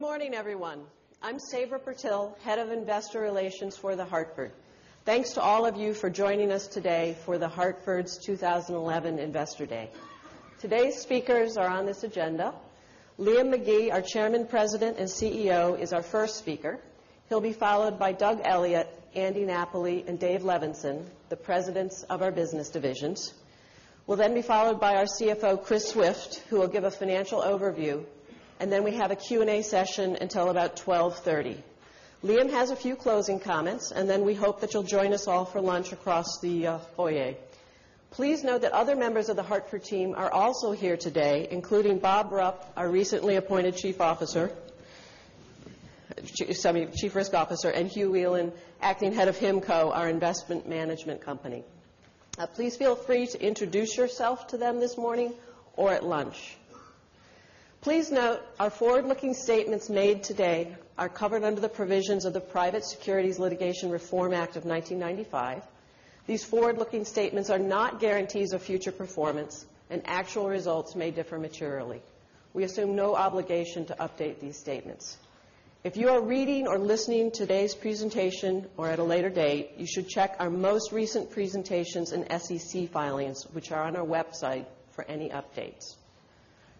Good morning, everyone. I'm Sabra Purtill, Head of Investor Relations for The Hartford. Thanks to all of you for joining us today for The Hartford's 2011 Investor Day. Today's speakers are on this agenda. Liam McGee, our Chairman, President, and CEO, is our first speaker. He'll be followed by Doug Elliot, Andy Napoli, and David Levenson, the presidents of our business divisions. We'll then be followed by our CFO, Chris Swift, who will give a financial overview. Then we have a Q&A session until about 12:30 P.M. Liam has a few closing comments. Then we hope that you'll join us all for lunch across the foyer. Please note that other members of The Hartford team are also here today, including Robert Rupp, our recently appointed Chief Risk Officer, and Hugh Whelan, Acting Head of HIMCO, our investment management company. Please feel free to introduce yourself to them this morning or at lunch. Please note our forward-looking statements made today are covered under the provisions of the Private Securities Litigation Reform Act of 1995. These forward-looking statements are not guarantees of future performance, and actual results may differ materially. We assume no obligation to update these statements. If you are reading or listening to today's presentation or at a later date, you should check our most recent presentations and SEC filings, which are on our website for any updates.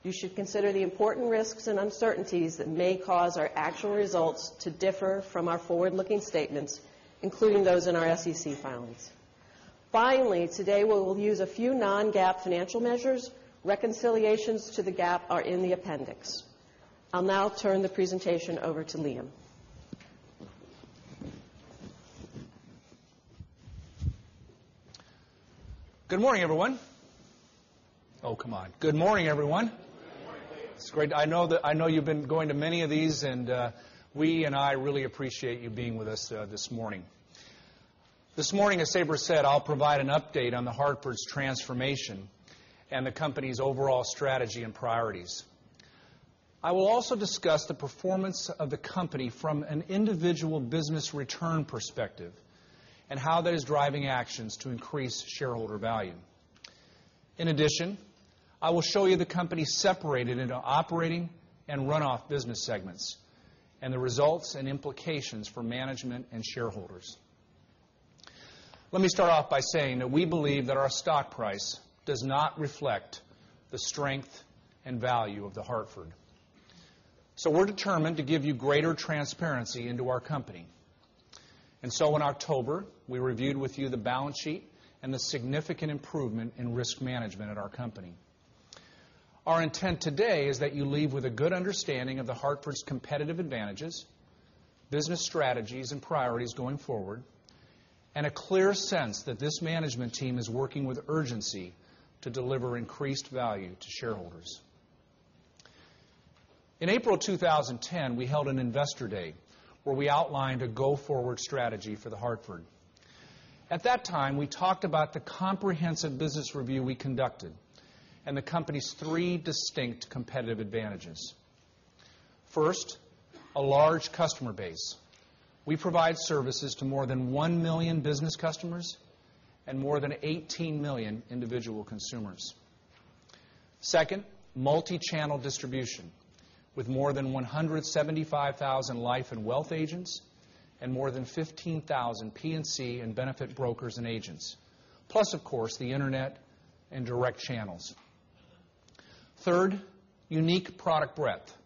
You should consider the important risks and uncertainties that may cause our actual results to differ from our forward-looking statements, including those in our SEC filings. Finally, today we will use a few non-GAAP financial measures. Reconciliations to the GAAP are in the appendix. I'll now turn the presentation over to Liam. Good morning, everyone. Oh, come on. Good morning, everyone. Good morning. It's great. I know you've been going to many of these, I really appreciate you being with us this morning. This morning, as Sabra said, I'll provide an update on The Hartford's transformation and the company's overall strategy and priorities. I will also discuss the performance of the company from an individual business return perspective and how that is driving actions to increase shareholder value. In addition, I will show you the company separated into operating and run-off business segments and the results and implications for management and shareholders. Let me start off by saying that we believe that our stock price does not reflect the strength and value of The Hartford. We're determined to give you greater transparency into our company. In October, we reviewed with you the balance sheet and the significant improvement in risk management at our company. Our intent today is that you leave with a good understanding of The Hartford's competitive advantages, business strategies and priorities going forward, and a clear sense that this management team is working with urgency to deliver increased value to shareholders. In April 2010, we held an investor day where we outlined a go-forward strategy for The Hartford. At that time, we talked about the comprehensive business review we conducted and the company's three distinct competitive advantages. First, a large customer base. We provide services to more than 1 million business customers and more than 18 million individual consumers. Second, multi-channel distribution. With more than 175,000 life and wealth agents and more than 15,000 P&C and benefit brokers and agents. Plus, of course, the internet and direct channels. Third, unique product breadth.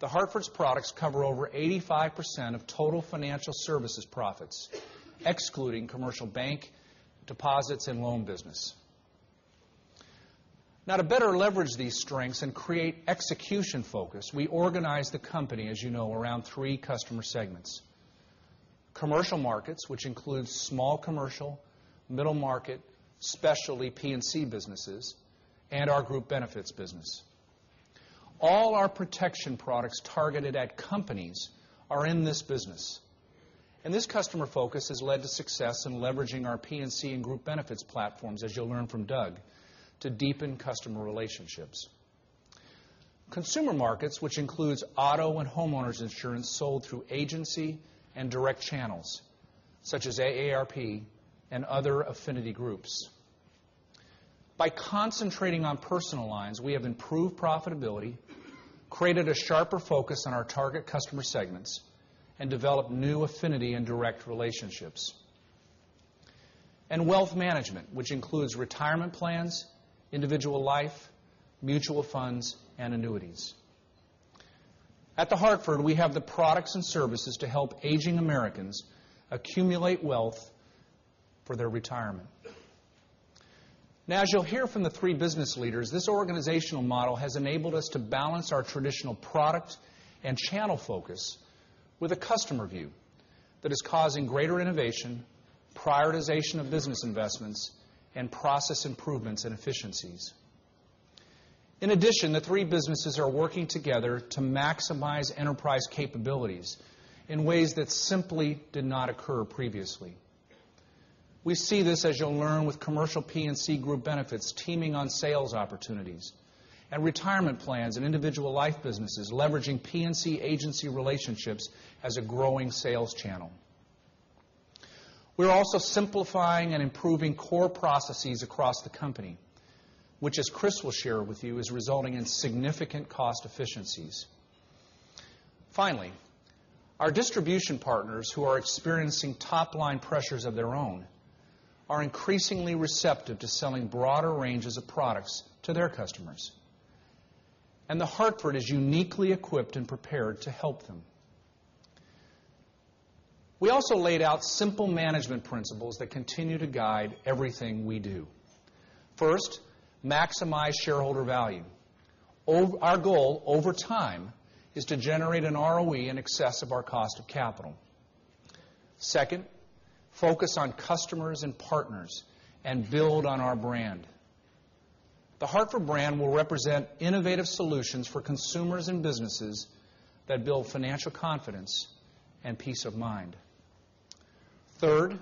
The Hartford's products cover over 85% of total financial services profits, excluding commercial bank deposits and loan business. To better leverage these strengths and create execution focus, we organized the company, as you know, around three customer segments. Commercial markets, which includes small commercial, middle market, specialty P&C businesses, and our group benefits business. All our protection products targeted at companies are in this business. This customer focus has led to success in leveraging our P&C and group benefits platforms, as you'll learn from Doug, to deepen customer relationships. Consumer markets, which includes auto and homeowners insurance sold through agency and direct channels, such as AARP and other affinity groups. By concentrating on personal lines, we have improved profitability, created a sharper focus on our target customer segments, and developed new affinity and direct relationships. Wealth management, which includes retirement plans, individual life, mutual funds, and annuities. At The Hartford, we have the products and services to help aging Americans accumulate wealth for their retirement. As you'll hear from the three business leaders, this organizational model has enabled us to balance our traditional product and channel focus with a customer view that is causing greater innovation, prioritization of business investments, and process improvements and efficiencies. In addition, the three businesses are working together to maximize enterprise capabilities in ways that simply did not occur previously. We see this, as you'll learn, with commercial P&C group benefits teaming on sales opportunities and retirement plans and individual life businesses leveraging P&C agency relationships as a growing sales channel. We're also simplifying and improving core processes across the company, which, as Chris will share with you, is resulting in significant cost efficiencies. Finally, our distribution partners, who are experiencing top-line pressures of their own, are increasingly receptive to selling broader ranges of products to their customers, The Hartford is uniquely equipped and prepared to help them. We also laid out simple management principles that continue to guide everything we do. First, maximize shareholder value. Our goal over time is to generate an ROE in excess of our cost of capital. Second, focus on customers and partners and build on our brand. The Hartford brand will represent innovative solutions for consumers and businesses that build financial confidence and peace of mind. Third,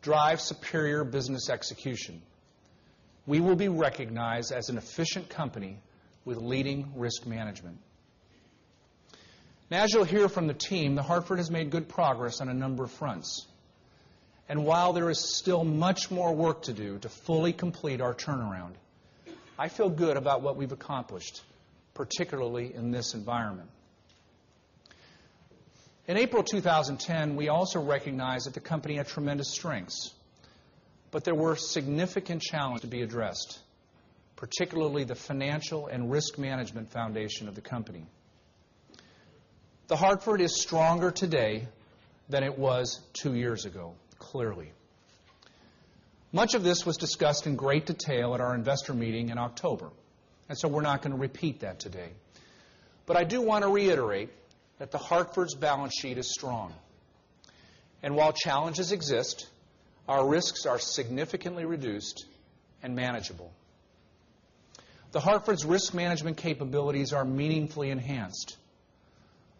drive superior business execution. We will be recognized as an efficient company with leading risk management. As you'll hear from the team, The Hartford has made good progress on a number of fronts. While there is still much more work to do to fully complete our turnaround, I feel good about what we've accomplished, particularly in this environment. In April 2010, we also recognized that the company had tremendous strengths. There were significant challenges to be addressed, particularly the financial and risk management foundation of the company. The Hartford is stronger today than it was two years ago, clearly. Much of this was discussed in great detail at our investor meeting in October. We're not going to repeat that today. I do want to reiterate that The Hartford's balance sheet is strong. While challenges exist, our risks are significantly reduced and manageable. The Hartford's risk management capabilities are meaningfully enhanced.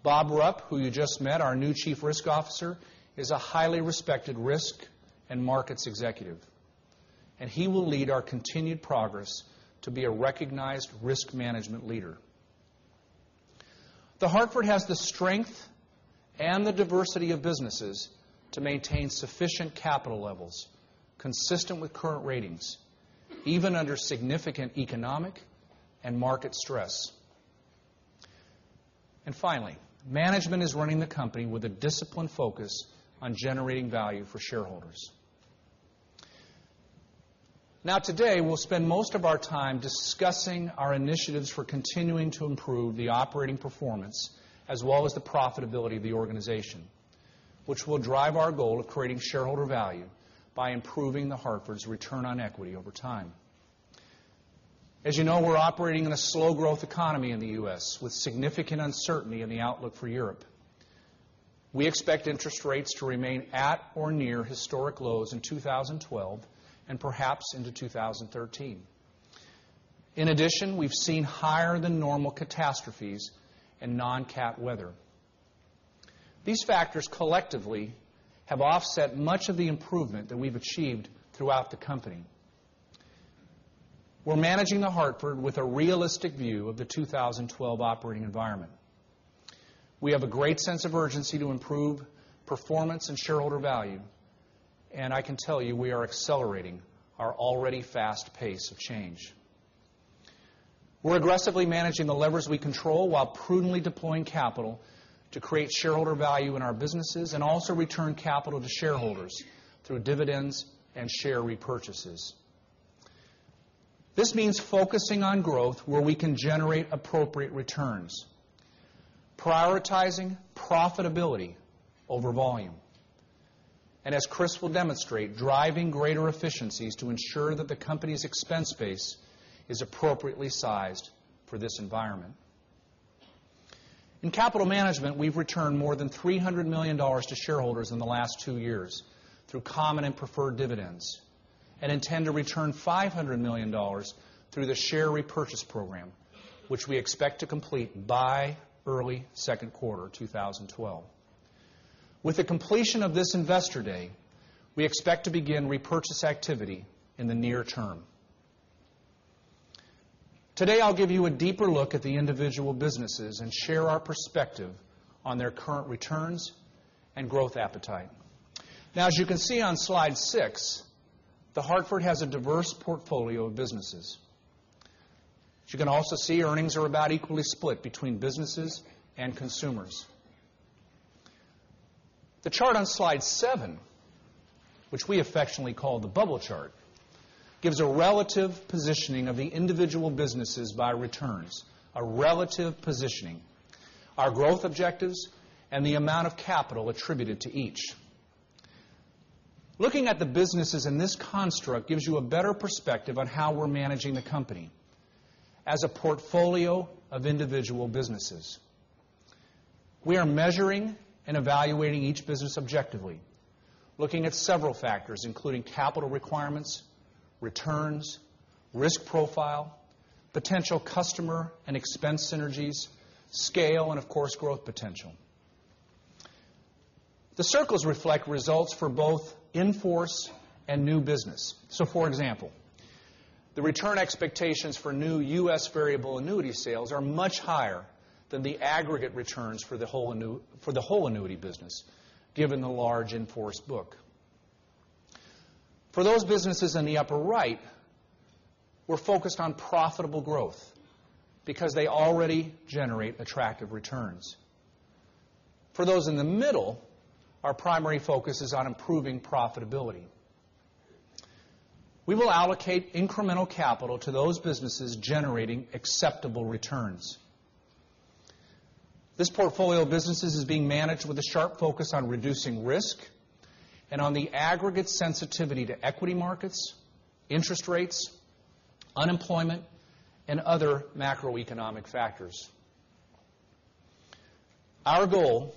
Bob Rupp, who you just met, our new Chief Risk Officer, is a highly respected risk and markets executive, and he will lead our continued progress to be a recognized risk management leader. The Hartford has the strength and the diversity of businesses to maintain sufficient capital levels consistent with current ratings, even under significant economic and market stress. Finally, management is running the company with a disciplined focus on generating value for shareholders. Today, we'll spend most of our time discussing our initiatives for continuing to improve the operating performance as well as the profitability of the organization, which will drive our goal of creating shareholder value by improving The Hartford's return on equity over time. As you know, we're operating in a slow-growth economy in the U.S., with significant uncertainty in the outlook for Europe. We expect interest rates to remain at or near historic lows in 2012 and perhaps into 2013. In addition, we've seen higher than normal catastrophes and non-cat weather. These factors collectively have offset much of the improvement that we've achieved throughout the company. We're managing The Hartford with a realistic view of the 2012 operating environment. We have a great sense of urgency to improve performance and shareholder value. I can tell you, we are accelerating our already fast pace of change. We're aggressively managing the levers we control while prudently deploying capital to create shareholder value in our businesses and also return capital to shareholders through dividends and share repurchases. This means focusing on growth where we can generate appropriate returns, prioritizing profitability over volume. As Chris will demonstrate, driving greater efficiencies to ensure that the company's expense base is appropriately sized for this environment. In capital management, we've returned more than $300 million to shareholders in the last two years through common and preferred dividends and intend to return $500 million through the share repurchase program, which we expect to complete by early second quarter 2012. With the completion of this Investor Day, we expect to begin repurchase activity in the near term. Today, I'll give you a deeper look at the individual businesses and share our perspective on their current returns and growth appetite. As you can see on slide six, The Hartford has a diverse portfolio of businesses. As you can also see, earnings are about equally split between businesses and consumers. The chart on slide seven, which we affectionately call the bubble chart, gives a relative positioning of the individual businesses by returns, a relative positioning, our growth objectives, and the amount of capital attributed to each. Looking at the businesses in this construct gives you a better perspective on how we're managing the company as a portfolio of individual businesses. We are measuring and evaluating each business objectively, looking at several factors, including capital requirements, returns, risk profile, potential customer and expense synergies, scale, and of course, growth potential. The circles reflect results for both in-force and new business. For example, the return expectations for new U.S. variable annuity sales are much higher than the aggregate returns for the whole annuity business, given the large in-force book. For those businesses in the upper right, we're focused on profitable growth because they already generate attractive returns. For those in the middle, our primary focus is on improving profitability. We will allocate incremental capital to those businesses generating acceptable returns. This portfolio of businesses is being managed with a sharp focus on reducing risk and on the aggregate sensitivity to equity markets, interest rates, unemployment, and other macroeconomic factors. Our goal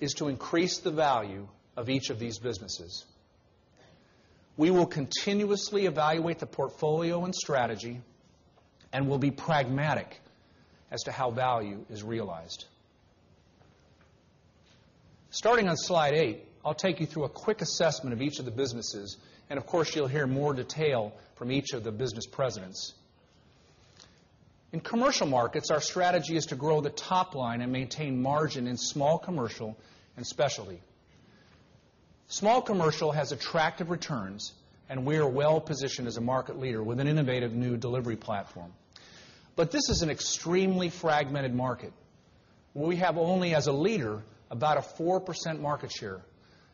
is to increase the value of each of these businesses. We will continuously evaluate the portfolio and strategy and will be pragmatic as to how value is realized. Starting on slide eight, I'll take you through a quick assessment of each of the businesses, and of course, you'll hear more detail from each of the business presidents. In commercial markets, our strategy is to grow the top line and maintain margin in small commercial and specialty. Small commercial has attractive returns, and we are well-positioned as a market leader with an innovative new delivery platform. This is an extremely fragmented market, where we have only, as a leader, about a 4% market share,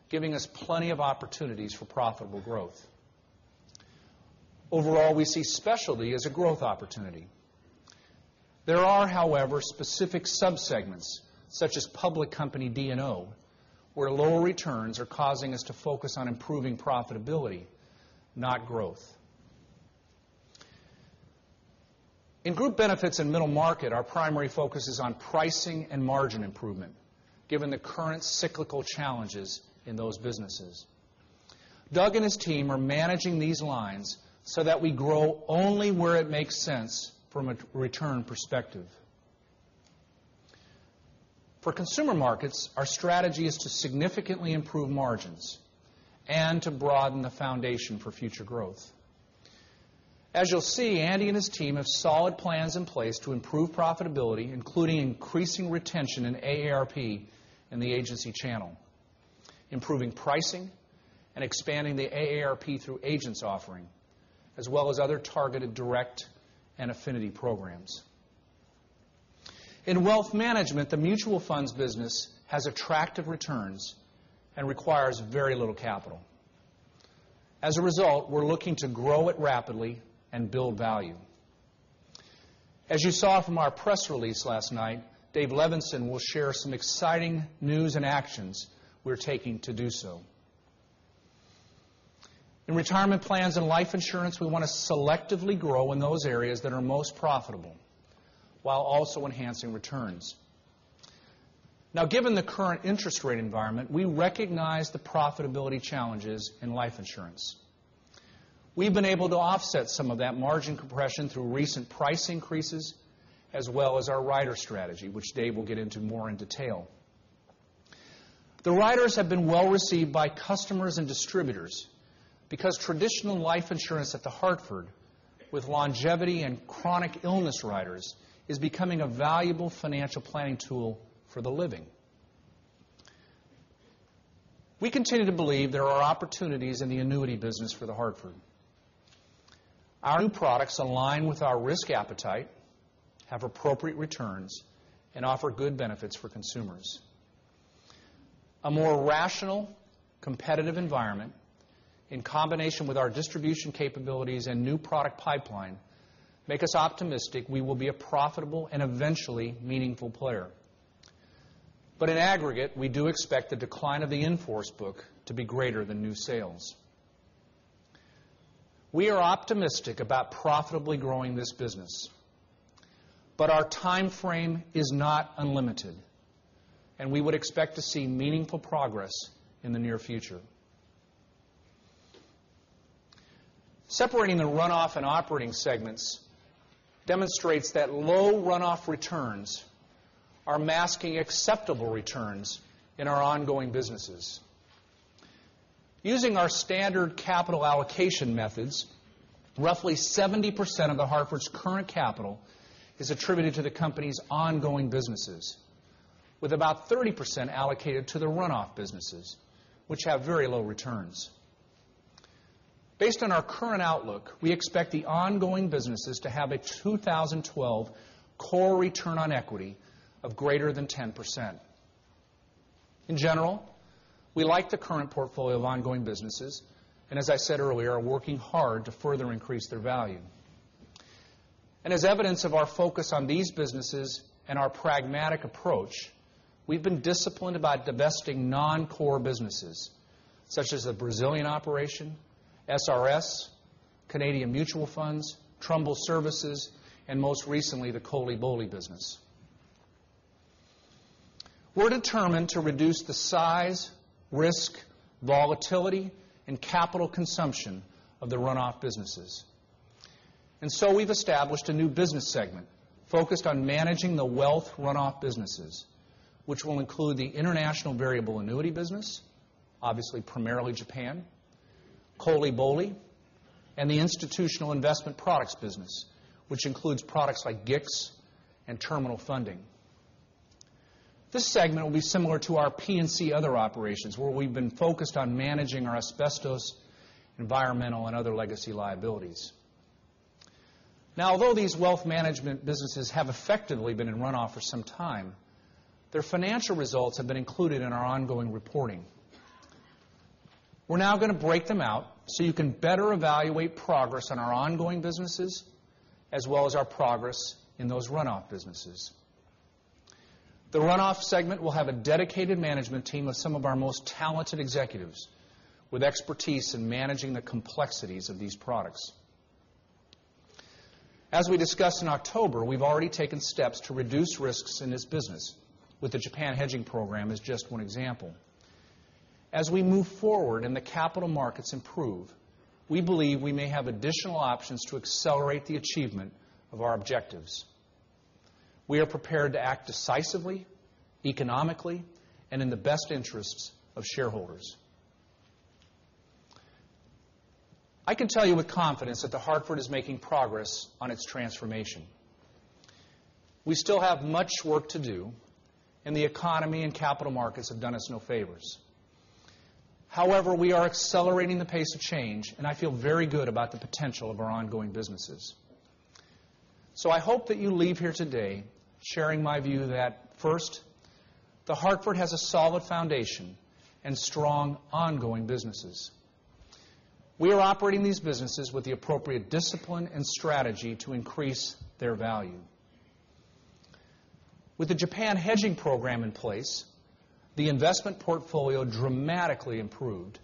giving us plenty of opportunities for profitable growth. Overall, we see specialty as a growth opportunity. There are, however, specific sub-segments, such as public company D&O, where lower returns are causing us to focus on improving profitability, not growth. In group benefits and middle market, our primary focus is on pricing and margin improvement, given the current cyclical challenges in those businesses. Doug and his team are managing these lines so that we grow only where it makes sense from a return perspective. For consumer markets, our strategy is to significantly improve margins and to broaden the foundation for future growth. As you'll see, Andy and his team have solid plans in place to improve profitability, including increasing retention in AARP in the agency channel, improving pricing, and expanding the AARP Through Agents offering, as well as other Targeted Direct and affinity programs. In wealth management, the mutual funds business has attractive returns and requires very little capital. As a result, we're looking to grow it rapidly and build value. As you saw from our press release last night, David Levenson will share some exciting news and actions we're taking to do so. In retirement plans and life insurance, we want to selectively grow in those areas that are most profitable while also enhancing returns. Given the current interest rate environment, we recognize the profitability challenges in life insurance. We've been able to offset some of that margin compression through recent price increases, as well as our rider strategy, which David will get into more in detail. The riders have been well received by customers and distributors because traditional life insurance at The Hartford with longevity and chronic illness riders is becoming a valuable financial planning tool for the living. We continue to believe there are opportunities in the annuity business for The Hartford. Our new products align with our risk appetite, have appropriate returns, and offer good benefits for consumers. A more rational, competitive environment in combination with our distribution capabilities and new product pipeline make us optimistic we will be a profitable and eventually meaningful player. In aggregate, we do expect the decline of the in-force book to be greater than new sales. We are optimistic about profitably growing this business, but our timeframe is not unlimited, and we would expect to see meaningful progress in the near future. Separating the runoff and operating segments demonstrates that low runoff returns are masking acceptable returns in our ongoing businesses. Using our standard capital allocation methods, roughly 70% of The Hartford's current capital is attributed to the company's ongoing businesses, with about 30% allocated to the runoff businesses, which have very low returns. Based on our current outlook, we expect the ongoing businesses to have a 2012 core return on equity of greater than 10%. In general, we like the current portfolio of ongoing businesses and, as I said earlier, are working hard to further increase their value. As evidence of our focus on these businesses and our pragmatic approach, we've been disciplined about divesting non-core businesses, such as the Brazilian operation, SRS, Canadian Mutual Funds, Trumbull Services, and most recently, the Crowley Boles business. We're determined to reduce the size, risk, volatility, and capital consumption of the runoff businesses. We've established a new business segment focused on managing the wealth runoff businesses, which will include the international variable annuity business, obviously primarily Japan, COLI/BOLI, and the institutional investment products business, which includes products like GICs and terminal funding. This segment will be similar to our P&C other operations, where we've been focused on managing our asbestos, environmental, and other legacy liabilities. Although these wealth management businesses have effectively been in runoff for some time, their financial results have been included in our ongoing reporting. We're now going to break them out so you can better evaluate progress on our ongoing businesses, as well as our progress in those runoff businesses. The runoff segment will have a dedicated management team with some of our most talented executives with expertise in managing the complexities of these products. As we discussed in October, we've already taken steps to reduce risks in this business, with the Japan hedging program as just one example. As we move forward and the capital markets improve, we believe we may have additional options to accelerate the achievement of our objectives. We are prepared to act decisively, economically, and in the best interests of shareholders. I can tell you with confidence that The Hartford is making progress on its transformation. The economy and capital markets have done us no favors. However, we are accelerating the pace of change, and I feel very good about the potential of our ongoing businesses. I hope that you leave here today sharing my view that, first, The Hartford has a solid foundation and strong ongoing businesses. We are operating these businesses with the appropriate discipline and strategy to increase their value. With the Japan hedging program in place, the investment portfolio dramatically improved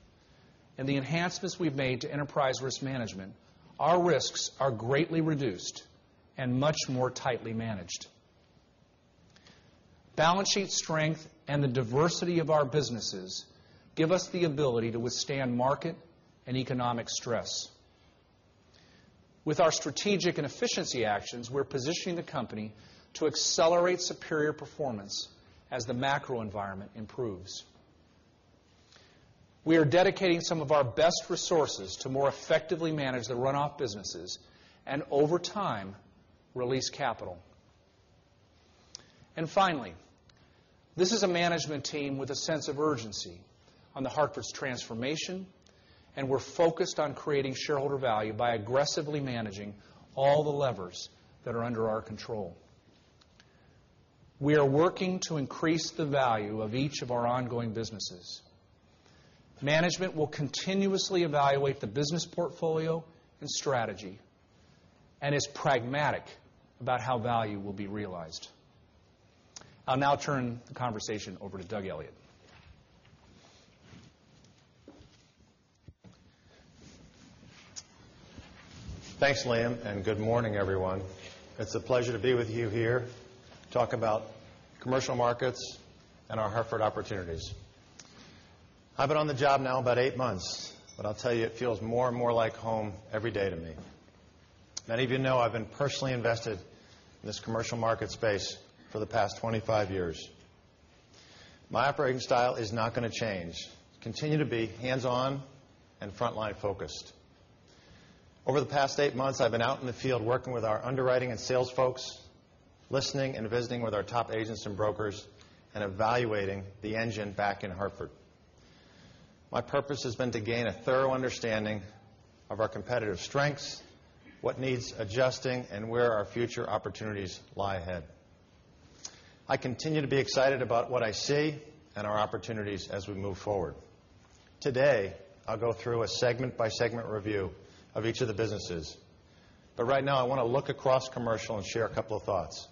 and the enhancements we've made to enterprise risk management, our risks are greatly reduced and much more tightly managed. Balance sheet strength and the diversity of our businesses give us the ability to withstand market and economic stress. With our strategic and efficiency actions, we're positioning the company to accelerate superior performance as the macro environment improves. We are dedicating some of our best resources to more effectively manage the runoff businesses and, over time, release capital. Finally, this is a management team with a sense of urgency on The Hartford's transformation, and we're focused on creating shareholder value by aggressively managing all the levers that are under our control. We are working to increase the value of each of our ongoing businesses. Management will continuously evaluate the business portfolio and strategy and is pragmatic about how value will be realized. I'll now turn the conversation over to Doug Elliot. Thanks, Liam, and good morning, everyone. It's a pleasure to be with you here to talk about commercial markets and our Hartford opportunities. I've been on the job now about eight months, but I'll tell you, it feels more and more like home every day to me. Many of you know I've been personally invested in this commercial market space for the past 25 years. My operating style is not going to change. Continue to be hands-on and frontline focused. Over the past eight months, I've been out in the field working with our underwriting and sales folks, listening and visiting with our top agents and brokers, and evaluating the engine back in Hartford. My purpose has been to gain a thorough understanding of our competitive strengths, what needs adjusting, and where our future opportunities lie ahead. I continue to be excited about what I see and our opportunities as we move forward. Today, I'll go through a segment-by-segment review of each of the businesses. Right now, I want to look across commercial and share a couple of thoughts.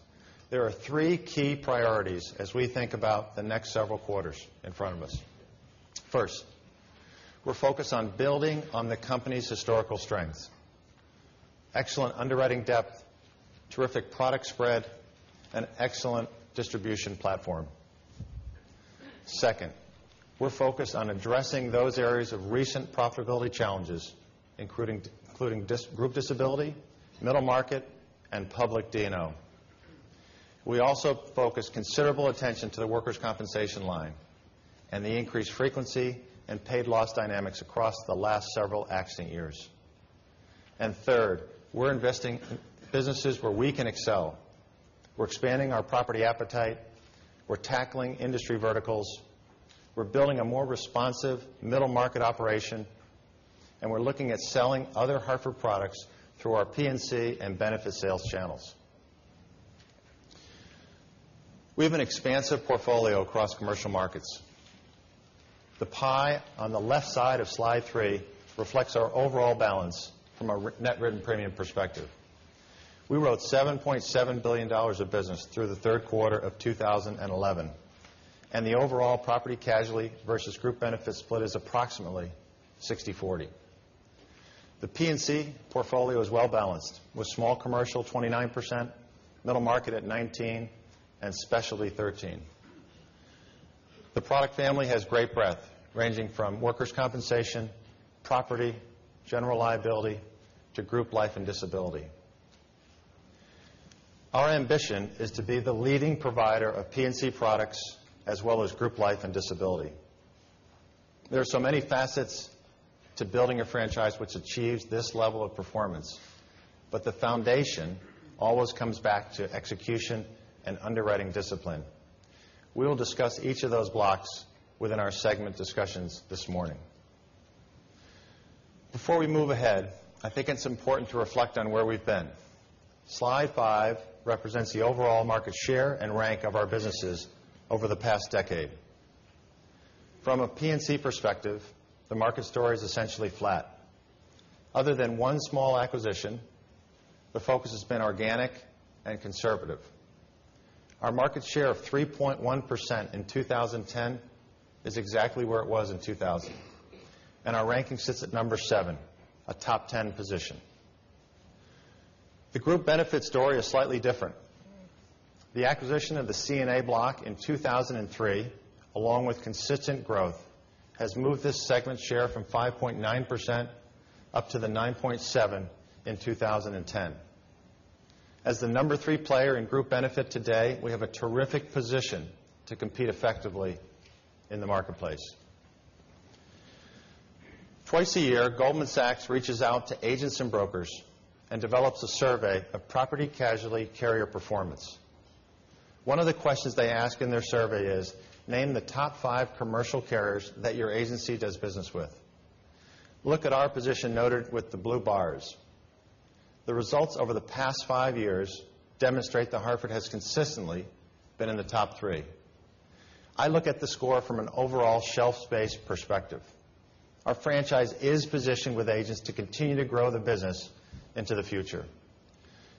There are three key priorities as we think about the next several quarters in front of us. First, we're focused on building on the company's historical strengths, excellent underwriting depth, terrific product spread, and excellent distribution platform. Second, we're focused on addressing those areas of recent profitability challenges, including group disability, middle market, and public D&O. We also focus considerable attention to the workers' compensation line and the increased frequency and paid loss dynamics across the last several accident years. Third, we're investing in businesses where we can excel. We're expanding our property appetite, we're tackling industry verticals, we're building a more responsive middle market operation, and we're looking at selling other Hartford products through our P&C and benefit sales channels. We have an expansive portfolio across commercial markets. The pie on the left side of slide three reflects our overall balance from a net written premium perspective. We wrote $7.7 billion of business through the third quarter of 2011, and the overall property casualty versus group benefit split is approximately 60/40. The P&C portfolio is well-balanced, with small commercial 29%, middle market at 19, and specialty 13. The product family has great breadth, ranging from workers' compensation, property, general liability, to group life and disability. Our ambition is to be the leading provider of P&C products, as well as group life and disability. There are so many facets to building a franchise which achieves this level of performance, but the foundation always comes back to execution and underwriting discipline. We will discuss each of those blocks within our segment discussions this morning. Before we move ahead, I think it's important to reflect on where we've been. Slide five represents the overall market share and rank of our businesses over the past decade. From a P&C perspective, the market story is essentially flat. Other than one small acquisition, the focus has been organic and conservative. Our market share of 3.1% in 2010 is exactly where it was in 2000, and our ranking sits at number 7, a top 10 position. The group benefit story is slightly different. The acquisition of the CNA block in 2003, along with consistent growth, has moved this segment share from 5.9% up to the 9.7 in 2010. As the number 3 player in group benefit today, we have a terrific position to compete effectively in the marketplace. Twice a year, Goldman Sachs reaches out to agents and brokers and develops a survey of property casualty carrier performance. One of the questions they ask in their survey is, "Name the top five commercial carriers that your agency does business with." Look at our position noted with the blue bars. The results over the past five years demonstrate The Hartford has consistently been in the top three. I look at the score from an overall shelf space perspective. Our franchise is positioned with agents to continue to grow the business into the future.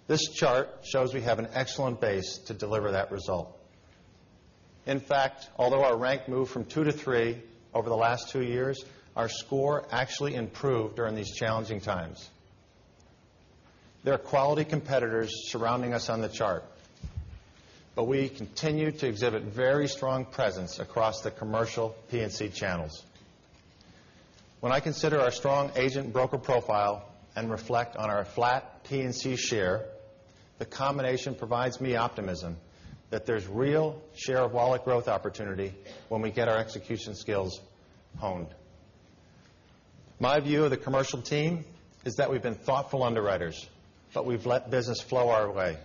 This chart shows we have an excellent base to deliver that result. In fact, although our rank moved from two to three over the last two years, our score actually improved during these challenging times. There are quality competitors surrounding us on the chart, but we continue to exhibit very strong presence across the commercial P&C channels. When I consider our strong agent broker profile and reflect on our flat P&C share, the combination provides me optimism that there's real share of wallet growth opportunity when we get our execution skills honed. My view of the commercial team is that we've been thoughtful underwriters, but we've let business flow our way.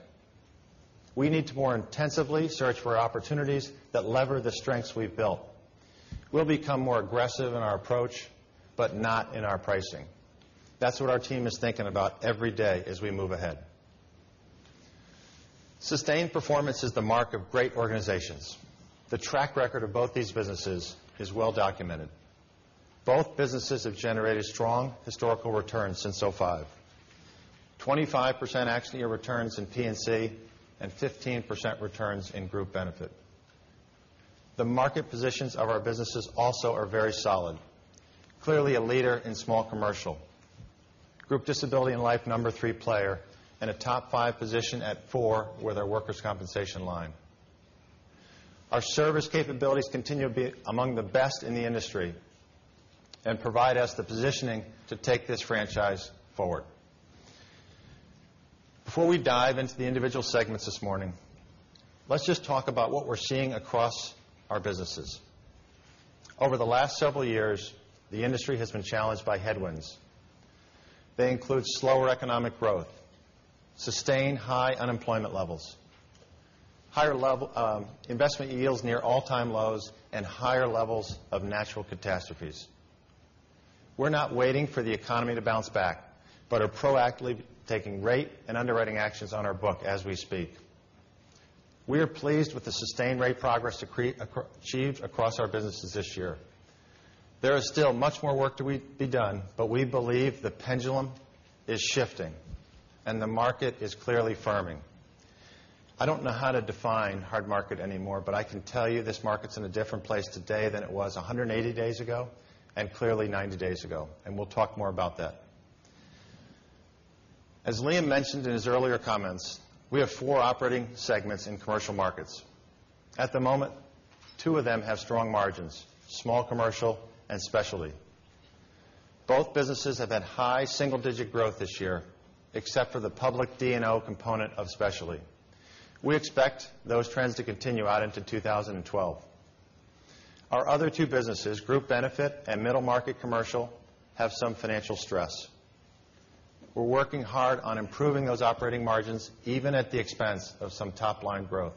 We need to more intensively search for opportunities that lever the strengths we've built. We'll become more aggressive in our approach, but not in our pricing. That's what our team is thinking about every day as we move ahead. Sustained performance is the mark of great organizations. The track record of both these businesses is well documented. Both businesses have generated strong historical returns since 2005. 25% actual year returns in P&C and 15% returns in group benefit. The market positions of our businesses also are very solid. Clearly a leader in small commercial. Group disability and life, number 3 player, and a top 5 position at 4 with our workers' compensation line. Our service capabilities continue to be among the best in the industry and provide us the positioning to take this franchise forward. Before we dive into the individual segments this morning, let's just talk about what we're seeing across our businesses. Over the last several years, the industry has been challenged by headwinds. They include slower economic growth, sustained high unemployment levels, investment yields near all-time lows, and higher levels of natural catastrophes. We're not waiting for the economy to bounce back, but are proactively taking rate and underwriting actions on our book as we speak. We are pleased with the sustained rate progress achieved across our businesses this year. There is still much more work to be done, but we believe the pendulum is shifting and the market is clearly firming. I don't know how to define hard market anymore, but I can tell you this market's in a different place today than it was 180 days ago and clearly 90 days ago, and we'll talk more about that. As Liam mentioned in his earlier comments, we have 4 operating segments in commercial markets. At the moment, 2 of them have strong margins, small commercial and specialty. Both businesses have had high single-digit growth this year, except for the public D&O component of specialty. We expect those trends to continue out into 2012. Our other 2 businesses, group benefit and middle market commercial, have some financial stress. We're working hard on improving those operating margins, even at the expense of some top-line growth.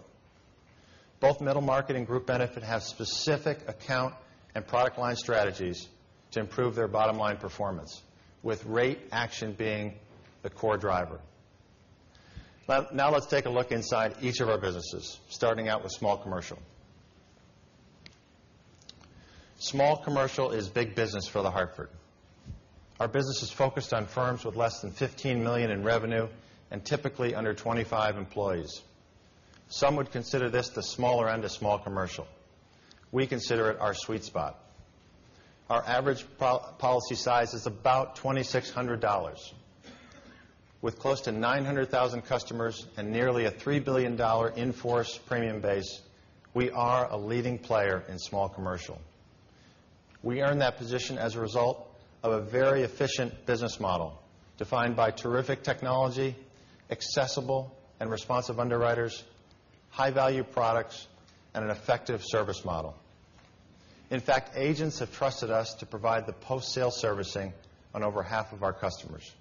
Both middle market and group benefit have specific account and product line strategies to improve their bottom-line performance, with rate action being the core driver. Now let's take a look inside each of our businesses, starting out with small commercial. Small commercial is big business for The Hartford. Our business is focused on firms with less than $15 million in revenue and typically under 25 employees. Some would consider this the smaller end of small commercial. We consider it our sweet spot. Our average policy size is about $2,600. With close to 900,000 customers and nearly a $3 billion in-force premium base, we are a leading player in small commercial. We earned that position as a result of a very efficient business model defined by terrific technology, accessible and responsive underwriters, high-value products, and an effective service model. In fact, agents have trusted us to provide the post-sale servicing on over half of our customers.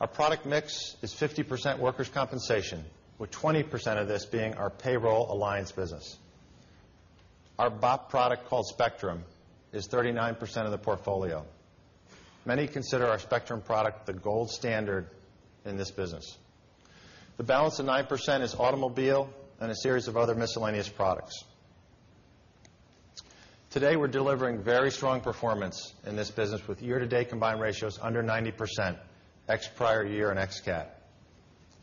Our product mix is 50% workers' compensation, with 20% of this being our payroll alliance business. Our BOP product, called Spectrum, is 39% of the portfolio. Many consider our Spectrum product the gold standard in this business. The balance of 9% is automobile and a series of other miscellaneous products. Today, we're delivering very strong performance in this business with year-to-date combined ratios under 90%, ex prior year and ex CAT.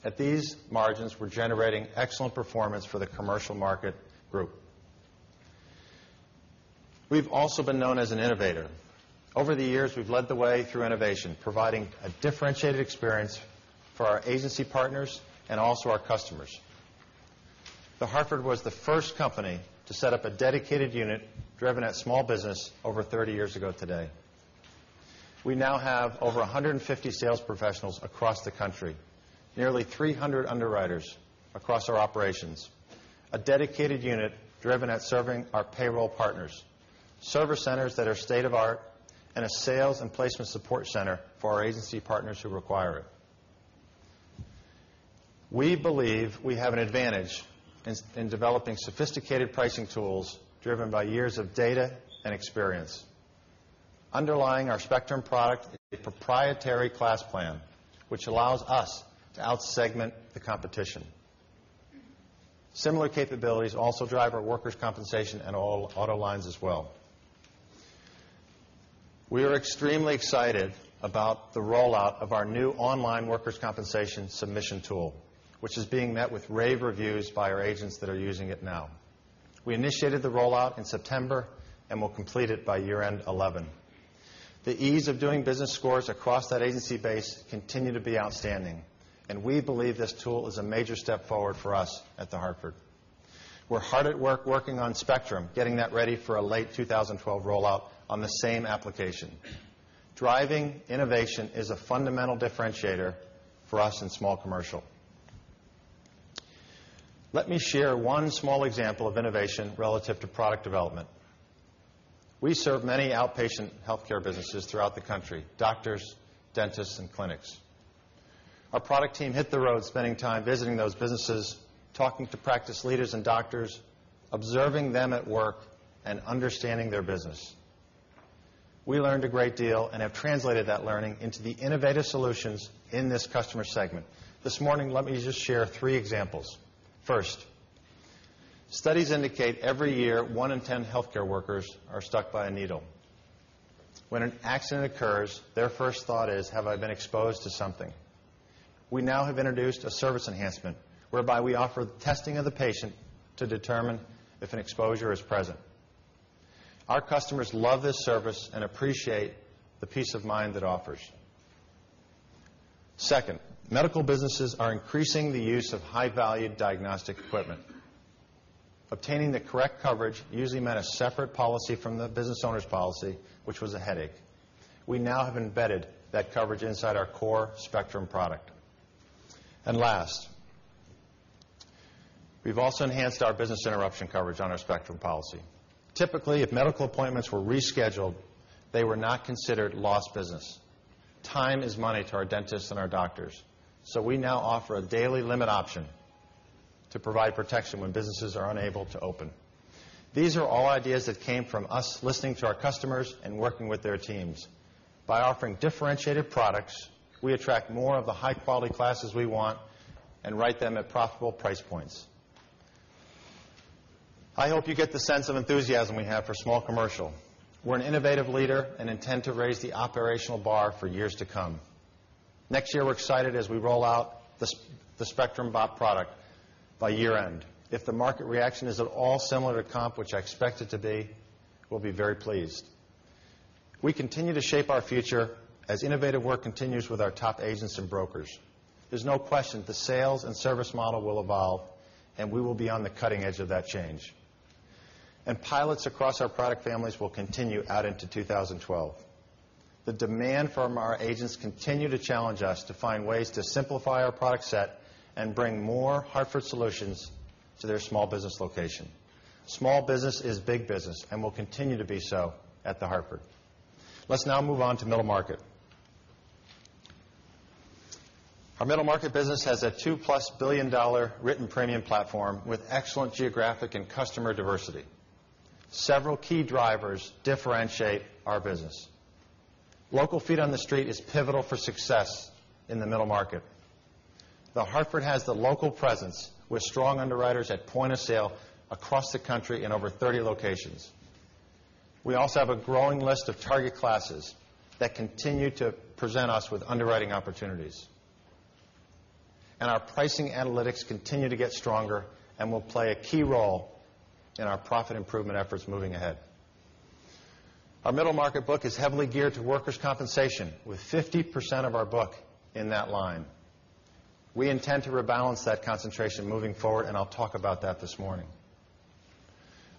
At these margins, we're generating excellent performance for the commercial market group. We've also been known as an innovator. Over the years, we've led the way through innovation, providing a differentiated experience for our agency partners and also our customers. The Hartford was the first company to set up a dedicated unit driven at small business over 30 years ago today. We now have over 150 sales professionals across the country, nearly 300 underwriters across our operations, a dedicated unit driven at serving our payroll partners, service centers that are state-of-the-art, and a sales and placement support center for our agency partners who require it. We believe we have an advantage in developing sophisticated pricing tools driven by years of data and experience. Underlying our Spectrum product is a proprietary class plan, which allows us to out-segment the competition. Similar capabilities also drive our workers' compensation and all auto lines as well. We are extremely excited about the rollout of our new online workers' compensation submission tool, which is being met with rave reviews by our agents that are using it now. We initiated the rollout in September, and we'll complete it by year-end 2011. The ease of doing business scores across that agency base continue to be outstanding, and we believe this tool is a major step forward for us at The Hartford. We're hard at work, working on Spectrum, getting that ready for a late 2012 rollout on the same application. Driving innovation is a fundamental differentiator for us in small commercial. Let me share one small example of innovation relative to product development. We serve many outpatient healthcare businesses throughout the country, doctors, dentists, and clinics. Our product team hit the road spending time visiting those businesses, talking to practice leaders and doctors, observing them at work, and understanding their business. We learned a great deal and have translated that learning into the innovative solutions in this customer segment. This morning, let me just share three examples. First, studies indicate every year, one in 10 healthcare workers are stuck by a needle. When an accident occurs, their first thought is, "Have I been exposed to something?" We now have introduced a service enhancement whereby we offer the testing of the patient to determine if an exposure is present. Our customers love this service and appreciate the peace of mind it offers. Second, medical businesses are increasing the use of high-value diagnostic equipment. Obtaining the correct coverage usually meant a separate policy from the business owner's policy, which was a headache. We now have embedded that coverage inside our core Spectrum product. Last, we've also enhanced our business interruption coverage on our Spectrum policy. Typically, if medical appointments were rescheduled, they were not considered lost business. Time is money to our dentists and our doctors, so we now offer a daily limit option to provide protection when businesses are unable to open. These are all ideas that came from us listening to our customers and working with their teams. By offering differentiated products, we attract more of the high-quality classes we want and write them at profitable price points. I hope you get the sense of enthusiasm we have for small commercial. We're an innovative leader and intend to raise the operational bar for years to come. Next year, we're excited as we roll out the Spectrum BOP product by year-end. If the market reaction is at all similar to comp, which I expect it to be, we'll be very pleased. We continue to shape our future as innovative work continues with our top agents and brokers. There's no question the sales and service model will evolve, and we will be on the cutting edge of that change. Pilots across our product families will continue out into 2012. The demand from our agents continue to challenge us to find ways to simplify our product set and bring more Hartford solutions to their small business location. Small business is big business and will continue to be so at The Hartford. Let's now move on to middle market. Our middle market business has a $2-plus billion written premium platform with excellent geographic and customer diversity. Several key drivers differentiate our business. Local feet on the street is pivotal for success in the middle market. The Hartford has the local presence with strong underwriters at point of sale across the country in over 30 locations. We also have a growing list of target classes that continue to present us with underwriting opportunities. Our pricing analytics continue to get stronger and will play a key role in our profit improvement efforts moving ahead. Our middle market book is heavily geared to workers' compensation, with 50% of our book in that line. We intend to rebalance that concentration moving forward. I'll talk about that this morning.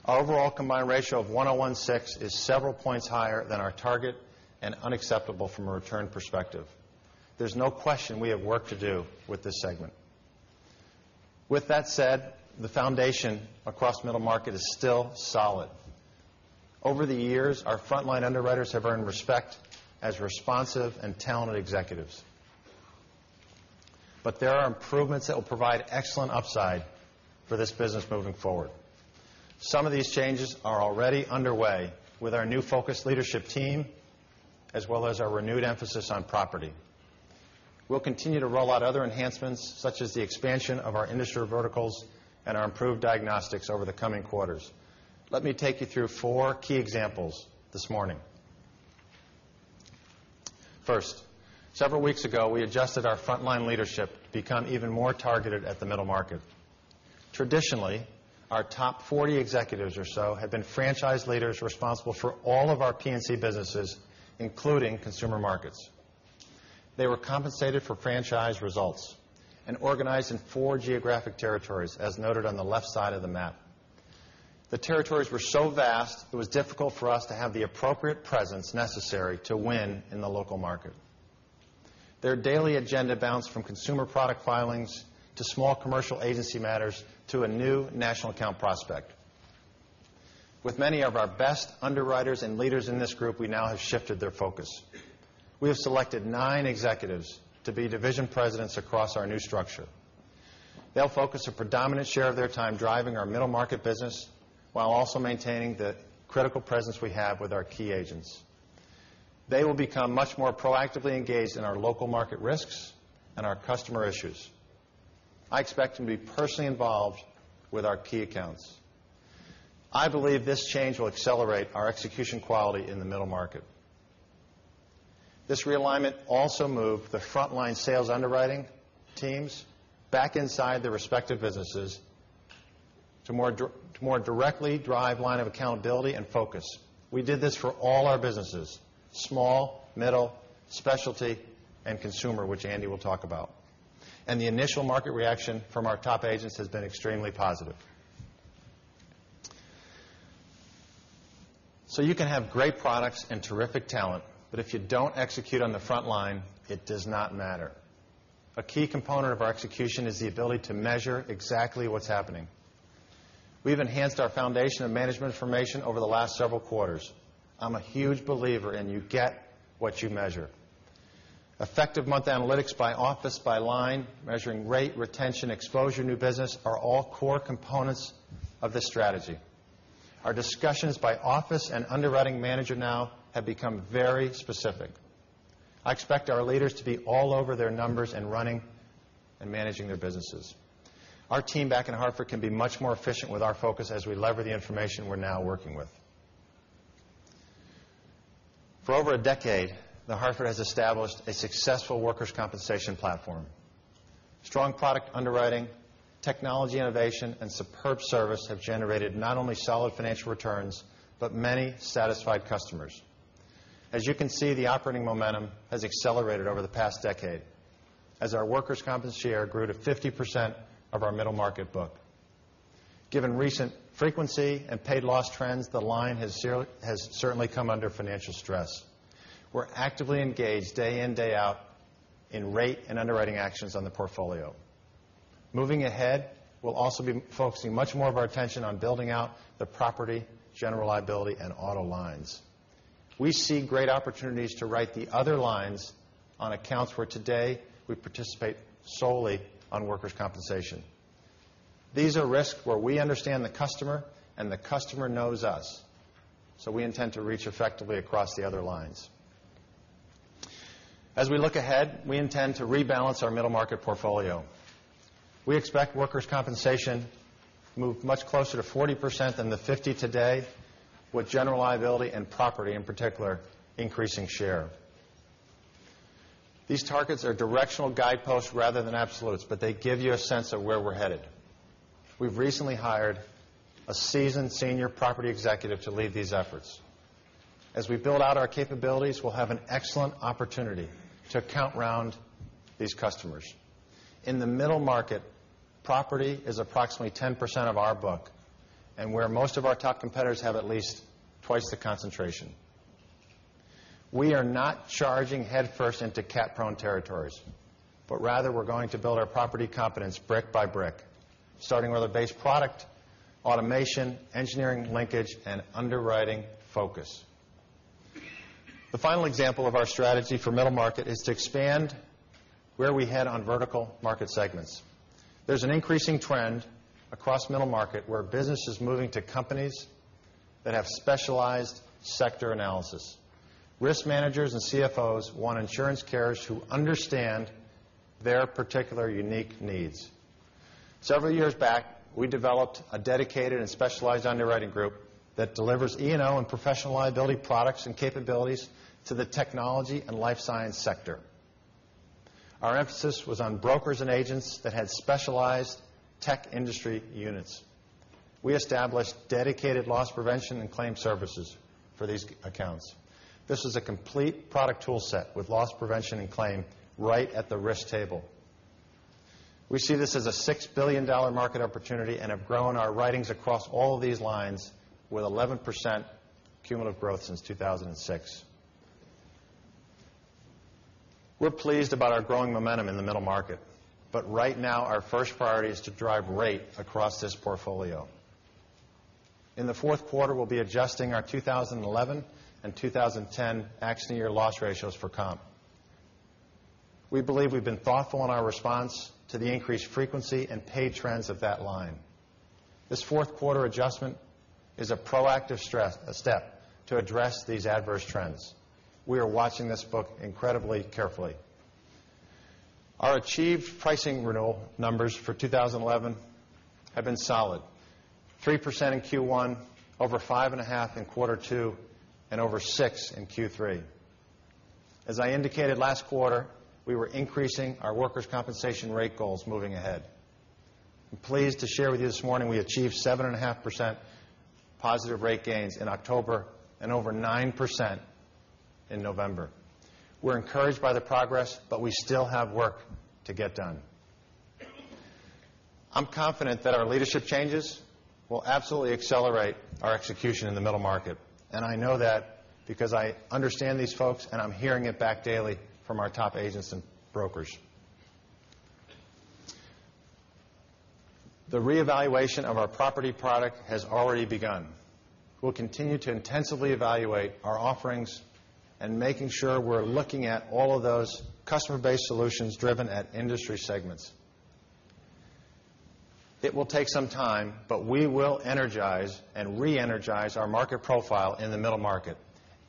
Our overall combined ratio of 101.6 is several points higher than our target and unacceptable from a return perspective. There's no question we have work to do with this segment. With that said, the foundation across middle market is still solid. Over the years, our frontline underwriters have earned respect as responsive and talented executives. There are improvements that will provide excellent upside for this business moving forward. Some of these changes are already underway with our new focused leadership team, as well as our renewed emphasis on property. We'll continue to roll out other enhancements, such as the expansion of our industry verticals and our improved diagnostics over the coming quarters. Let me take you through four key examples this morning. First, several weeks ago, we adjusted our frontline leadership to become even more targeted at the middle market. Traditionally, our top 40 executives or so have been franchise leaders responsible for all of our P&C businesses, including Consumer Markets. They were compensated for franchise results and organized in four geographic territories, as noted on the left side of the map. The territories were so vast it was difficult for us to have the appropriate presence necessary to win in the local market. Their daily agenda bounced from consumer product filings to small commercial agency matters to a new national account prospect. With many of our best underwriters and leaders in this group, we now have shifted their focus. We have selected nine executives to be division presidents across our new structure. They'll focus a predominant share of their time driving our middle market business while also maintaining the critical presence we have with our key agents. They will become much more proactively engaged in our local market risks and our customer issues. I expect them to be personally involved with our key accounts. I believe this change will accelerate our execution quality in the middle market. This realignment also moved the frontline sales underwriting teams back inside their respective businesses to more directly drive line of accountability and focus. We did this for all our businesses: small, middle, specialty, and consumer, which Andy will talk about. The initial market reaction from our top agents has been extremely positive. You can have great products and terrific talent, but if you don't execute on the front line, it does not matter. A key component of our execution is the ability to measure exactly what's happening. We've enhanced our foundation of management information over the last several quarters. I'm a huge believer in you get what you measure. Effective month analytics by office, by line, measuring rate, retention, exposure, new business are all core components of this strategy. Our discussions by office and underwriting manager now have become very specific. I expect our leaders to be all over their numbers and running and managing their businesses. Our team back in The Hartford can be much more efficient with our focus as we lever the information we're now working with. For over a decade, The Hartford has established a successful workers' compensation platform. Strong product underwriting, technology innovation, and superb service have generated not only solid financial returns, but many satisfied customers. As you can see, the operating momentum has accelerated over the past decade as our workers' comp share grew to 50% of our middle market book. Given recent frequency and paid loss trends, the line has certainly come under financial stress. We're actively engaged day in, day out in rate and underwriting actions on the portfolio. Moving ahead, we'll also be focusing much more of our attention on building out the Property, General Liability, and Auto lines. We see great opportunities to write the other lines on accounts where today we participate solely on workers' compensation. We intend to reach effectively across the other lines. As we look ahead, we intend to rebalance our middle market portfolio. We expect workers' compensation move much closer to 40% than the 50% today, with General Liability and Property, in particular, increasing share. These targets are directional guideposts rather than absolutes, but they give you a sense of where we're headed. We've recently hired a seasoned senior Property executive to lead these efforts. As we build out our capabilities, we'll have an excellent opportunity to account round these customers. In the middle market, Property is approximately 10% of our book and where most of our top competitors have at least twice the concentration. We are not charging headfirst into cat-prone territories, but rather we're going to build our Property competence brick by brick, starting with a base product, automation, engineering linkage, and underwriting focus. The final example of our strategy for middle market is to expand where we head on vertical market segments. There's an increasing trend across middle market where business is moving to companies that have specialized sector analysis. Risk managers and CFOs want insurance carriers who understand their particular unique needs. Several years back, we developed a dedicated and specialized underwriting group that delivers E&O and professional liability products and capabilities to the technology and life science sector. Our emphasis was on brokers and agents that had specialized tech industry units. We established dedicated loss prevention and claim services for these accounts. This is a complete product tool set with loss prevention and claim right at the risk table. We see this as a $6 billion market opportunity and have grown our writings across all of these lines with 11% cumulative growth since 2006. We're pleased about our growing momentum in the middle market, but right now, our first priority is to drive rate across this portfolio. In the fourth quarter, we'll be adjusting our 2011 and 2010 accident year loss ratios for comp. We believe we've been thoughtful in our response to the increased frequency and pay trends of that line. This fourth quarter adjustment is a proactive step to address these adverse trends. We are watching this book incredibly carefully. Our achieved pricing renewal numbers for 2011 have been solid, 3% in Q1, over 5.5% in quarter two, and over 6% in Q3. As I indicated last quarter, we were increasing our workers' compensation rate goals moving ahead. I'm pleased to share with you this morning, we achieved 7.5% positive rate gains in October and over 9% in November. We're encouraged by the progress, but we still have work to get done. I'm confident that our leadership changes will absolutely accelerate our execution in the middle market. I know that because I understand these folks, and I'm hearing it back daily from our top agents and brokers. The reevaluation of our property product has already begun. We'll continue to intensively evaluate our offerings and making sure we're looking at all of those customer-based solutions driven at industry segments. It will take some time, we will energize and re-energize our market profile in the middle market,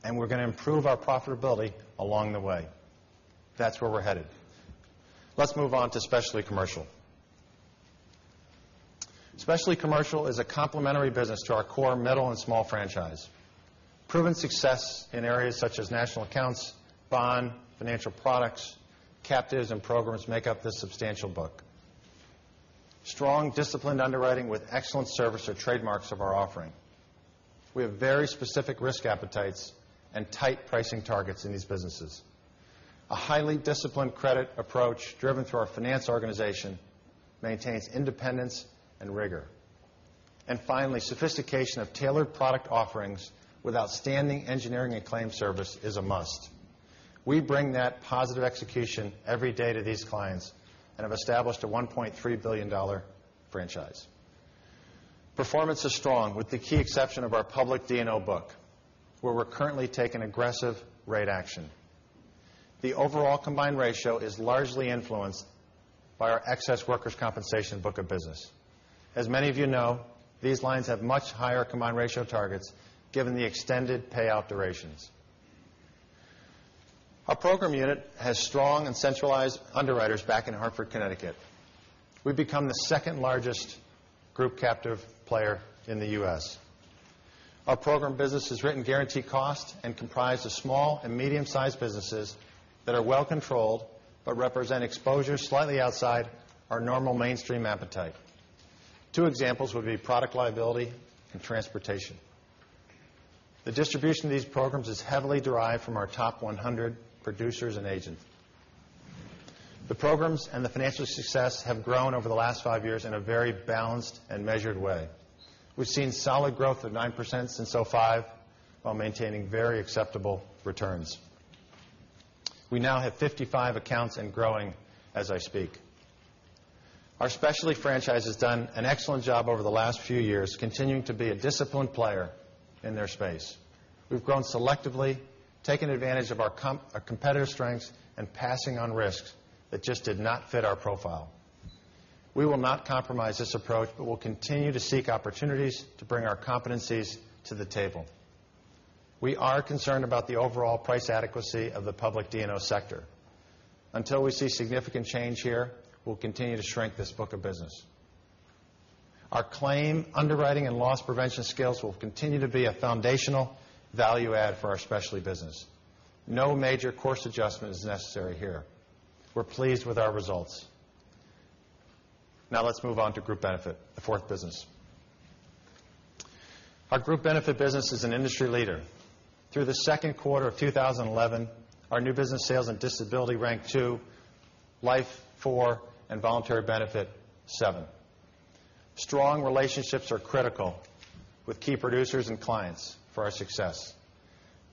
and we're going to improve our profitability along the way. That's where we're headed. Let's move on to specialty commercial. Specialty commercial is a complementary business to our core middle and small franchise. Proven success in areas such as national accounts, bond, financial products, captives, and programs make up this substantial book. Strong, disciplined underwriting with excellent service are trademarks of our offering. We have very specific risk appetites and tight pricing targets in these businesses. A highly disciplined credit approach driven through our finance organization maintains independence and rigor. Finally, sophistication of tailored product offerings with outstanding engineering and claim service is a must. We bring that positive execution every day to these clients and have established a $1.3 billion franchise. Performance is strong, with the key exception of our public D&O book, where we're currently taking aggressive rate action. The overall combined ratio is largely influenced by our excess workers' compensation book of business. As many of you know, these lines have much higher combined ratio targets given the extended payout durations. Our program unit has strong and centralized underwriters back in Hartford, Connecticut. We've become the second-largest group captive player in the U.S. Our program business is written guarantee cost and comprised of small and medium-sized businesses that are well controlled, but represent exposure slightly outside our normal mainstream appetite. Two examples would be product liability and transportation. The distribution of these programs is heavily derived from our top 100 producers and agents. The programs and the financial success have grown over the last five years in a very balanced and measured way. We've seen solid growth of 9% since 2005 while maintaining very acceptable returns. We now have 55 accounts and growing as I speak. Our specialty franchise has done an excellent job over the last few years, continuing to be a disciplined player in their space. We've grown selectively, taken advantage of our competitive strengths, and passing on risks that just did not fit our profile. We will not compromise this approach but will continue to seek opportunities to bring our competencies to the table. We are concerned about the overall price adequacy of the public D&O sector. Until we see significant change here, we'll continue to shrink this book of business. Our claim underwriting and loss prevention skills will continue to be a foundational value add for our specialty business. No major course adjustment is necessary here. We're pleased with our results. Now let's move on to Group Benefits, the fourth business. Our Group Benefits business is an industry leader. Through the second quarter of 2011, our new business sales and disability ranked 2, life, 4, and voluntary benefit, 7. Strong relationships are critical with key producers and clients for our success.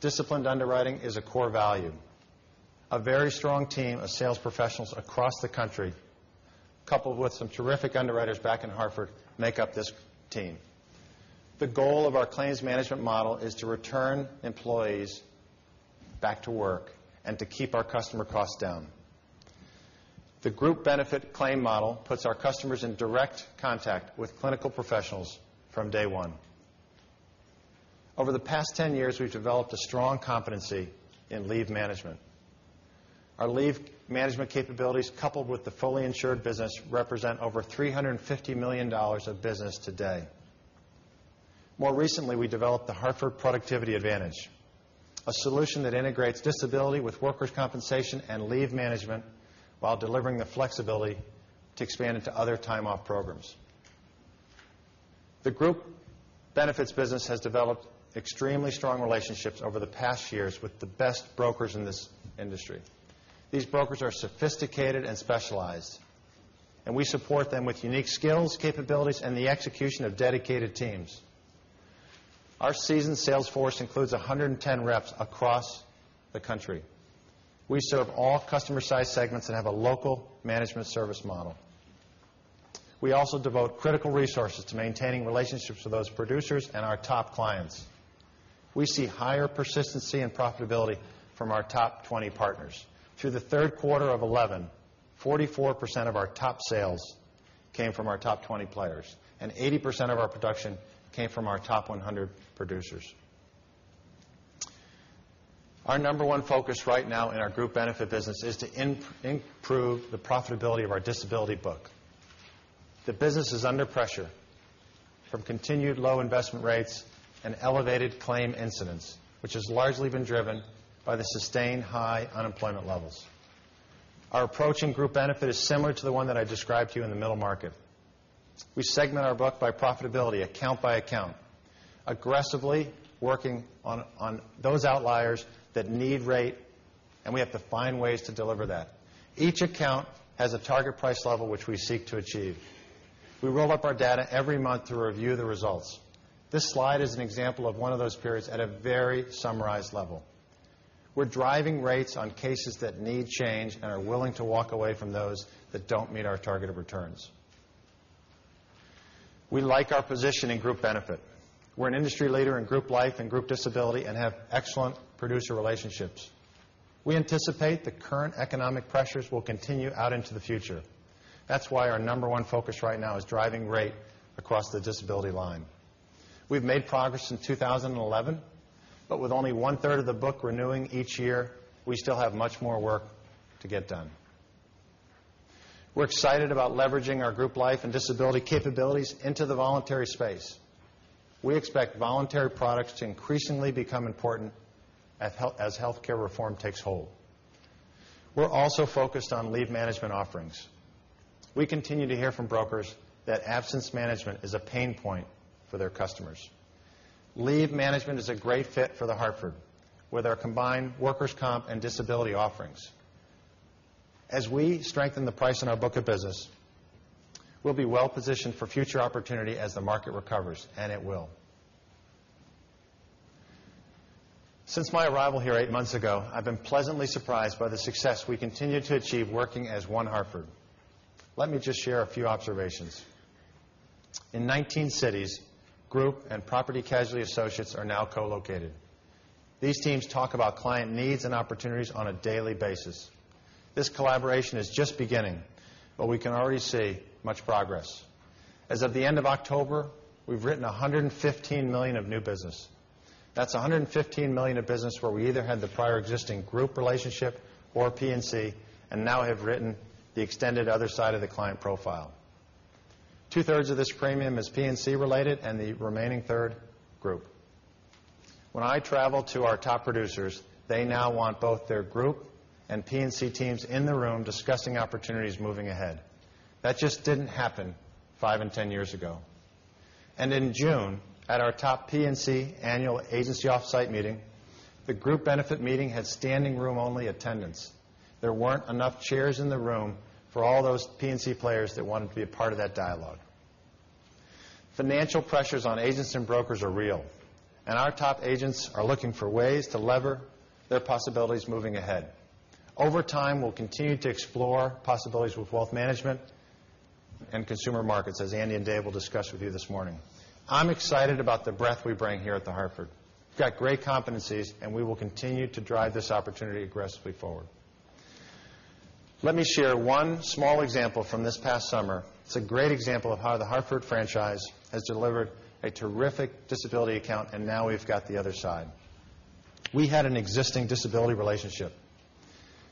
Disciplined underwriting is a core value. A very strong team of sales professionals across the country, coupled with some terrific underwriters back in The Hartford, make up this team. The goal of our claims management model is to return employees back to work and to keep our customer costs down. The Group Benefits claim model puts our customers in direct contact with clinical professionals from day one. Over the past 10 years, we've developed a strong competency in leave management. Our leave management capabilities, coupled with the fully insured business, represent over $350 million of business today. More recently, we developed The Hartford Productivity Advantage, a solution that integrates disability with workers' compensation and leave management while delivering the flexibility to expand into other time-off programs. The Group Benefits business has developed extremely strong relationships over the past years with the best brokers in this industry. These brokers are sophisticated and specialized, and we support them with unique skills, capabilities, and the execution of dedicated teams. Our seasoned sales force includes 110 reps across the country. We serve all customer size segments and have a local management service model. We also devote critical resources to maintaining relationships with those producers and our top clients. We see higher persistency and profitability from our top 20 partners. Through the third quarter of 2011, 44% of our top sales came from our top 20 players, and 80% of our production came from our top 100 producers. Our number 1 focus right now in our Group Benefits business is to improve the profitability of our disability book. The business is under pressure from continued low investment rates and elevated claim incidents, which has largely been driven by the sustained high unemployment levels. Our approach in Group Benefits is similar to the one that I described to you in the middle market. We segment our book by profitability account by account, aggressively working on those outliers that need rate, and we have to find ways to deliver that. Each account has a target price level which we seek to achieve. We roll up our data every month to review the results. This slide is an example of one of those periods at a very summarized level. We're driving rates on cases that need change and are willing to walk away from those that don't meet our targeted returns. We like our position in group benefit. We're an industry leader in group life and group disability and have excellent producer relationships. We anticipate the current economic pressures will continue out into the future. That's why our number 1 focus right now is driving rate across the disability line. We've made progress in 2011, but with only one-third of the book renewing each year, we still have much more work to get done. We're excited about leveraging our group life and disability capabilities into the voluntary space. We expect voluntary products to increasingly become important as healthcare reform takes hold. We're also focused on leave management offerings. We continue to hear from brokers that absence management is a pain point for their customers. Leave management is a great fit for The Hartford with our combined workers' comp and disability offerings. We strengthen the price in our book of business, we'll be well-positioned for future opportunity as the market recovers, and it will. Since my arrival here eight months ago, I've been pleasantly surprised by the success we continue to achieve working as One Hartford. Let me just share a few observations. In 19 cities, group and property casualty associates are now co-located. These teams talk about client needs and opportunities on a daily basis. This collaboration is just beginning, but we can already see much progress. As of the end of October, we've written $115 million of new business. That's $115 million of business where we either had the prior existing group relationship or P&C and now have written the extended other side of the client profile. Two-thirds of this premium is P&C related and the remaining third group. When I travel to our top producers, they now want both their group and P&C teams in the room discussing opportunities moving ahead. That just didn't happen five and 10 years ago. In June, at our top P&C annual agency off-site meeting, the group benefit meeting had standing room only attendance. There weren't enough chairs in the room for all those P&C players that wanted to be a part of that dialogue. Financial pressures on agents and brokers are real, and our top agents are looking for ways to lever their possibilities moving ahead. Over time, we'll continue to explore possibilities with wealth management and consumer markets, as Andy and Dave will discuss with you this morning. I'm excited about the breadth we bring here at The Hartford. We've got great competencies, and we will continue to drive this opportunity aggressively forward. Let me share one small example from this past summer. It's a great example of how The Hartford franchise has delivered a terrific disability account, and now we've got the other side. We had an existing disability relationship.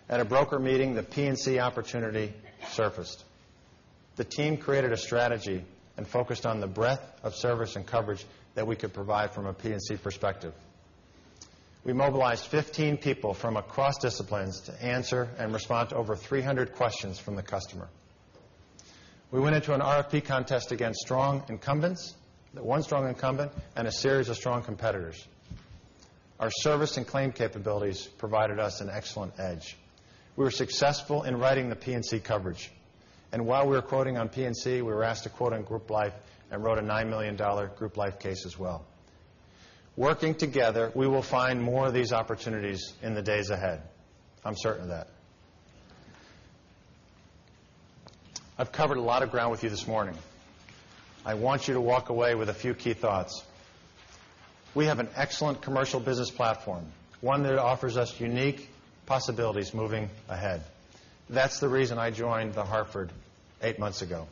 At a broker meeting, the P&C opportunity surfaced. The team created a strategy and focused on the breadth of service and coverage that we could provide from a P&C perspective. We mobilized 15 people from across disciplines to answer and respond to over 300 questions from the customer. We went into an RFP contest against one strong incumbent and a series of strong competitors. Our service and claim capabilities provided us an excellent edge. We were successful in writing the P&C coverage, and while we were quoting on P&C, we were asked to quote on group life and wrote a $9 million group life case as well. Working together, we will find more of these opportunities in the days ahead. I'm certain of that. I've covered a lot of ground with you this morning. I want you to walk away with a few key thoughts. We have an excellent commercial business platform, one that offers us unique possibilities moving ahead. That's the reason I joined The Hartford eight months ago.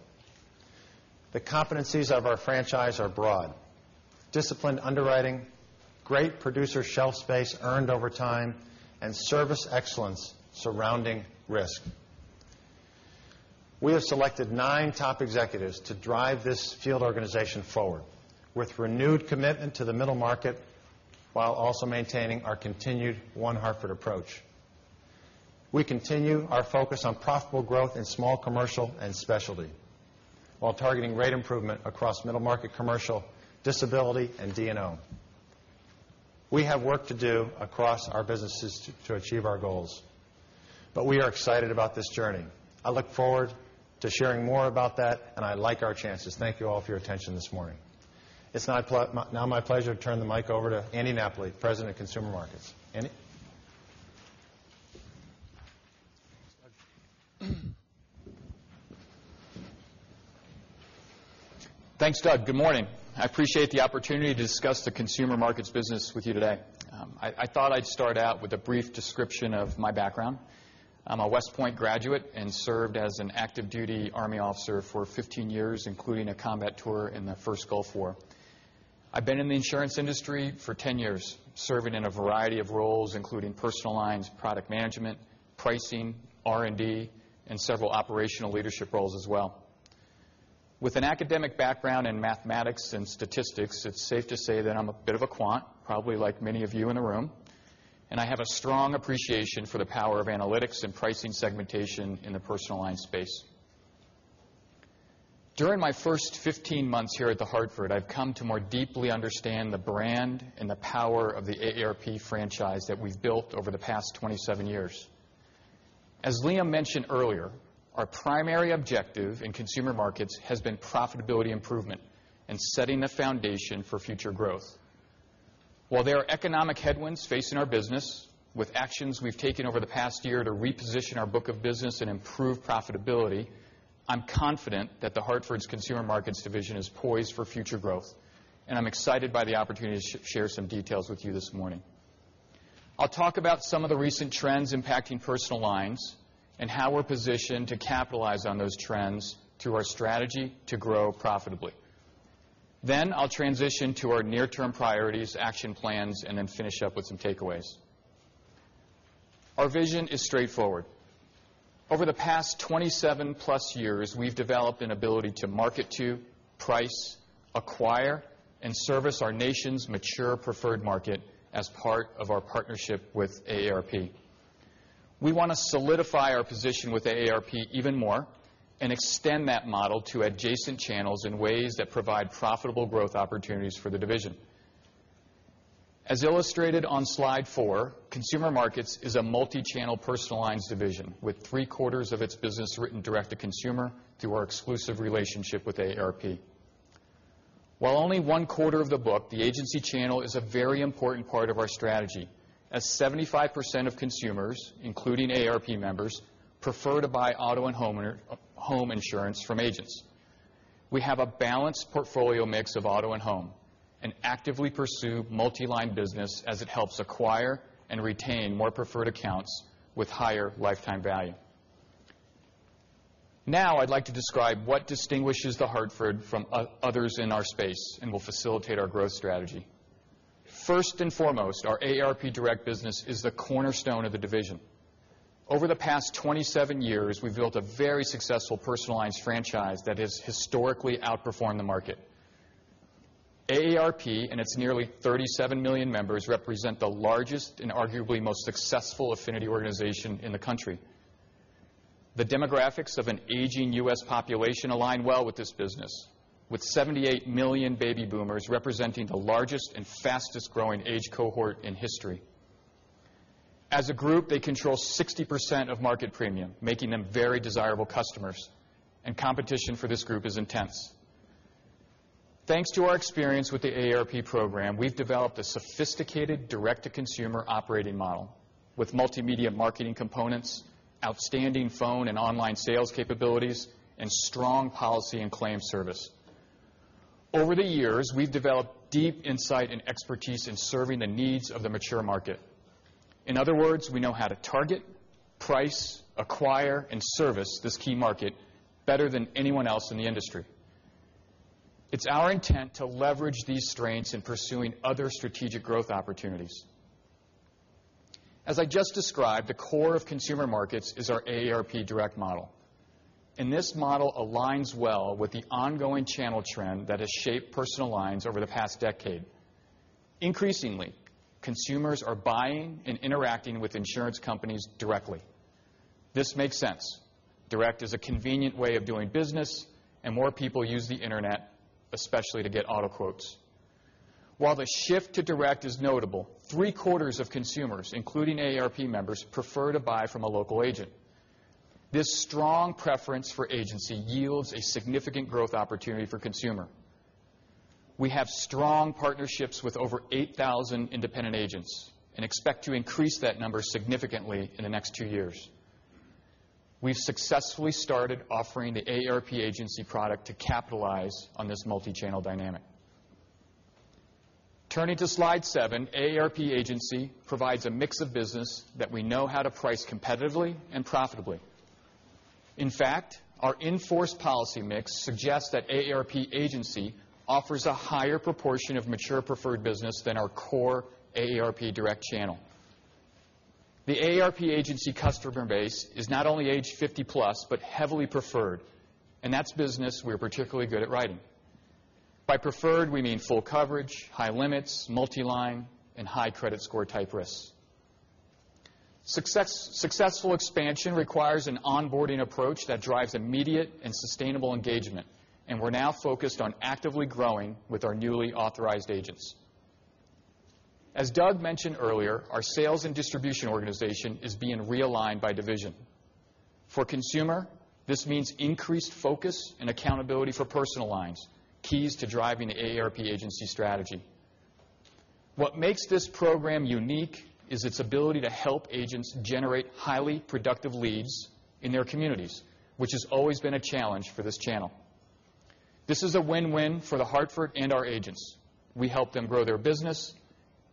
The competencies of our franchise are broad: disciplined underwriting, great producer shelf space earned over time, and service excellence surrounding risk. We have selected nine top executives to drive this field organization forward with renewed commitment to the middle market, while also maintaining our continued One Hartford approach. We continue our focus on profitable growth in small commercial and specialty, while targeting rate improvement across middle market commercial, disability, and D&O. We have work to do across our businesses to achieve our goals, we are excited about this journey. I look forward to sharing more about that, I like our chances. Thank you all for your attention this morning. It's now my pleasure to turn the mic over to Andy Napoli, President of Consumer Markets. Andy? Thanks, Doug. Good morning. I appreciate the opportunity to discuss the consumer markets business with you today. I thought I'd start out with a brief description of my background. I'm a West Point graduate and served as an active duty army officer for 15 years, including a combat tour in the first Gulf War. I've been in the insurance industry for 10 years, serving in a variety of roles, including personal lines, product management, pricing, R&D, and several operational leadership roles as well. With an academic background in mathematics and statistics, it's safe to say that I'm a bit of a quant, probably like many of you in the room, I have a strong appreciation for the power of analytics and pricing segmentation in the personal line space. During my first 15 months here at The Hartford, I've come to more deeply understand the brand and the power of the AARP franchise that we've built over the past 27 years. As Liam mentioned earlier, our primary objective in Consumer Markets has been profitability improvement and setting the foundation for future growth. While there are economic headwinds facing our business, with actions we've taken over the past year to reposition our book of business and improve profitability, I'm confident that The Hartford's Consumer Markets division is poised for future growth, I'm excited by the opportunity to share some details with you this morning. I'll talk about some of the recent trends impacting personal lines and how we're positioned to capitalize on those trends through our strategy to grow profitably. I'll transition to our near-term priorities, action plans, finish up with some takeaways. Our vision is straightforward. Over the past 27-plus years, we've developed an ability to market to, price, acquire, and service our nation's mature preferred market as part of our partnership with AARP. We want to solidify our position with AARP even more and extend that model to adjacent channels in ways that provide profitable growth opportunities for the division. As illustrated on slide four, consumer markets is a multi-channel personal lines division with three-quarters of its business written direct-to-consumer through our exclusive relationship with AARP. While only one-quarter of the book, the agency channel is a very important part of our strategy, as 75% of consumers, including AARP members, prefer to buy auto and home insurance from agents. We have a balanced portfolio mix of auto and home, and actively pursue multi-line business as it helps acquire and retain more preferred accounts with higher lifetime value. I'd like to describe what distinguishes The Hartford from others in our space and will facilitate our growth strategy. First and foremost, our AARP Direct business is the cornerstone of the division. Over the past 27 years, we've built a very successful personal lines franchise that has historically outperformed the market. AARP and its nearly 37 million members represent the largest and arguably most successful affinity organization in the country. The demographics of an aging U.S. population align well with this business, with 78 million baby boomers representing the largest and fastest-growing age cohort in history. As a group, they control 60% of market premium, making them very desirable customers, and competition for this group is intense. Thanks to our experience with the AARP program, we've developed a sophisticated direct-to-consumer operating model with multimedia marketing components, outstanding phone and online sales capabilities, and strong policy and claim service. Over the years, we've developed deep insight and expertise in serving the needs of the mature market. In other words, we know how to target, price, acquire, and service this key market better than anyone else in the industry. It's our intent to leverage these strengths in pursuing other strategic growth opportunities. As I just described, the core of consumer markets is our AARP Direct model, and this model aligns well with the ongoing channel trend that has shaped personal lines over the past decade. Increasingly, consumers are buying and interacting with insurance companies directly. This makes sense. Direct is a convenient way of doing business, and more people use the internet, especially to get auto quotes. While the shift to direct is notable, three-quarters of consumers, including AARP members, prefer to buy from a local agent. This strong preference for agency yields a significant growth opportunity for consumer. We have strong partnerships with over 8,000 independent agents and expect to increase that number significantly in the next two years. We've successfully started offering the AARP Agency product to capitalize on this multi-channel dynamic. Turning to slide seven, AARP Agency provides a mix of business that we know how to price competitively and profitably. In fact, our in-force policy mix suggests that AARP Agency offers a higher proportion of mature preferred business than our core AARP Direct channel. The AARP Agency customer base is not only age 50 plus, but heavily preferred, and that's business we're particularly good at writing. By preferred, we mean full coverage, high limits, multi-line, and high credit score type risks. Successful expansion requires an onboarding approach that drives immediate and sustainable engagement, and we're now focused on actively growing with our newly authorized agents. As Doug mentioned earlier, our sales and distribution organization is being realigned by division. For consumer, this means increased focus and accountability for personal lines, keys to driving the AARP Agency strategy. What makes this program unique is its ability to help agents generate highly productive leads in their communities, which has always been a challenge for this channel. This is a win-win for The Hartford and our agents. We help them grow their business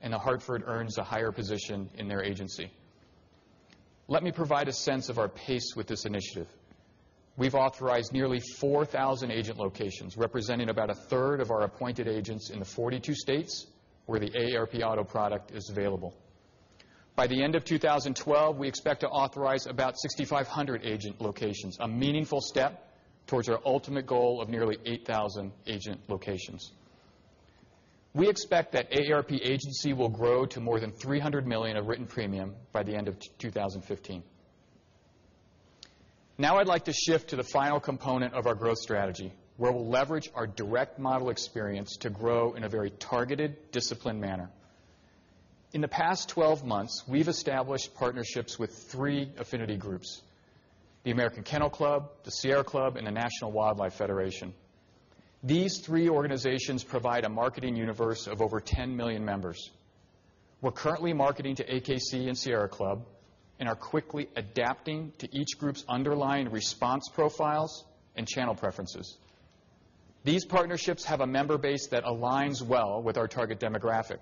and The Hartford earns a higher position in their agency. Let me provide a sense of our pace with this initiative. We've authorized nearly 4,000 agent locations, representing about a third of our appointed agents in the 42 states where the AARP auto product is available. By the end of 2012, we expect to authorize about 6,500 agent locations, a meaningful step towards our ultimate goal of nearly 8,000 agent locations. I'd like to shift to the final component of our growth strategy, where we'll leverage our direct model experience to grow in a very targeted, disciplined manner. In the past 12 months, we've established partnerships with three affinity groups, the American Kennel Club, the Sierra Club, and the National Wildlife Federation. These three organizations provide a marketing universe of over 10 million members. We're currently marketing to AKC and Sierra Club and are quickly adapting to each group's underlying response profiles and channel preferences. These partnerships have a member base that aligns well with our target demographic.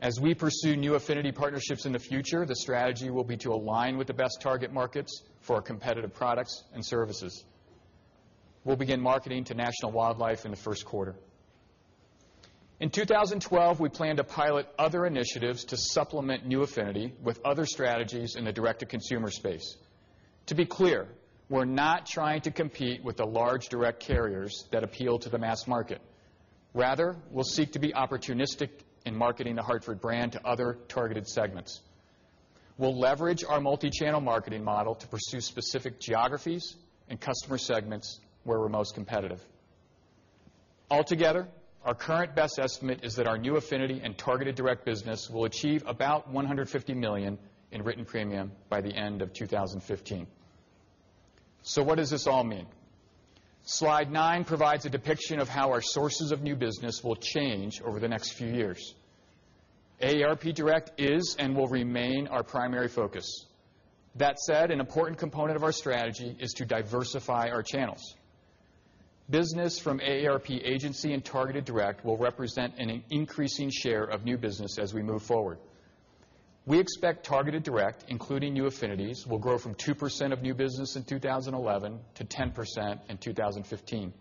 As we pursue new affinity partnerships in the future, the strategy will be to align with the best target markets for our competitive products and services. We'll begin marketing to National Wildlife in the first quarter. In 2012, we plan to pilot other initiatives to supplement new affinity with other strategies in the direct-to-consumer space. To be clear, we're not trying to compete with the large direct carriers that appeal to the mass market. Rather, we'll seek to be opportunistic in marketing The Hartford brand to other targeted segments. We'll leverage our multi-channel marketing model to pursue specific geographies and customer segments where we're most competitive. Altogether, our current best estimate is that our new affinity and Targeted Direct business will achieve about $150 million in written premium by the end of 2015. What does this all mean? Slide nine provides a depiction of how our sources of new business will change over the next few years. AARP Direct is and will remain our primary focus. That said, an important component of our strategy is to diversify our channels. Business from AARP Agency and Targeted Direct will represent an increasing share of new business as we move forward. We expect Targeted Direct, including new affinities, will grow from 2% of new business in 2011 to 10% in 2015.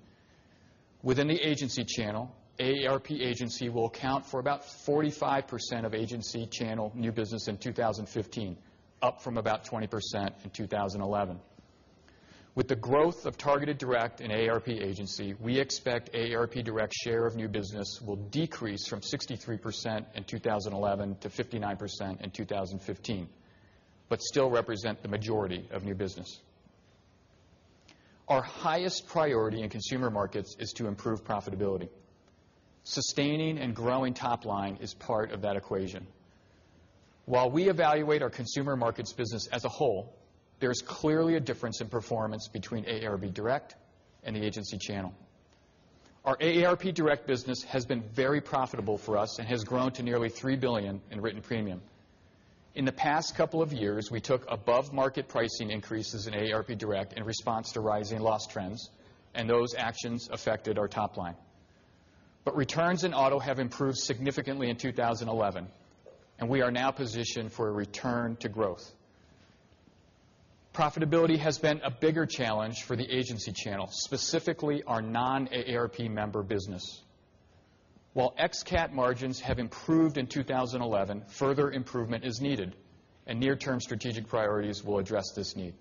Within the agency channel, AARP Agency will account for about 45% of agency channel new business in 2015, up from about 20% in 2011. With the growth of Targeted Direct and AARP Agency, we expect AARP Direct's share of new business will decrease from 63% in 2011 to 59% in 2015, but still represent the majority of new business. Our highest priority in consumer markets is to improve profitability. Sustaining and growing top line is part of that equation. While we evaluate our consumer markets business as a whole, there's clearly a difference in performance between AARP Direct and the agency channel. Our AARP Direct business has been very profitable for us and has grown to nearly $3 billion in written premium. In the past couple of years, we took above-market pricing increases in AARP Direct in response to rising loss trends, and those actions affected our top line. Returns in auto have improved significantly in 2011, and we are now positioned for a return to growth. Profitability has been a bigger challenge for the agency channel, specifically our non-AARP member business. While ex-cat margins have improved in 2011, further improvement is needed, and near-term strategic priorities will address this need.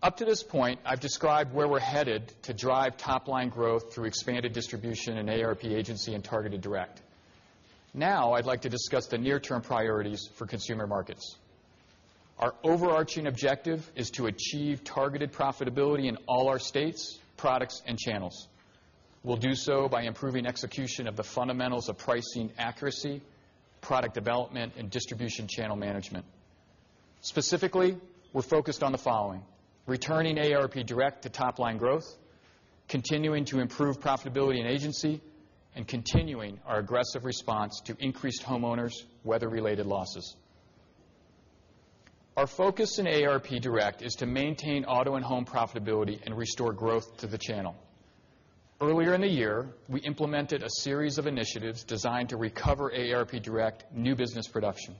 Up to this point, I've described where we're headed to drive top-line growth through expanded distribution in AARP Agency and Targeted Direct. I'd like to discuss the near-term priorities for consumer markets. Our overarching objective is to achieve targeted profitability in all our states, products, and channels. We'll do so by improving execution of the fundamentals of pricing accuracy, product development, and distribution channel management. Specifically, we're focused on the following: returning AARP Direct to top-line growth, continuing to improve profitability in agency, and continuing our aggressive response to increased homeowners' weather-related losses. Our focus in AARP Direct is to maintain auto and home profitability and restore growth to the channel. Earlier in the year, we implemented a series of initiatives designed to recover AARP Direct new business production.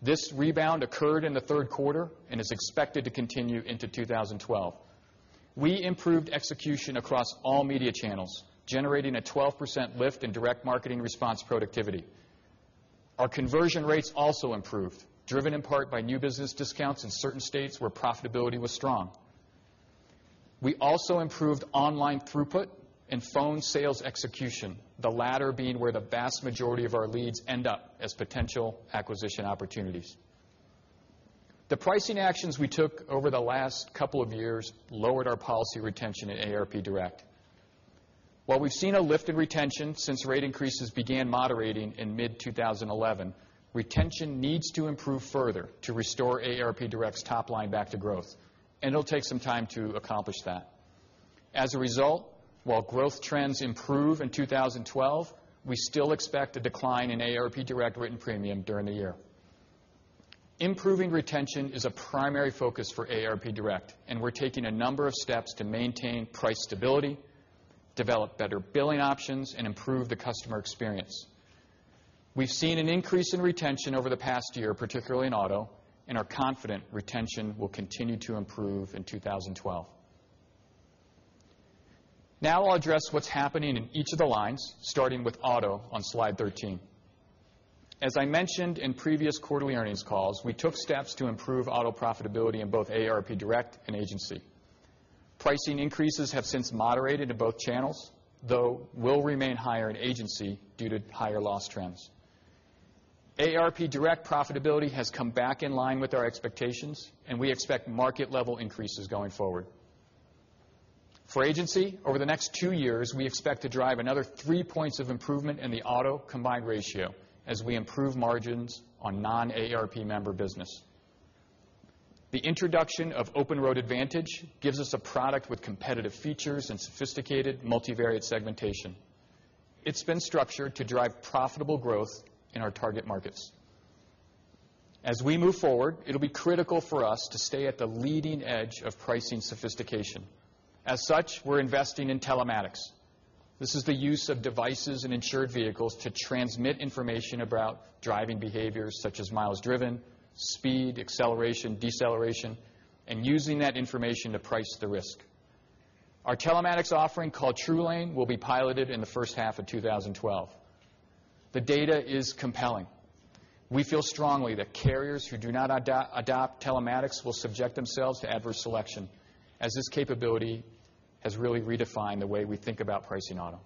This rebound occurred in the third quarter and is expected to continue into 2012. We improved execution across all media channels, generating a 12% lift in direct marketing response productivity. Our conversion rates also improved, driven in part by new business discounts in certain states where profitability was strong. We also improved online throughput and phone sales execution, the latter being where the vast majority of our leads end up as potential acquisition opportunities. The pricing actions we took over the last couple of years lowered our policy retention at AARP Direct. While we've seen a lift in retention since rate increases began moderating in mid-2011, retention needs to improve further to restore AARP Direct's top line back to growth, and it'll take some time to accomplish that. As a result, while growth trends improve in 2012, we still expect a decline in AARP Direct written premium during the year. Improving retention is a primary focus for AARP Direct, and we're taking a number of steps to maintain price stability, develop better billing options, and improve the customer experience. We've seen an increase in retention over the past year, particularly in auto, and are confident retention will continue to improve in 2012. I'll address what's happening in each of the lines, starting with auto on slide 13. As I mentioned in previous quarterly earnings calls, we took steps to improve auto profitability in both AARP Direct and Agency. Pricing increases have since moderated to both channels, though will remain higher in Agency due to higher loss trends. AARP Direct profitability has come back in line with our expectations, and we expect market level increases going forward. For Agency, over the next two years, we expect to drive another three points of improvement in the auto combined ratio as we improve margins on non-AARP member business. The introduction of Open Road Advantage gives us a product with competitive features and sophisticated multivariate segmentation. It's been structured to drive profitable growth in our target markets. As we move forward, it'll be critical for us to stay at the leading edge of pricing sophistication. As such, we're investing in telematics. This is the use of devices in insured vehicles to transmit information about driving behaviors such as miles driven, speed, acceleration, deceleration, and using that information to price the risk. Our telematics offering, called TrueLane, will be piloted in the first half of 2012. The data is compelling. We feel strongly that carriers who do not adopt telematics will subject themselves to adverse selection, as this capability has really redefined the way we think about pricing auto.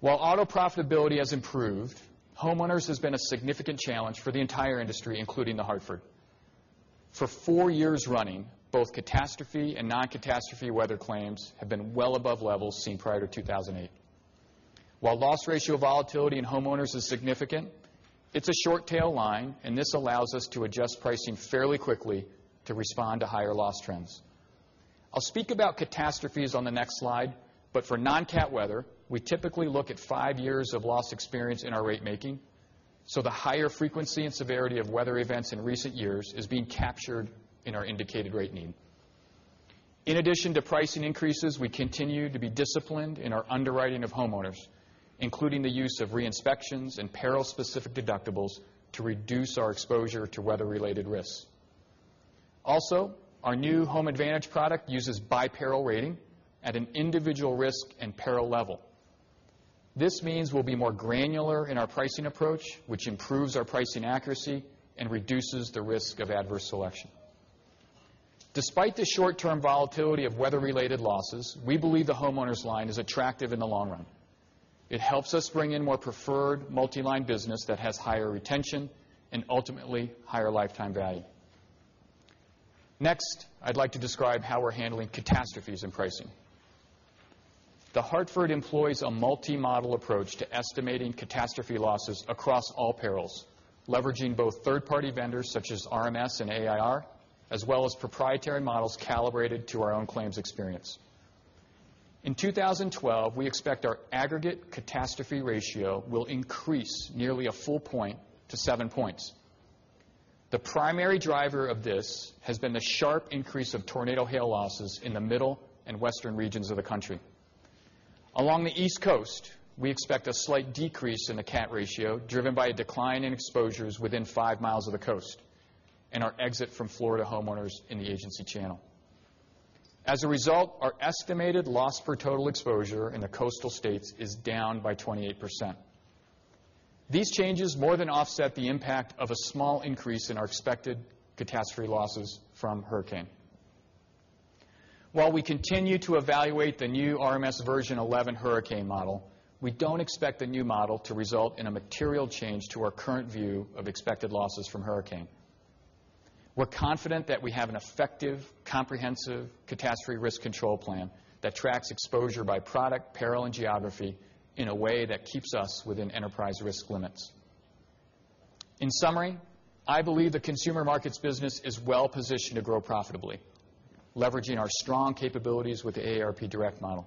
While auto profitability has improved, homeowners has been a significant challenge for the entire industry, including The Hartford. For four years running, both catastrophe and non-catastrophe weather claims have been well above levels seen prior to 2008. While loss ratio volatility in homeowners is significant, it's a short-tail line, and this allows us to adjust pricing fairly quickly to respond to higher loss trends. I'll speak about catastrophes on the next slide, but for non-cat weather, we typically look at five years of loss experience in our rate making, so the higher frequency and severity of weather events in recent years is being captured in our indicated rate need. In addition to pricing increases, we continue to be disciplined in our underwriting of homeowners, including the use of re-inspections and peril-specific deductibles to reduce our exposure to weather-related risks. Also, our new Home Advantage product uses by peril rating at an individual risk and peril level. This means we'll be more granular in our pricing approach, which improves our pricing accuracy and reduces the risk of adverse selection. Despite the short-term volatility of weather-related losses, we believe the homeowners line is attractive in the long run. It helps us bring in more preferred multi-line business that has higher retention and ultimately higher lifetime value. Next, I'd like to describe how we're handling catastrophes in pricing. The Hartford employs a multi-model approach to estimating catastrophe losses across all perils, leveraging both third-party vendors such as RMS and AIR, as well as proprietary models calibrated to our own claims experience. In 2012, we expect our aggregate catastrophe ratio will increase nearly a full point to seven points. The primary driver of this has been the sharp increase of tornado hail losses in the middle and western regions of the country. Along the East Coast, we expect a slight decrease in the cat ratio, driven by a decline in exposures within five miles of the coast and our exit from Florida homeowners in the agency channel. As a result, our estimated loss per total exposure in the coastal states is down by 28%. These changes more than offset the impact of a small increase in our expected catastrophe losses from hurricane. While we continue to evaluate the new RMS Version 11 hurricane model, we don't expect the new model to result in a material change to our current view of expected losses from hurricane. We're confident that we have an effective, comprehensive catastrophe risk control plan that tracks exposure by product, peril, and geography in a way that keeps us within enterprise risk limits. In summary, I believe the consumer markets business is well positioned to grow profitably, leveraging our strong capabilities with the AARP Direct model.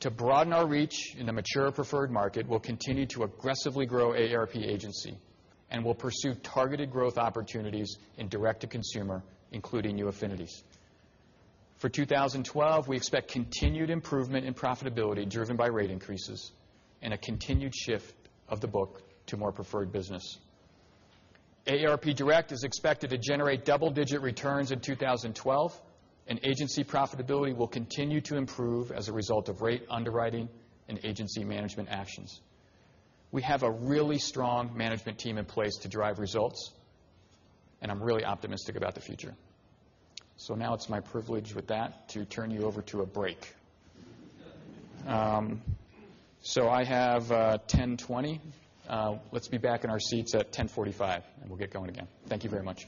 To broaden our reach in the mature preferred market, we'll continue to aggressively grow AARP Agency and will pursue targeted growth opportunities in direct-to-consumer, including new affinities. For 2012, we expect continued improvement in profitability driven by rate increases and a continued shift of the book to more preferred business. AARP Direct is expected to generate double-digit returns in 2012, and agency profitability will continue to improve as a result of rate underwriting and agency management actions. We have a really strong management team in place to drive results, and I'm really optimistic about the future. Now it's my privilege with that to turn you over to a break. I have 10:20. Let's be back in our seats at 10:45, and we'll get going again. Thank you very much.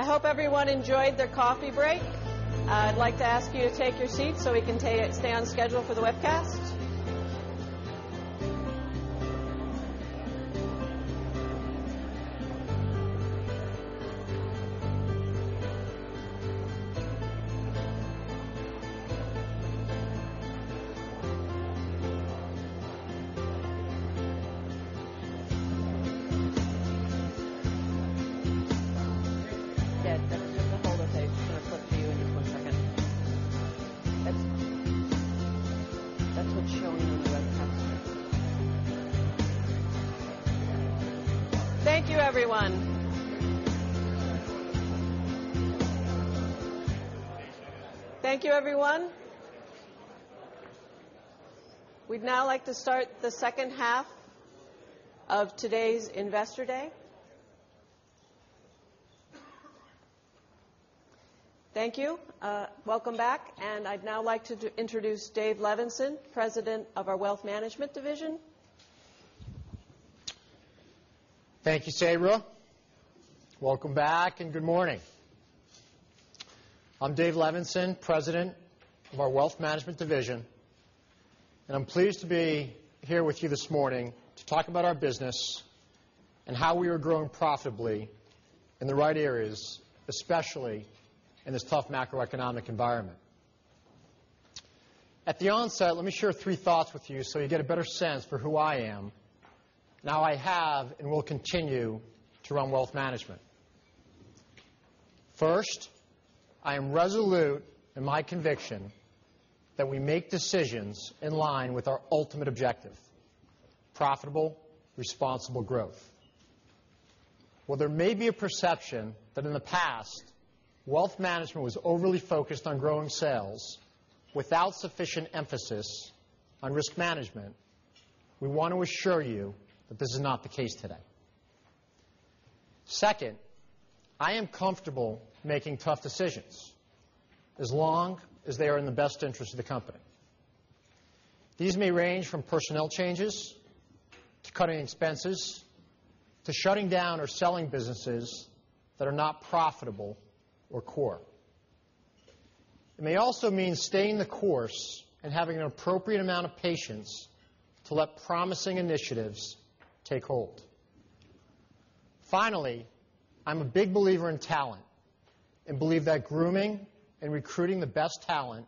I hope everyone enjoyed their coffee break. I'd like to ask you to take your seats so we can stay on schedule for the webcast. Yeah, that was just the hold music. It's going to flip to you in just one second. That's what's showing in the webcast. Thank you, everyone. Thank you, everyone. We'd now like to start the second half of today's Investor Day. Thank you. Welcome back, and I'd now like to introduce David Levenson, president of our wealth management division. Thank you, Sabra. Welcome back, and good morning. I'm Dave Levenson, president of our wealth management division, and I'm pleased to be here with you this morning to talk about our business and how we are growing profitably in the right areas, especially in this tough macroeconomic environment. At the onset, let me share three thoughts with you so you get a better sense for who I am and how I have and will continue to run wealth management. First, I am resolute in my conviction that we make decisions in line with our ultimate objective: profitable, responsible growth. While there may be a perception that in the past, wealth management was overly focused on growing sales without sufficient emphasis on risk management, we want to assure you that this is not the case today. Second, I am comfortable making tough decisions as long as they are in the best interest of the company. These may range from personnel changes, to cutting expenses, to shutting down or selling businesses that are not profitable or core. It may also mean staying the course and having an appropriate amount of patience to let promising initiatives take hold. Finally, I'm a big believer in talent and believe that grooming and recruiting the best talent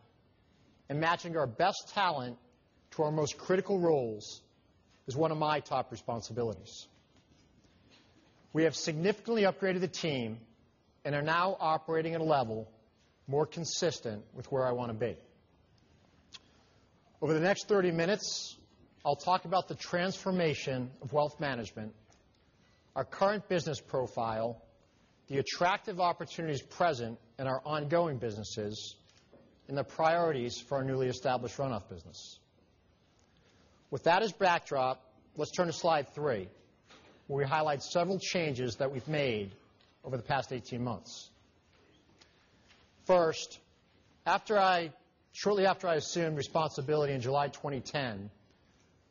and matching our best talent to our most critical roles is one of my top responsibilities. We have significantly upgraded the team and are now operating at a level more consistent with where I want to be. Over the next 30 minutes, I'll talk about the transformation of wealth management, our current business profile, the attractive opportunities present in our ongoing businesses, and the priorities for our newly established run-off business. With that as backdrop, let's turn to slide three, where we highlight several changes that we've made over the past 18 months. First, shortly after I assumed responsibility in July 2010,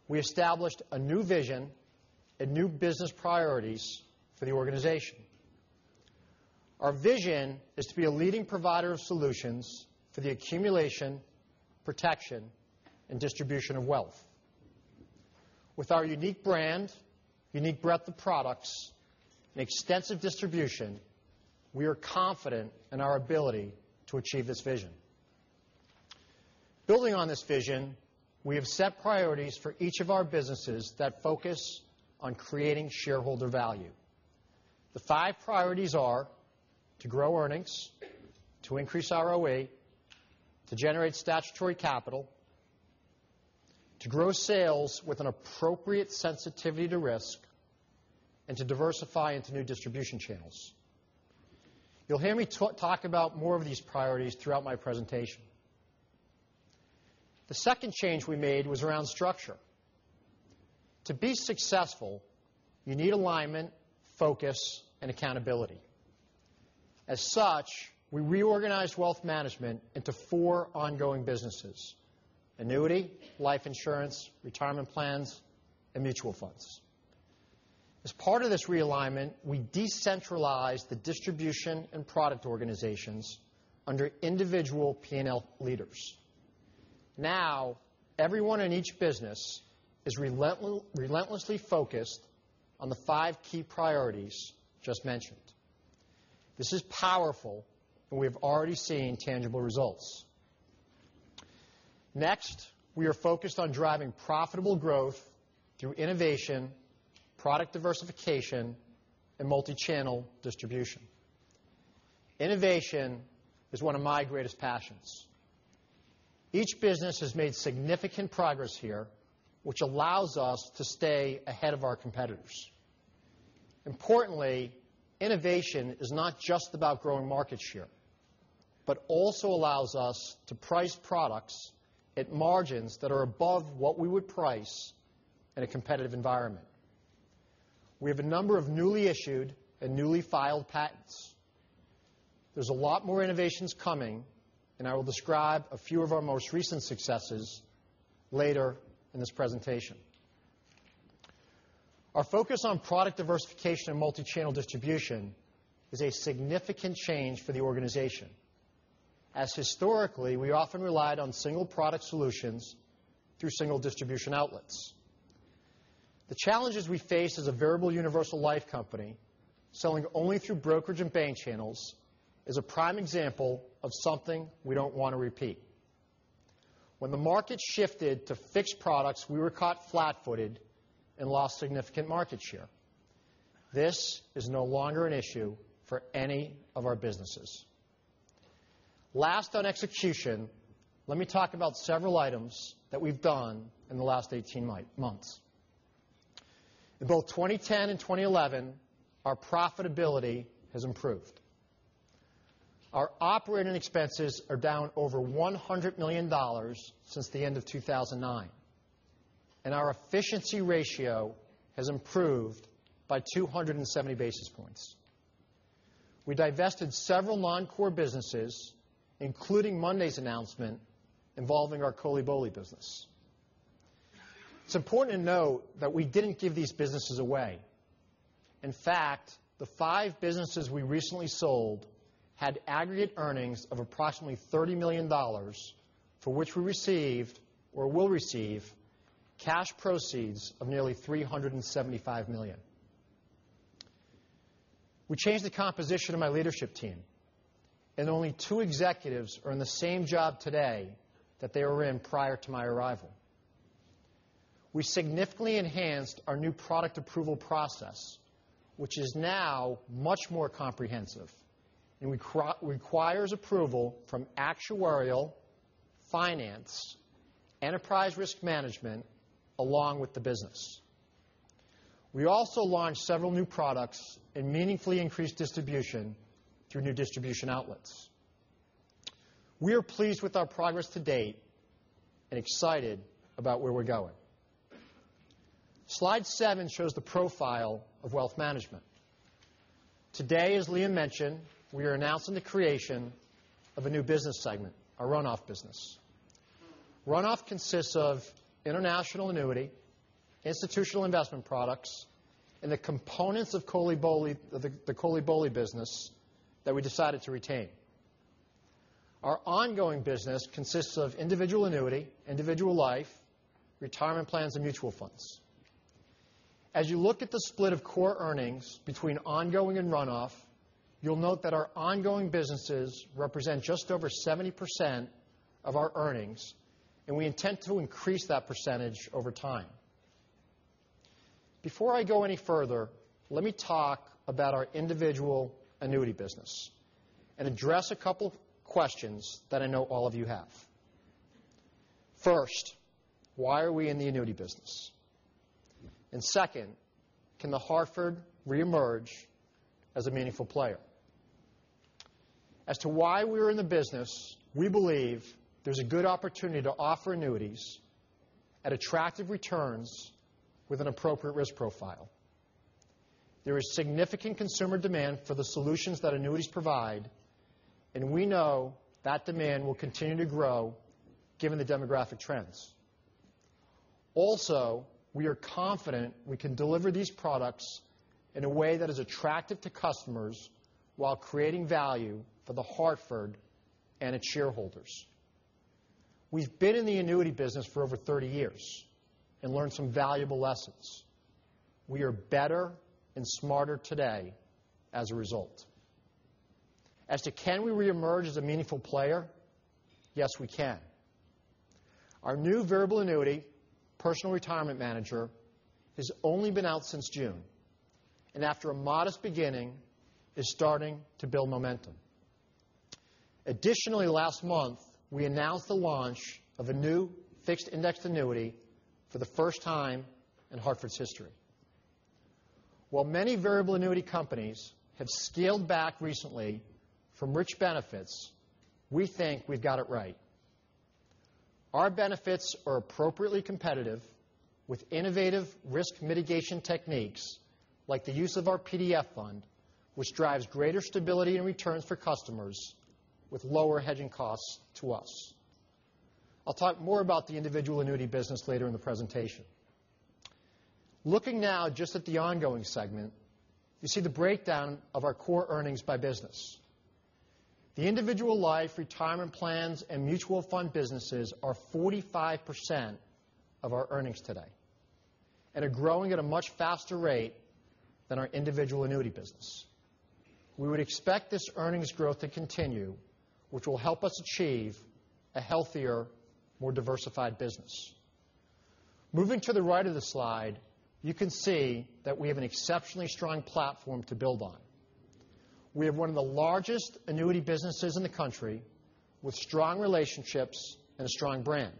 we established a new vision and new business priorities for the organization. Our vision is to be a leading provider of solutions for the accumulation, protection, and distribution of wealth. With our unique brand, unique breadth of products, and extensive distribution, we are confident in our ability to achieve this vision. Building on this vision, we have set priorities for each of our businesses that focus on creating shareholder value. The five priorities are to grow earnings, to increase ROE, to generate statutory capital, to grow sales with an appropriate sensitivity to risk, and to diversify into new distribution channels. You'll hear me talk about more of these priorities throughout my presentation. The second change we made was around structure. To be successful, you need alignment, focus, and accountability. As such, we reorganized wealth management into four ongoing businesses: annuity, life insurance, retirement plans, and mutual funds. As part of this realignment, we decentralized the distribution and product organizations under individual P&L leaders. Now, everyone in each business is relentlessly focused on the five key priorities just mentioned. This is powerful, and we have already seen tangible results. Next, we are focused on driving profitable growth through innovation, product diversification, and multi-channel distribution. Innovation is one of my greatest passions. Each business has made significant progress here, which allows us to stay ahead of our competitors. Importantly, innovation is not just about growing market share, but also allows us to price products at margins that are above what we would price in a competitive environment. We have a number of newly issued and newly filed patents. There's a lot more innovations coming, and I will describe a few of our most recent successes later in this presentation. Our focus on product diversification and multi-channel distribution is a significant change for the organization, as historically, we often relied on single product solutions through single distribution outlets. The challenges we face as a variable universal life company selling only through brokerage and bank channels is a prime example of something we don't want to repeat. When the market shifted to fixed products, we were caught flat-footed and lost significant market share. This is no longer an issue for any of our businesses. Last on execution, let me talk about several items that we've done in the last 18 months. In both 2010 and 2011, our profitability has improved. Our operating expenses are down over $100 million since the end of 2009. Our efficiency ratio has improved by 270 basis points. We divested several non-core businesses, including Monday's announcement involving our COLI/BOLI business. It's important to note that we didn't give these businesses away. In fact, the five businesses we recently sold had aggregate earnings of approximately $30 million, for which we received or will receive cash proceeds of nearly $375 million. We changed the composition of my leadership team. Only two executives are in the same job today that they were in prior to my arrival. We significantly enhanced our new product approval process, which is now much more comprehensive and requires approval from actuarial, finance, enterprise risk management, along with the business. We also launched several new products and meaningfully increased distribution through new distribution outlets. We are pleased with our progress to date and excited about where we're going. Slide seven shows the profile of Wealth Management. Today, as Liam mentioned, we are announcing the creation of a new business segment, our Runoff business. Runoff consists of international annuity, institutional investment products, and the components of the COLI/BOLI business that we decided to retain. Our Ongoing business consists of individual annuity, individual life, retirement plans, and mutual funds. As you look at the split of core earnings between Ongoing and Runoff, you'll note that our Ongoing businesses represent just over 70% of our earnings. We intend to increase that percentage over time. Before I go any further, let me talk about our individual annuity business and address a couple of questions that I know all of you have. First, why are we in the annuity business? Second, can The Hartford reemerge as a meaningful player? As to why we are in the business, we believe there's a good opportunity to offer annuities at attractive returns with an appropriate risk profile. There is significant consumer demand for the solutions that annuities provide. We know that demand will continue to grow given the demographic trends. Also, we are confident we can deliver these products in a way that is attractive to customers while creating value for The Hartford and its shareholders. We've been in the annuity business for over 30 years. We learned some valuable lessons. We are better and smarter today as a result. As to can we reemerge as a meaningful player? Yes, we can. Our new variable annuity, Personal Retirement Manager, has only been out since June. After a modest beginning, is starting to build momentum. Additionally, last month, we announced the launch of a new fixed indexed annuity for the first time in Hartford's history. While many variable annuity companies have scaled back recently from rich benefits, we think we've got it right. Our benefits are appropriately competitive with innovative risk mitigation techniques, like the use of our PDF fund, which drives greater stability and returns for customers with lower hedging costs to us. I'll talk more about the individual annuity business later in the presentation. Looking now just at the Ongoing segment, you see the breakdown of our core earnings by business. The individual life retirement plans and mutual fund businesses are 45% of our earnings today and are growing at a much faster rate than our individual annuity business. We would expect this earnings growth to continue, which will help us achieve a healthier, more diversified business. Moving to the right of the slide, you can see that we have an exceptionally strong platform to build on. We have one of the largest annuity businesses in the country with strong relationships and a strong brand.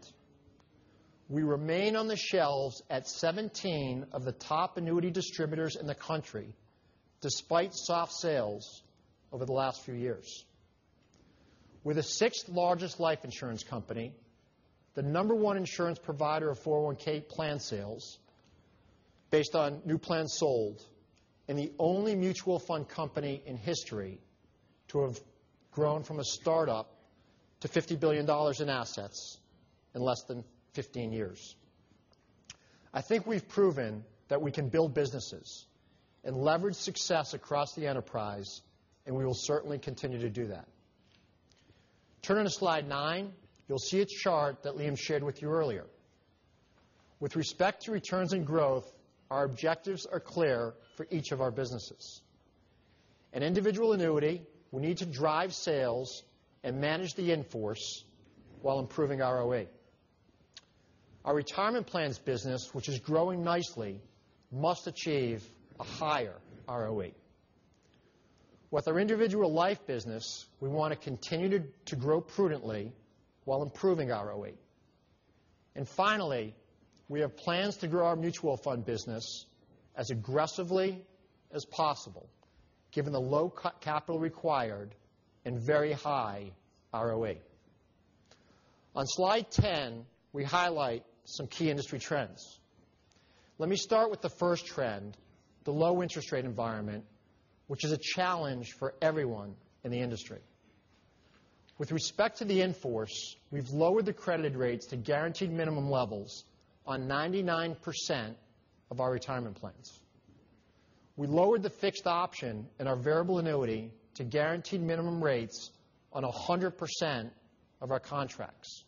We remain on the shelves at 17 of the top annuity distributors in the country, despite soft sales over the last few years. We're the sixth largest life insurance company, the number one insurance provider of 401 plan sales based on new plans sold, and the only mutual fund company in history to have grown from a startup to $50 billion in assets in less than 15 years. I think we've proven that we can build businesses and leverage success across the enterprise, and we will certainly continue to do that. Turning to slide nine, you'll see a chart that Liam shared with you earlier. With respect to returns and growth, our objectives are clear for each of our businesses. In individual annuity, we need to drive sales and manage the in-force while improving ROE. Our retirement plans business, which is growing nicely, must achieve a higher ROE. With our individual life business, we want to continue to grow prudently while improving ROE. Finally, we have plans to grow our mutual fund business as aggressively as possible, given the low capital required and very high ROE. On slide 10, we highlight some key industry trends. Let me start with the first trend, the low interest rate environment, which is a challenge for everyone in the industry. With respect to the in-force, we've lowered the credited rates to guaranteed minimum levels on 99% of our retirement plans. We've lowered the fixed option in our variable annuity to guaranteed minimum rates on 100% of our contracts.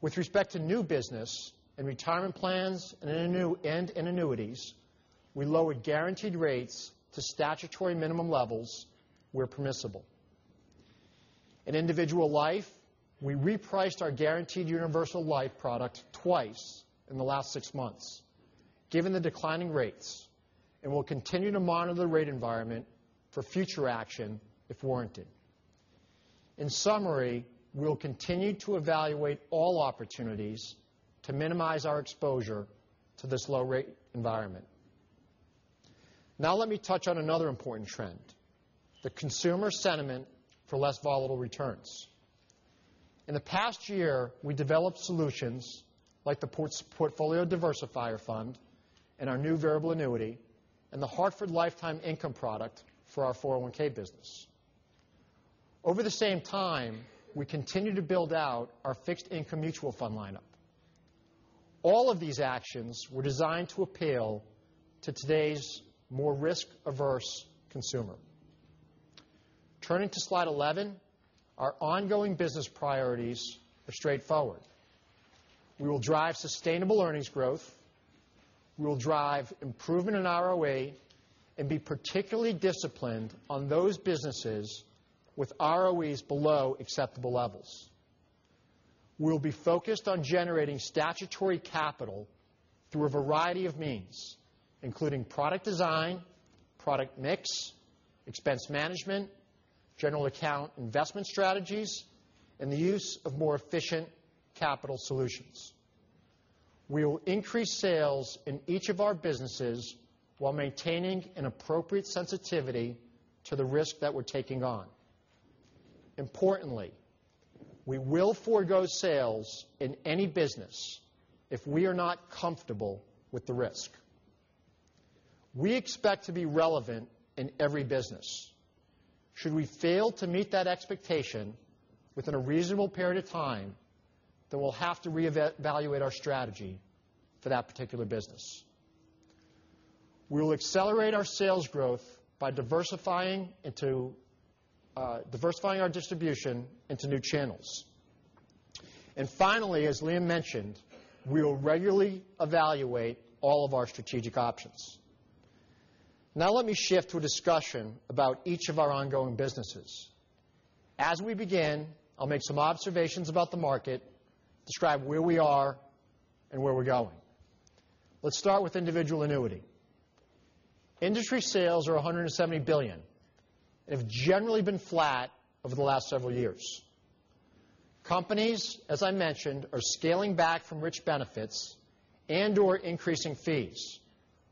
With respect to new business in retirement plans and in annuities, we lowered guaranteed rates to statutory minimum levels where permissible. In individual life, we repriced our guaranteed universal life product twice in the last six months given the declining rates, and will continue to monitor the rate environment for future action if warranted. In summary, we will continue to evaluate all opportunities to minimize our exposure to this low rate environment. Let me touch on another important trend, the consumer sentiment for less volatile returns. In the past year, we developed solutions like the Portfolio Diversifier Fund and our new variable annuity and The Hartford Lifetime Income product for our 401 business. Over the same time, we continued to build out our fixed income mutual fund lineup. All of these actions were designed to appeal to today's more risk-averse consumer. Turning to slide 11, our ongoing business priorities are straightforward. We will drive sustainable earnings growth, we will drive improvement in ROE, and be particularly disciplined on those businesses with ROEs below acceptable levels. We will be focused on generating statutory capital through a variety of means, including product design, product mix, expense management, general account investment strategies, and the use of more efficient capital solutions. We will increase sales in each of our businesses while maintaining an appropriate sensitivity to the risk that we're taking on. Importantly, we will forego sales in any business if we are not comfortable with the risk. We expect to be relevant in every business. Should we fail to meet that expectation within a reasonable period of time, then we'll have to reevaluate our strategy for that particular business. We will accelerate our sales growth by diversifying our distribution into new channels. Finally, as Liam McGee mentioned, we will regularly evaluate all of our strategic options. Now let me shift to a discussion about each of our ongoing businesses. As we begin, I'll make some observations about the market, describe where we are and where we're going. Let's start with individual annuity. Industry sales are $170 billion and have generally been flat over the last several years. Companies, as I mentioned, are scaling back from rich benefits and/or increasing fees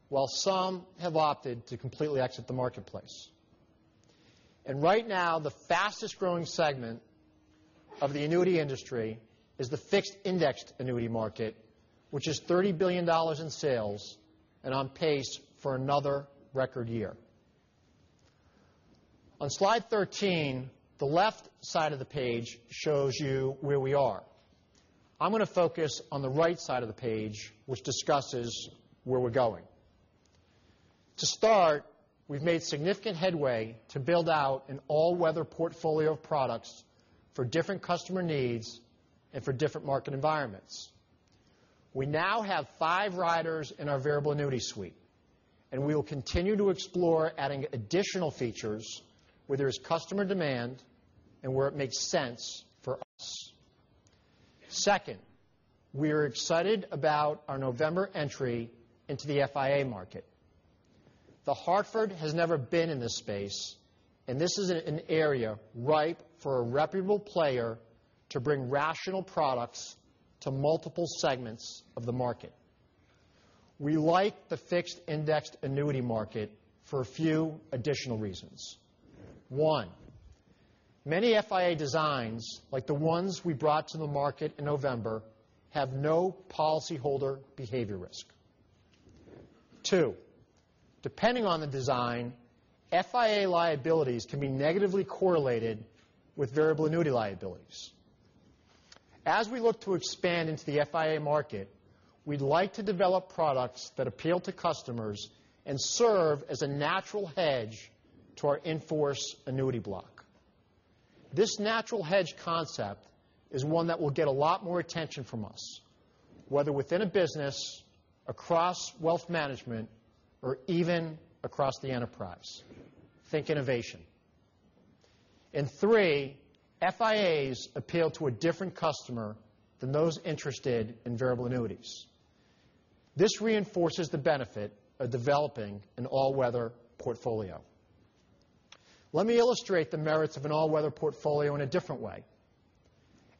while some have opted to completely exit the marketplace. Right now, the fastest-growing segment of the annuity industry is the fixed indexed annuity market, which is $30 billion in sales and on pace for another record year. On slide 13, the left side of the page shows you where we are. I'm going to focus on the right side of the page, which discusses where we're going. To start, we've made significant headway to build out an all-weather portfolio of products for different customer needs and for different market environments. We now have five riders in our variable annuity suite. We will continue to explore adding additional features where there is customer demand and where it makes sense for us. Second, we are excited about our November entry into the FIA market. The Hartford has never been in this space. This is an area ripe for a reputable player to bring rational products to multiple segments of the market. We like the fixed indexed annuity market for a few additional reasons. One, many FIA designs, like the ones we brought to the market in November, have no policyholder behavior risk. Two, depending on the design, FIA liabilities can be negatively correlated with variable annuity liabilities. As we look to expand into the FIA market, we'd like to develop products that appeal to customers and serve as a natural hedge to our in-force annuity block. This natural hedge concept is one that will get a lot more attention from us, whether within a business, across wealth management, or even across the enterprise. Think innovation. Three, FIAs appeal to a different customer than those interested in variable annuities. This reinforces the benefit of developing an all-weather portfolio. Let me illustrate the merits of an all-weather portfolio in a different way.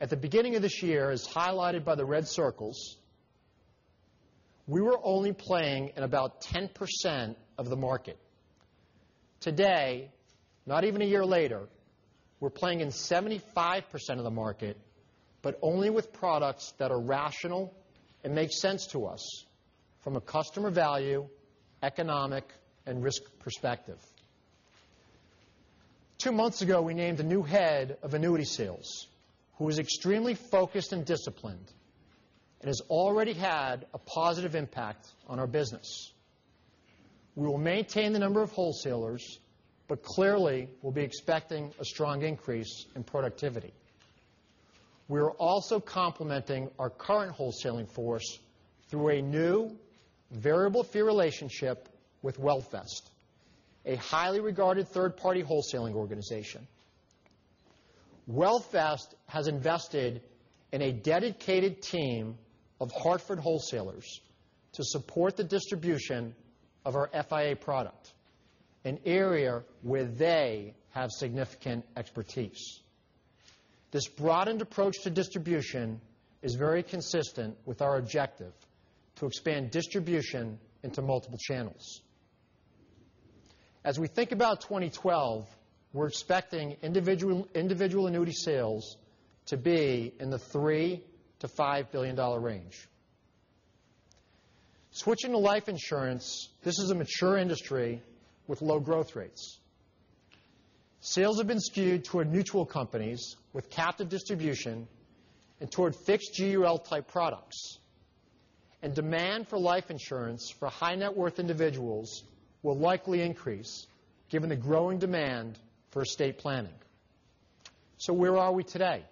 At the beginning of this year, as highlighted by the red circles, we were only playing in about 10% of the market. Today, not even a year later, we're playing in 75% of the market, but only with products that are rational and make sense to us from a customer value, economic, and risk perspective. Two months ago, we named a new head of annuity sales who is extremely focused and disciplined and has already had a positive impact on our business. We will maintain the number of wholesalers, but clearly, we'll be expecting a strong increase in productivity. We are also complementing our current wholesaling force through a new variable fee relationship with WealthVest, a highly regarded third-party wholesaling organization. WealthVest has invested in a dedicated team of Hartford wholesalers to support the distribution of our FIA product, an area where they have significant expertise. This broadened approach to distribution is very consistent with our objective to expand distribution into multiple channels. As we think about 2012, we're expecting individual annuity sales to be in the $3 billion-$5 billion range. Switching to life insurance, this is a mature industry with low growth rates. Sales have been skewed toward mutual companies with captive distribution and toward fixed GUL-type products. Demand for life insurance for high-net-worth individuals will likely increase given the growing demand for estate planning. Where are we today?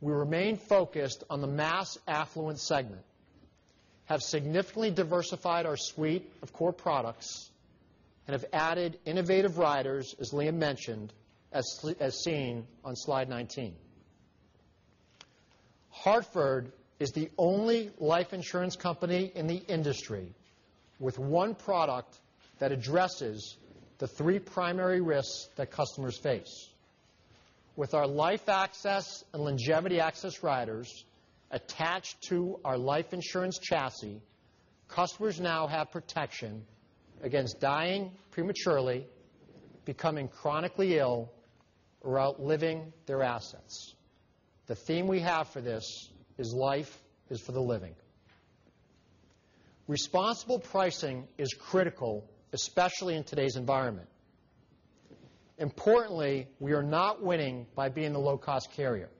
We remain focused on the mass affluent segment, have significantly diversified our suite of core products, and have added innovative riders, as Liam mentioned, as seen on slide 19. The Hartford is the only life insurance company in the industry with one product that addresses the three primary risks that customers face. With our Life Access and Longevity Access riders attached to our life insurance chassis, customers now have protection against dying prematurely, becoming chronically ill, or outliving their assets. The theme we have for this is Life is for the Living. Responsible pricing is critical, especially in today's environment. Importantly, we are not winning by being the low-cost carrier.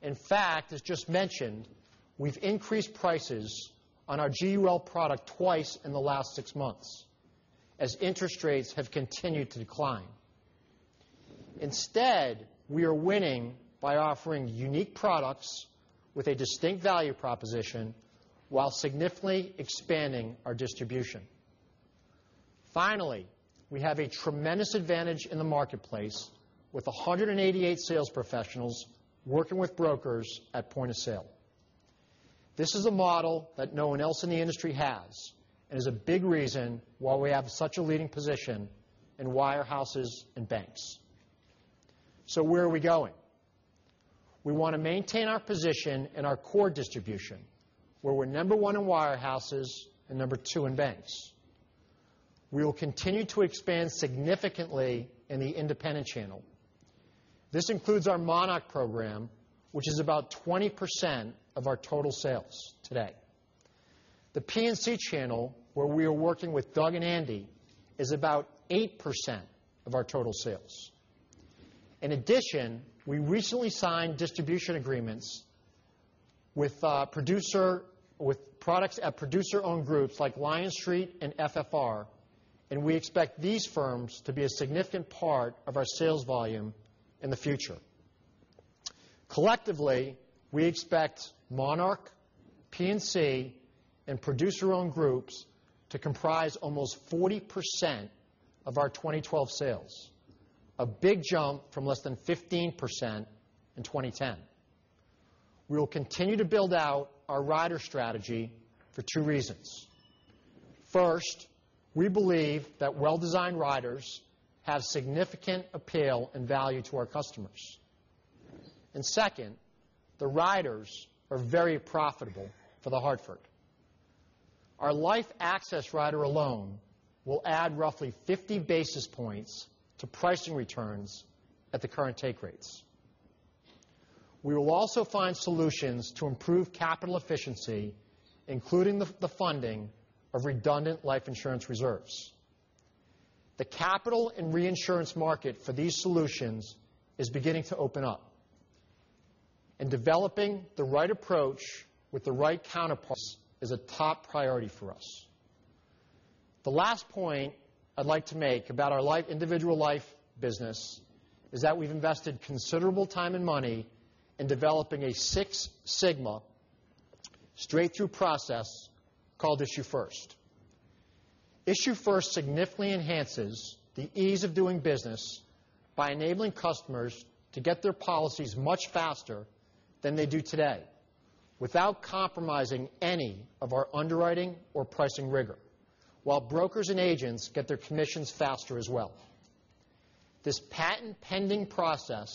In fact, as just mentioned, we've increased prices on our GUL product twice in the last six months as interest rates have continued to decline. Instead, we are winning by offering unique products with a distinct value proposition while significantly expanding our distribution. Finally, we have a tremendous advantage in the marketplace with 188 sales professionals working with brokers at point of sale. This is a model that no one else in the industry has, and is a big reason why we have such a leading position in wirehouses and banks. Where are we going? We want to maintain our position in our core distribution, where we're number one in wirehouses and number two in banks. We will continue to expand significantly in the independent channel. This includes our Monarch program, which is about 20% of our total sales today. The P&C channel, where we are working with Doug and Andy, is about 8% of our total sales. In addition, we recently signed distribution agreements with products at producer-owned groups like Lion Street and FFR, and we expect these firms to be a significant part of our sales volume in the future. Collectively, we expect Monarch, P&C, and producer-owned groups to comprise almost 40% of our 2012 sales, a big jump from less than 15% in 2010. We will continue to build out our rider strategy for two reasons. First, we believe that well-designed riders have significant appeal and value to our customers. Second, the riders are very profitable for The Hartford. Our Life Access rider alone will add roughly 50 basis points to pricing returns at the current take rates. We will also find solutions to improve capital efficiency, including the funding of redundant life insurance reserves. The capital and reinsurance market for these solutions is beginning to open up. Developing the right approach with the right counterparts is a top priority for us. The last point I'd like to make about our individual life business is that we've invested considerable time and money in developing a Six Sigma straight-through process called IssueFirst. IssueFirst significantly enhances the ease of doing business by enabling customers to get their policies much faster than they do today, without compromising any of our underwriting or pricing rigor, while brokers and agents get their commissions faster as well. This patent-pending process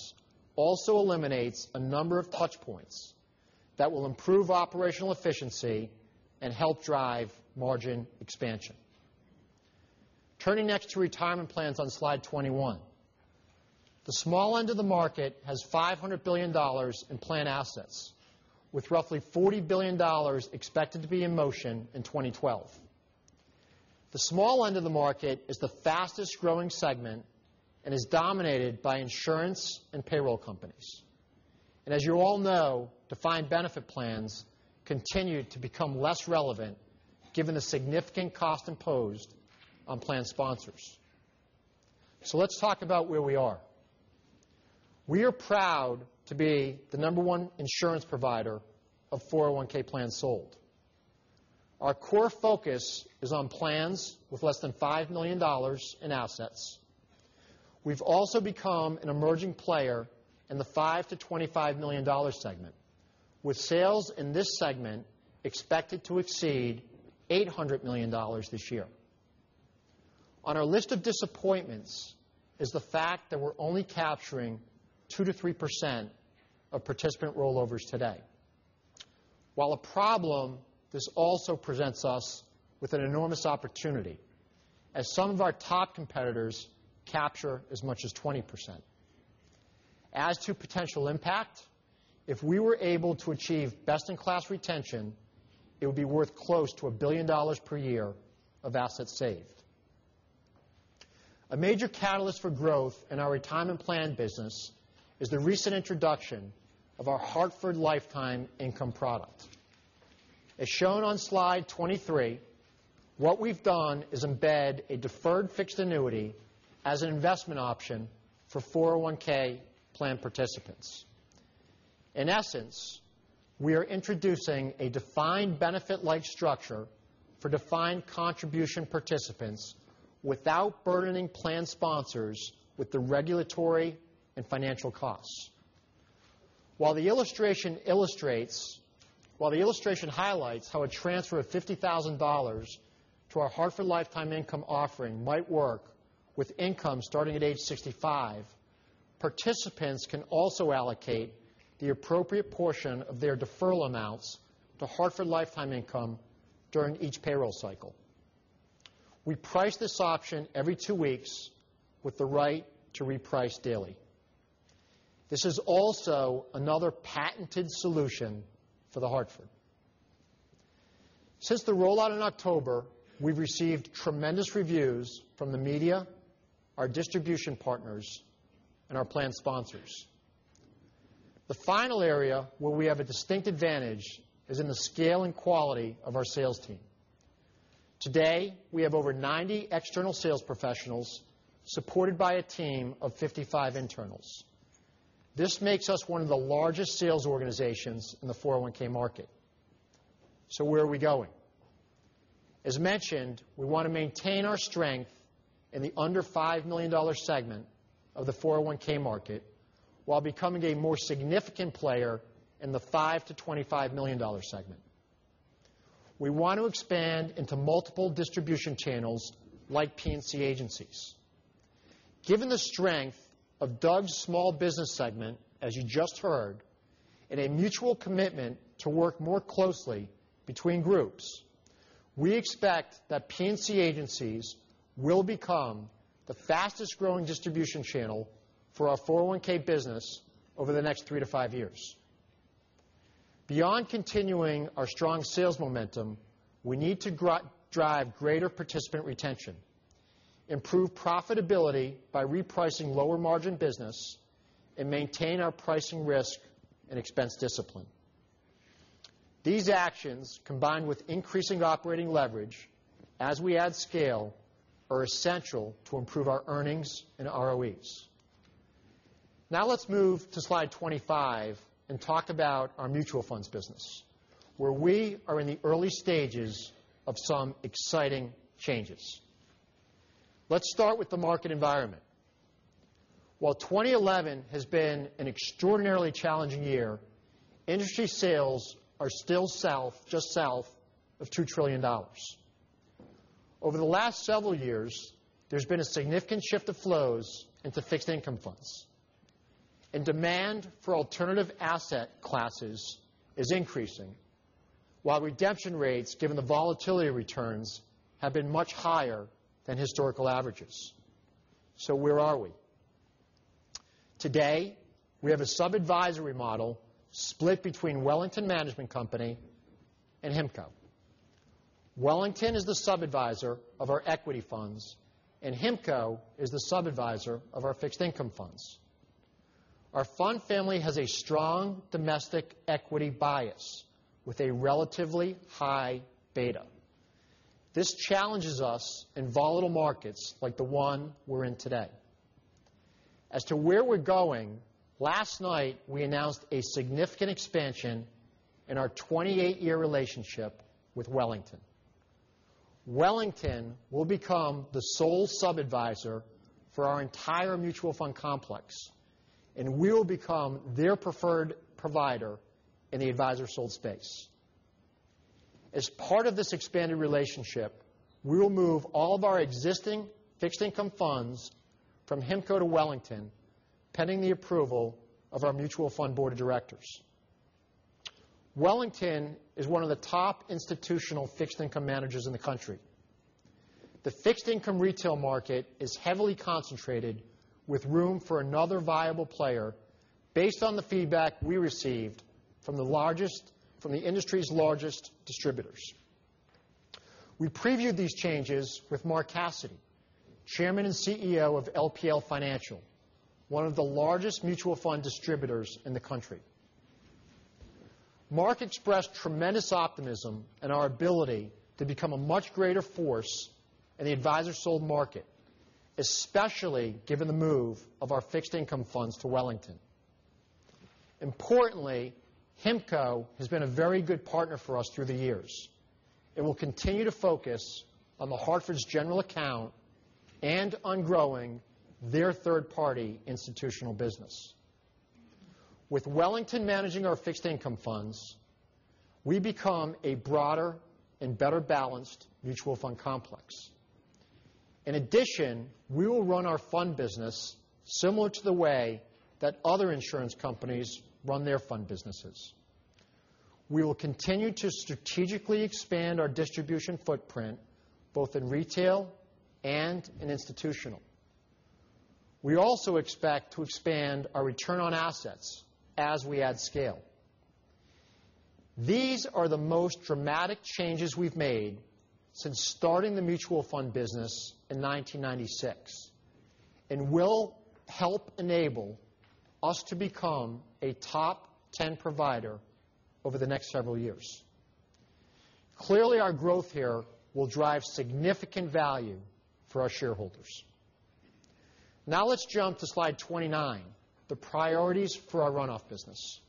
also eliminates a number of touch points that will improve operational efficiency and help drive margin expansion. Turning next to retirement plans on slide 21. The small end of the market has $500 billion in plan assets, with roughly $40 billion expected to be in motion in 2012. The small end of the market is the fastest growing segment and is dominated by insurance and payroll companies. As you all know, defined benefit plans continue to become less relevant given the significant cost imposed on plan sponsors. Let's talk about where we are. We are proud to be the number one insurance provider of 401 plans sold. Our core focus is on plans with less than $5 million in assets. We've also become an emerging player in the $5 million-$25 million segment, with sales in this segment expected to exceed $800 million this year. On our list of disappointments is the fact that we're only capturing 2%-3% of participant rollovers today. While a problem, this also presents us with an enormous opportunity as some of our top competitors capture as much as 20%. As to potential impact, if we were able to achieve best-in-class retention, it would be worth close to $1 billion per year of assets saved. A major catalyst for growth in our retirement plan business is the recent introduction of our The Hartford Lifetime Income product. As shown on slide 23, what we've done is embed a deferred fixed annuity as an investment option for 401 plan participants. In essence, we are introducing a defined benefit-like structure for defined contribution participants without burdening plan sponsors with the regulatory and financial costs. While the illustration highlights how a transfer of $50,000 to our The Hartford Lifetime Income offering might work with income starting at age 65, participants can also allocate the appropriate portion of their deferral amounts to The Hartford Lifetime Income during each payroll cycle. We price this option every two weeks with the right to reprice daily. This is also another patented solution for The Hartford. Since the rollout in October, we've received tremendous reviews from the media, our distribution partners, and our plan sponsors. The final area where we have a distinct advantage is in the scale and quality of our sales team. Today, we have over 90 external sales professionals supported by a team of 55 internals. This makes us one of the largest sales organizations in the 401 market. Where are we going? As mentioned, we want to maintain our strength in the under $5 million segment of the 401 market, while becoming a more significant player in the $5 million-$25 million segment. We want to expand into multiple distribution channels like P&C agencies. Given the strength of Doug's small business segment, as you just heard, and a mutual commitment to work more closely between groups, we expect that P&C agencies will become the fastest growing distribution channel for our 401 business over the next three to five years. Beyond continuing our strong sales momentum, we need to drive greater participant retention, improve profitability by repricing lower margin business, and maintain our pricing risk and expense discipline. These actions, combined with increasing operating leverage as we add scale, are essential to improve our earnings and ROEs. Let's move to slide 25 and talk about our mutual funds business, where we are in the early stages of some exciting changes. Let's start with the market environment. While 2011 has been an extraordinarily challenging year, industry sales are still just south of $2 trillion. Over the last several years, there's been a significant shift of flows into fixed income funds. Demand for alternative asset classes is increasing. While redemption rates, given the volatility of returns, have been much higher than historical averages. Where are we? Today, we have a sub-advisory model split between Wellington Management Company and HIMCO. Wellington is the sub-adviser of our equity funds, and HIMCO is the sub-adviser of our fixed income funds. Our fund family has a strong domestic equity bias with a relatively high beta. This challenges us in volatile markets like the one we're in today. As to where we're going, last night, we announced a significant expansion in our 28-year relationship with Wellington. Wellington will become the sole sub-adviser for our entire mutual fund complex, and we will become their preferred provider in the advisor-sold space. As part of this expanded relationship, we will move all of our existing fixed income funds from HIMCO to Wellington, pending the approval of our mutual fund board of directors. Wellington is one of the top institutional fixed income managers in the country. The fixed income retail market is heavily concentrated with room for another viable player based on the feedback we received from the industry's largest distributors. We previewed these changes with Mark Casady, Chairman and Chief Executive Officer of LPL Financial, one of the largest mutual fund distributors in the country. Mark expressed tremendous optimism in our ability to become a much greater force in the advisor-sold market, especially given the move of our fixed income funds to Wellington. Importantly, HIMCO has been a very good partner for us through the years and will continue to focus on The Hartford's general account and on growing their third-party institutional business. With Wellington managing our fixed income funds, we become a broader and better-balanced mutual fund complex. In addition, we will run our fund business similar to the way that other insurance companies run their fund businesses. We will continue to strategically expand our distribution footprint, both in retail and in institutional. We also expect to expand our return on assets as we add scale. These are the most dramatic changes we've made since starting the mutual fund business in 1996 and will help enable us to become a top 10 provider over the next several years. Clearly, our growth here will drive significant value for our shareholders. Let's jump to slide 29, the priorities for our runoff business.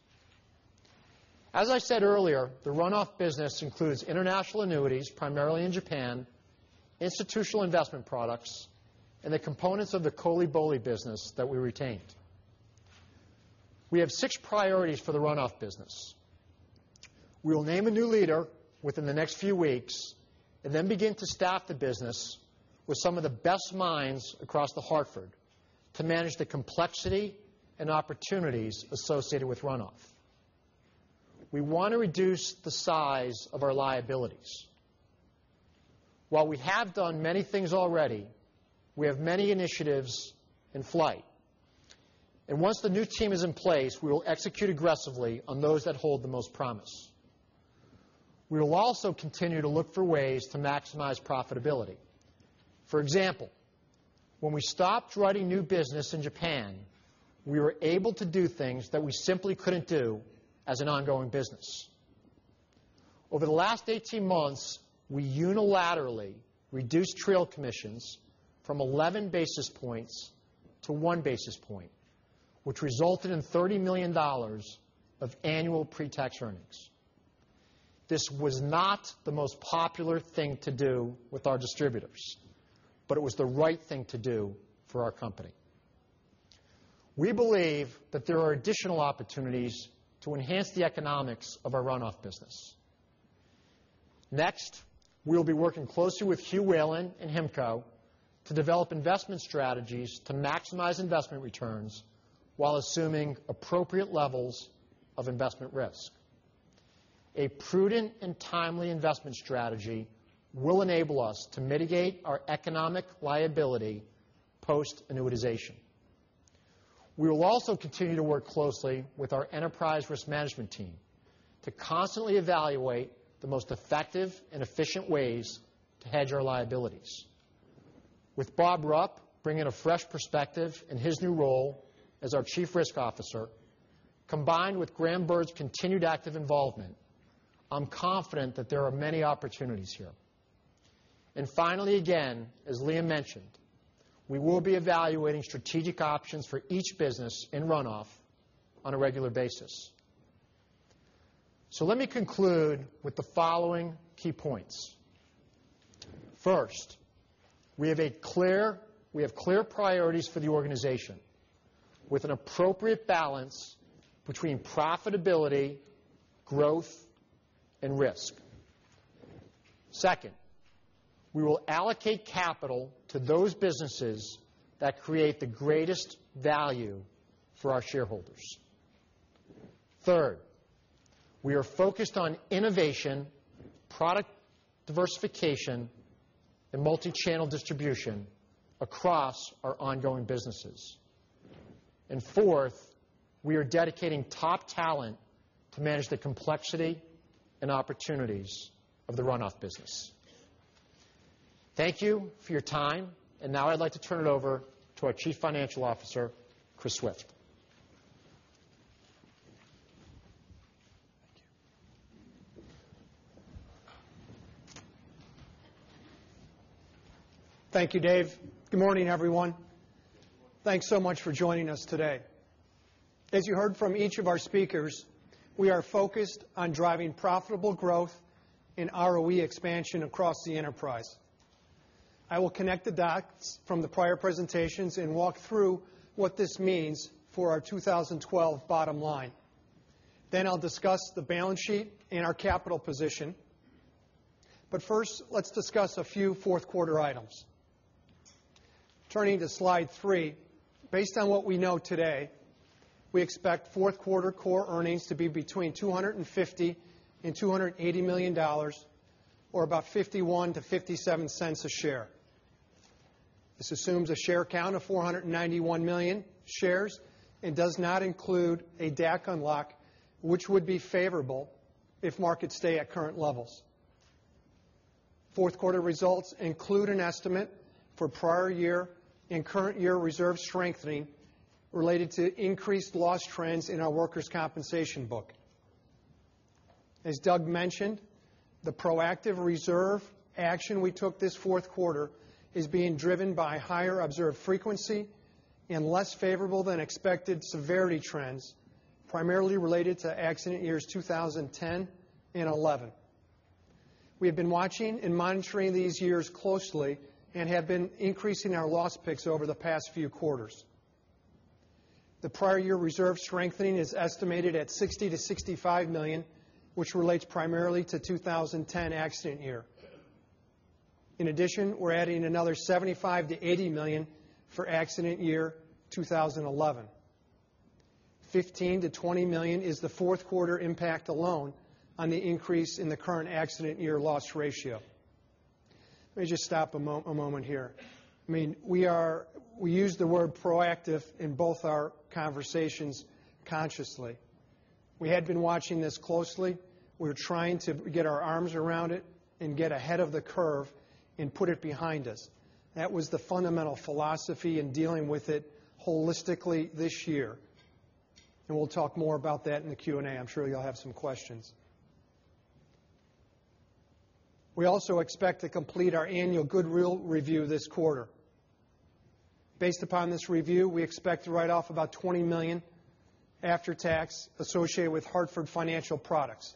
As I said earlier, the runoff business includes international annuities, primarily in Japan, institutional investment products, and the components of the COLI/BOLI business that we retained. We have six priorities for the runoff business. We will name a new leader within the next few weeks and then begin to staff the business with some of the best minds across The Hartford to manage the complexity and opportunities associated with runoff. We want to reduce the size of our liabilities. While we have done many things already, we have many initiatives in flight, and once the new team is in place, we will execute aggressively on those that hold the most promise. We will also continue to look for ways to maximize profitability. For example, when we stopped writing new business in Japan, we were able to do things that we simply couldn't do as an ongoing business. Over the last 18 months, we unilaterally reduced trail commissions from 11 basis points to one basis point, which resulted in $30 million of annual pre-tax earnings. This was not the most popular thing to do with our distributors, but it was the right thing to do for our company. We believe that there are additional opportunities to enhance the economics of our runoff business. Next, we will be working closely with Hugh Whelan and HIMCO to develop investment strategies to maximize investment returns while assuming appropriate levels of investment risk. A prudent and timely investment strategy will enable us to mitigate our economic liability post-annuitization. We will also continue to work closely with our enterprise risk management team to constantly evaluate the most effective and efficient ways to hedge our liabilities. With Bob Rupp bringing a fresh perspective in his new role as our Chief Risk Officer, combined with Graham Burr's continued active involvement, I'm confident that there are many opportunities here. Finally, again, as Liam mentioned, we will be evaluating strategic options for each business in runoff on a regular basis. Let me conclude with the following key points. First, we have clear priorities for the organization with an appropriate balance between profitability, growth, and risk. Second, we will allocate capital to those businesses that create the greatest value for our shareholders. Third, we are focused on innovation, product diversification, and multi-channel distribution across our ongoing businesses. Fourth, we are dedicating top talent to manage the complexity and opportunities of the runoff business. Thank you for your time, and now I'd like to turn it over to our Chief Financial Officer, Chris Swift. Thank you, Dave. Good morning, everyone. Thanks so much for joining us today. As you heard from each of our speakers, we are focused on driving profitable growth and ROE expansion across the enterprise. I will connect the dots from the prior presentations and walk through what this means for our 2012 bottom line. I'll discuss the balance sheet and our capital position. First, let's discuss a few fourth quarter items. Turning to slide three, based on what we know today, we expect fourth quarter core earnings to be between $250 million-$280 million, or about $0.51-$0.57 a share. This assumes a share count of 491 million shares and does not include a DAC unlock, which would be favorable if markets stay at current levels. Fourth quarter results include an estimate for prior year and current year reserve strengthening related to increased loss trends in our workers' compensation book. As Doug mentioned, the proactive reserve action we took this fourth quarter is being driven by higher observed frequency and less favorable than expected severity trends, primarily related to accident years 2010 and 2011. We have been watching and monitoring these years closely and have been increasing our loss picks over the past few quarters. The prior year reserve strengthening is estimated at $60 million-$65 million, which relates primarily to 2010 accident year. In addition, we're adding another $75 million-$80 million for accident year 2011. $15 million-$20 million is the fourth quarter impact alone on the increase in the current accident year loss ratio. Let me just stop a moment here. We use the word proactive in both our conversations consciously. We had been watching this closely. We are trying to get our arms around it and get ahead of the curve and put it behind us. That was the fundamental philosophy in dealing with it holistically this year, and we will talk more about that in the Q&A. I am sure you will have some questions. We also expect to complete our annual goodwill review this quarter. Based upon this review, we expect to write off about $20 million after tax associated with Hartford Financial Products.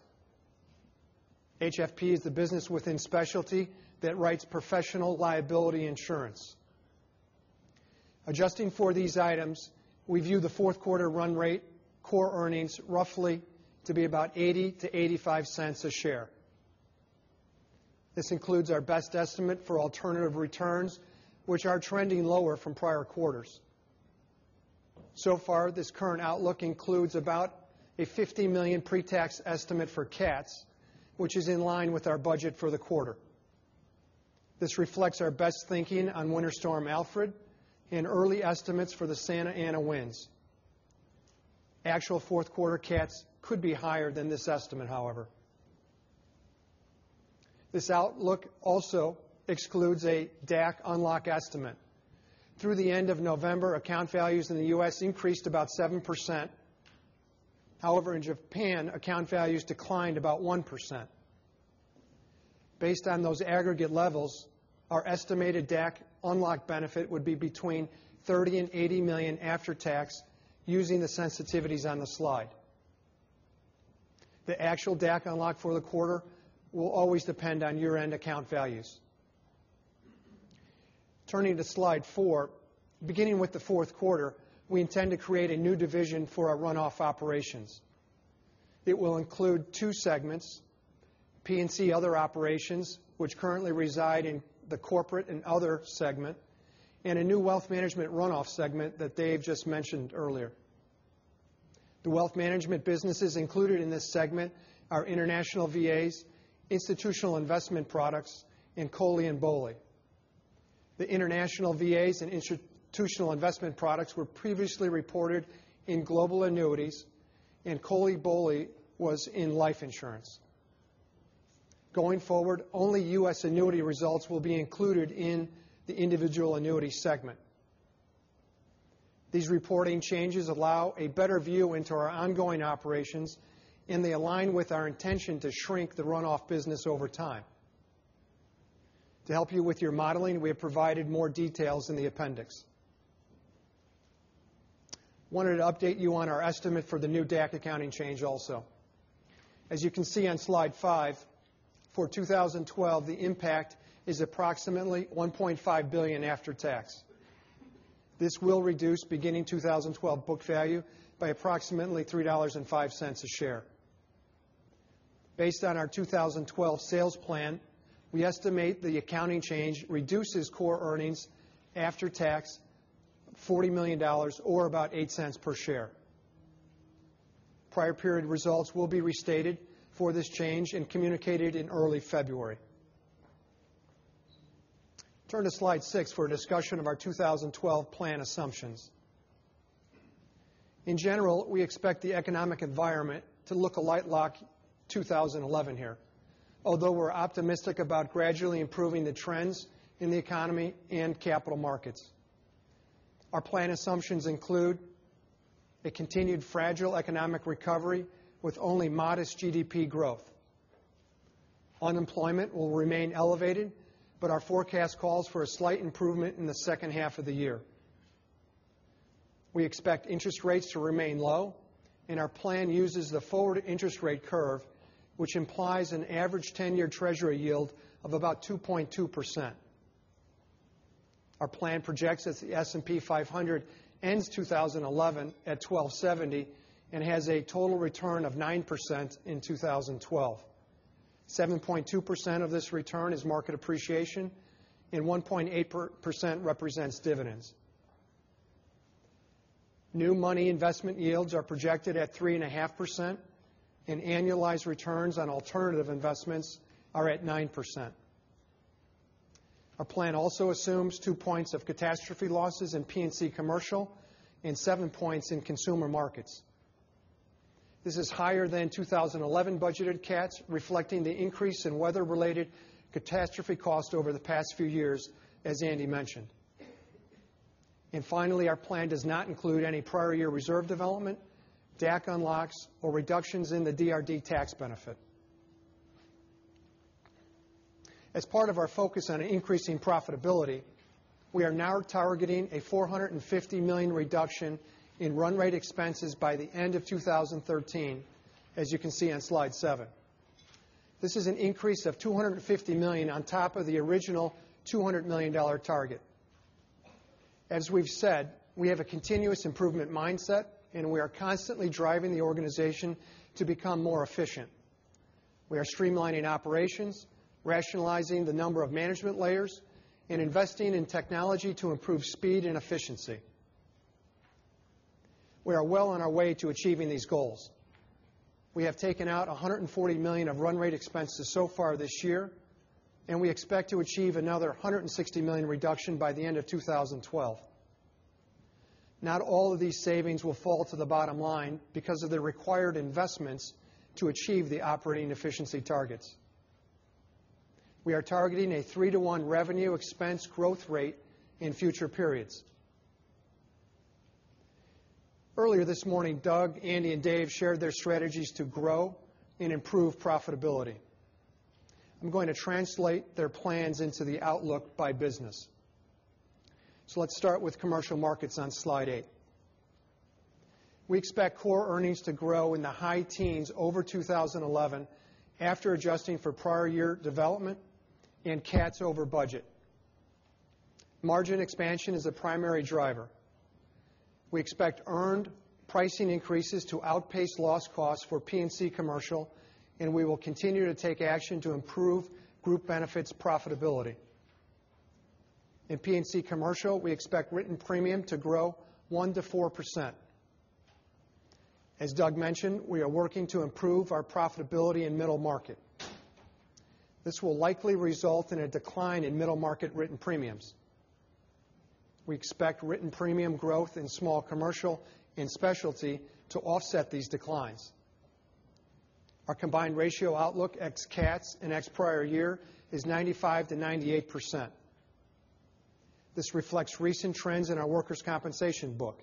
HFP is the business within specialty that writes professional liability insurance. Adjusting for these items, we view the fourth quarter run rate core earnings roughly to be about $0.80-$0.85 a share. This includes our best estimate for alternative returns, which are trending lower from prior quarters. So far, this current outlook includes about a $50 million pre-tax estimate for CATs, which is in line with our budget for the quarter. This reflects our best thinking on Winter Storm Alfred and early estimates for the Santa Ana winds. Actual fourth quarter CATs could be higher than this estimate, however. This outlook also excludes a DAC unlock estimate. Through the end of November, account values in the U.S. increased about 7%. However, in Japan, account values declined about 1%. Based on those aggregate levels, our estimated DAC unlock benefit would be between $30 million and $80 million after tax using the sensitivities on the slide. The actual DAC unlock for the quarter will always depend on year-end account values. Turning to slide four, beginning with the fourth quarter, we intend to create a new division for our runoff operations. It will include two segments, P&C other operations, which currently reside in the corporate and other segment, and a new wealth management runoff segment that Dave just mentioned earlier. The wealth management businesses included in this segment are international VAs, institutional investment products, and COLI and BOLI. The international VAs and institutional investment products were previously reported in global annuities, and COLI/BOLI was in life insurance. Going forward, only U.S. annuity results will be included in the individual annuity segment. These reporting changes allow a better view into our ongoing operations, and they align with our intention to shrink the runoff business over time. To help you with your modeling, we have provided more details in the appendix. Wanted to update you on our estimate for the new DAC accounting change also. As you can see on slide five, for 2012, the impact is approximately $1.5 billion after tax. This will reduce beginning 2012 book value by approximately $3.05 a share. Based on our 2012 sales plan, we estimate the accounting change reduces core earnings after tax, $40 million, or about $0.08 per share. Prior period results will be restated for this change and communicated in early February. Turn to slide six for a discussion of our 2012 plan assumptions. In general, we expect the economic environment to look a lot like 2011 here, although we are optimistic about gradually improving the trends in the economy and capital markets. Our plan assumptions include a continued fragile economic recovery with only modest GDP growth. Unemployment will remain elevated, but our forecast calls for a slight improvement in the second half of the year. We expect interest rates to remain low, and our plan uses the forward interest rate curve, which implies an average 10-year Treasury yield of about 2.2%. Our plan projects that the S&P 500 ends 2011 at 1,270 and has a total return of 9% in 2012. 7.2% of this return is market appreciation, and 1.8% represents dividends. New money investment yields are projected at 3.5%, and annualized returns on alternative investments are at 9%. Our plan also assumes two points of catastrophe losses in P&C commercial and seven points in consumer markets. This is higher than 2011 budgeted CATs, reflecting the increase in weather-related catastrophe cost over the past few years, as Andy mentioned. Finally, our plan does not include any prior year reserve development, DAC unlocks, or reductions in the DRD tax benefit. As part of our focus on increasing profitability, we are now targeting a $450 million reduction in run rate expenses by the end of 2013, as you can see on slide seven. This is an increase of $250 million on top of the original $200 million target. As we've said, we have a continuous improvement mindset, and we are constantly driving the organization to become more efficient. We are streamlining operations, rationalizing the number of management layers, and investing in technology to improve speed and efficiency. We are well on our way to achieving these goals. We have taken out $140 million of run rate expenses so far this year, and we expect to achieve another $160 million reduction by the end of 2012. Not all of these savings will fall to the bottom line because of the required investments to achieve the operating efficiency targets. We are targeting a three-to-one revenue expense growth rate in future periods. Earlier this morning, Doug, Andy, and Dave shared their strategies to grow and improve profitability. I'm going to translate their plans into the outlook by business. Let's start with commercial markets on slide eight. We expect core earnings to grow in the high teens over 2011 after adjusting for prior year development and CATs over budget. Margin expansion is a primary driver. We expect earned pricing increases to outpace loss costs for P&C commercial, and we will continue to take action to improve group benefits profitability. In P&C commercial, we expect written premium to grow 1%-4%. As Doug mentioned, we are working to improve our profitability in middle market. This will likely result in a decline in middle market written premiums. We expect written premium growth in small commercial and specialty to offset these declines. Our combined ratio outlook ex CAT and ex prior year is 95%-98%. This reflects recent trends in our workers' compensation book.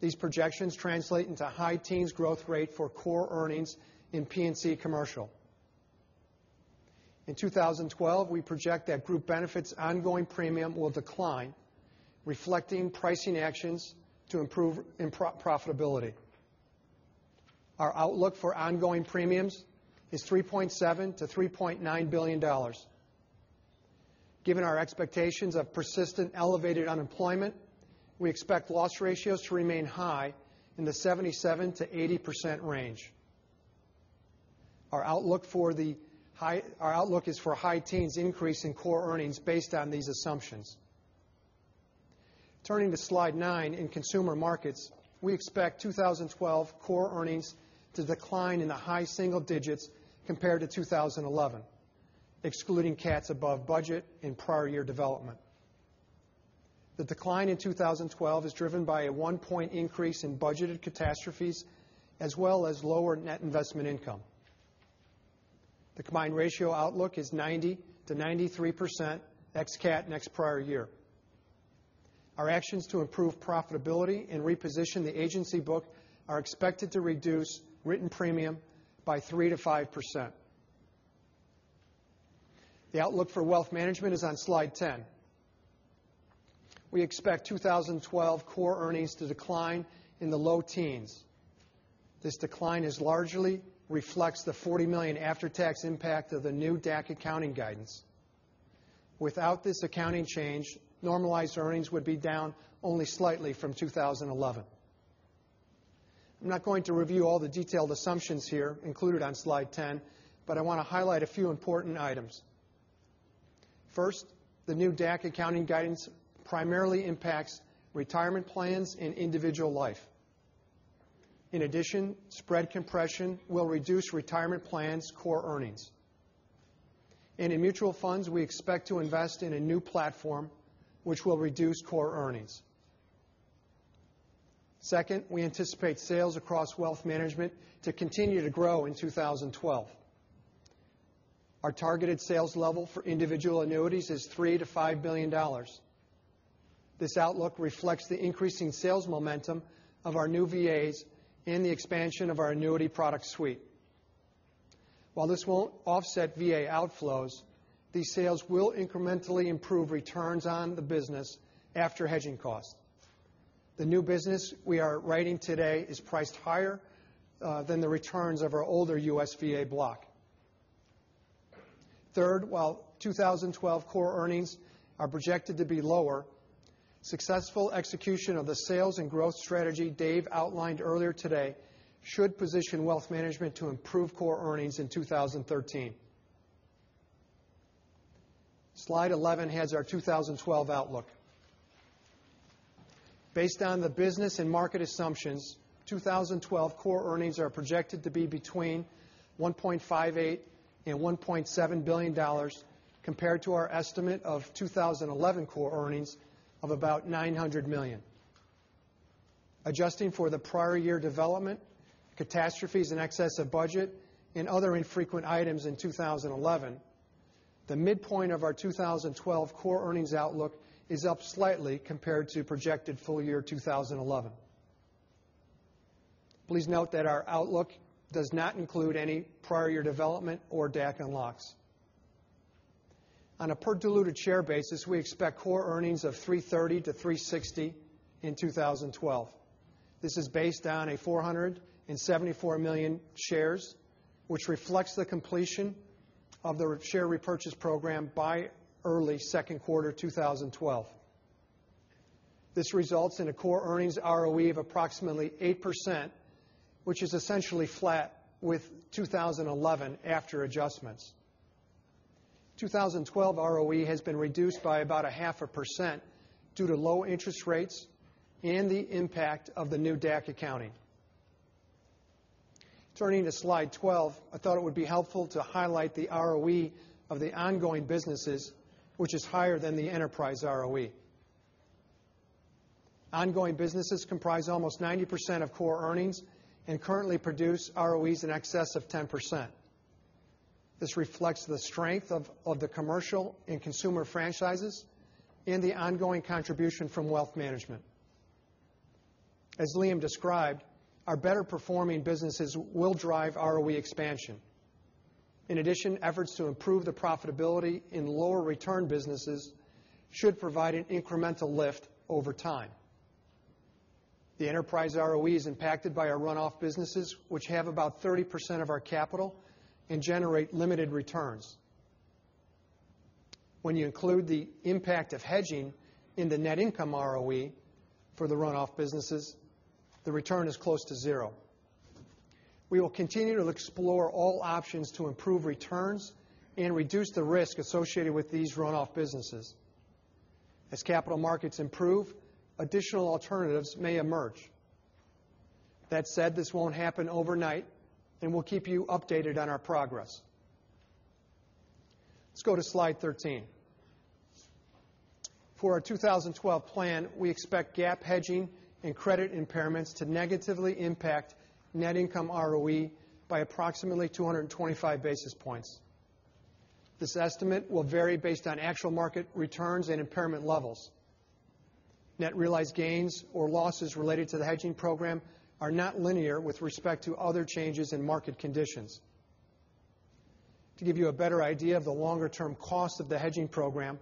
These projections translate into high teens growth rate for core earnings in P&C commercial. In 2012, we project that group benefits ongoing premium will decline, reflecting pricing actions to improve profitability. Our outlook for ongoing premiums is $3.7 billion-$3.9 billion. Given our expectations of persistent elevated unemployment, we expect loss ratios to remain high in the 77%-80% range. Our outlook is for high teens increase in core earnings based on these assumptions. Turning to slide nine, in consumer markets, we expect 2012 core earnings to decline in the high single digits compared to 2011, excluding CATs above budget and prior year development. The decline in 2012 is driven by a one-point increase in budgeted catastrophes as well as lower net investment income. The combined ratio outlook is 90%-93% ex CAT and ex prior year. Our actions to improve profitability and reposition the agency book are expected to reduce written premium by 3%-5%. The outlook for wealth management is on slide 10. We expect 2012 core earnings to decline in the low teens. This decline largely reflects the $40 million after-tax impact of the new DAC accounting guidance. Without this accounting change, normalized earnings would be down only slightly from 2011. I'm not going to review all the detailed assumptions here included on slide 10, but I want to highlight a few important items. First, the new DAC accounting guidance primarily impacts retirement plans and individual life. In addition, spread compression will reduce retirement plans' core earnings. In mutual funds, we expect to invest in a new platform which will reduce core earnings. Second, we anticipate sales across wealth management to continue to grow in 2012. Our targeted sales level for individual annuities is $3 billion-$5 billion. This outlook reflects the increasing sales momentum of our new VAs and the expansion of our annuity product suite. While this won't offset VA outflows, these sales will incrementally improve returns on the business after hedging costs. The new business we are writing today is priced higher than the returns of our older U.S. VA block. Third, while 2012 core earnings are projected to be lower, successful execution of the sales and growth strategy Dave outlined earlier today should position wealth management to improve core earnings in 2013. Slide 11 has our 2012 outlook. Based on the business and market assumptions, 2012 core earnings are projected to be between $1.58 billion and $1.7 billion, compared to our estimate of 2011 core earnings of about $900 million. Adjusting for the prior year development, catastrophes in excess of budget, and other infrequent items in 2011, the midpoint of our 2012 core earnings outlook is up slightly compared to projected full year 2011. Please note that our outlook does not include any prior year development or DAC unlocks. On a per diluted share basis, we expect core earnings of $3.30-$3.60 in 2012. This is based on 474 million shares, which reflects the completion of the share repurchase program by early second quarter 2012. This results in a core earnings ROE of approximately 8%, which is essentially flat with 2011 after adjustments. 2012 ROE has been reduced by about a half a % due to low interest rates and the impact of the new DAC accounting. Turning to slide 12, I thought it would be helpful to highlight the ROE of the ongoing businesses, which is higher than the enterprise ROE. Ongoing businesses comprise almost 90% of core earnings and currently produce ROEs in excess of 10%. This reflects the strength of the commercial and consumer franchises and the ongoing contribution from wealth management. As Liam described, our better performing businesses will drive ROE expansion. In addition, efforts to improve the profitability in lower return businesses should provide an incremental lift over time. The enterprise ROE is impacted by our run-off businesses, which have about 30% of our capital and generate limited returns. When you include the impact of hedging in the net income ROE for the run-off businesses, the return is close to zero. We will continue to explore all options to improve returns and reduce the risk associated with these run-off businesses. As capital markets improve, additional alternatives may emerge. That said, this won't happen overnight, and we'll keep you updated on our progress. Let's go to slide 13. For our 2012 plan, we expect GAAP hedging and credit impairments to negatively impact net income ROE by approximately 225 basis points. This estimate will vary based on actual market returns and impairment levels. Net realized gains or losses related to the hedging program are not linear with respect to other changes in market conditions. To give you a better idea of the longer-term cost of the hedging program,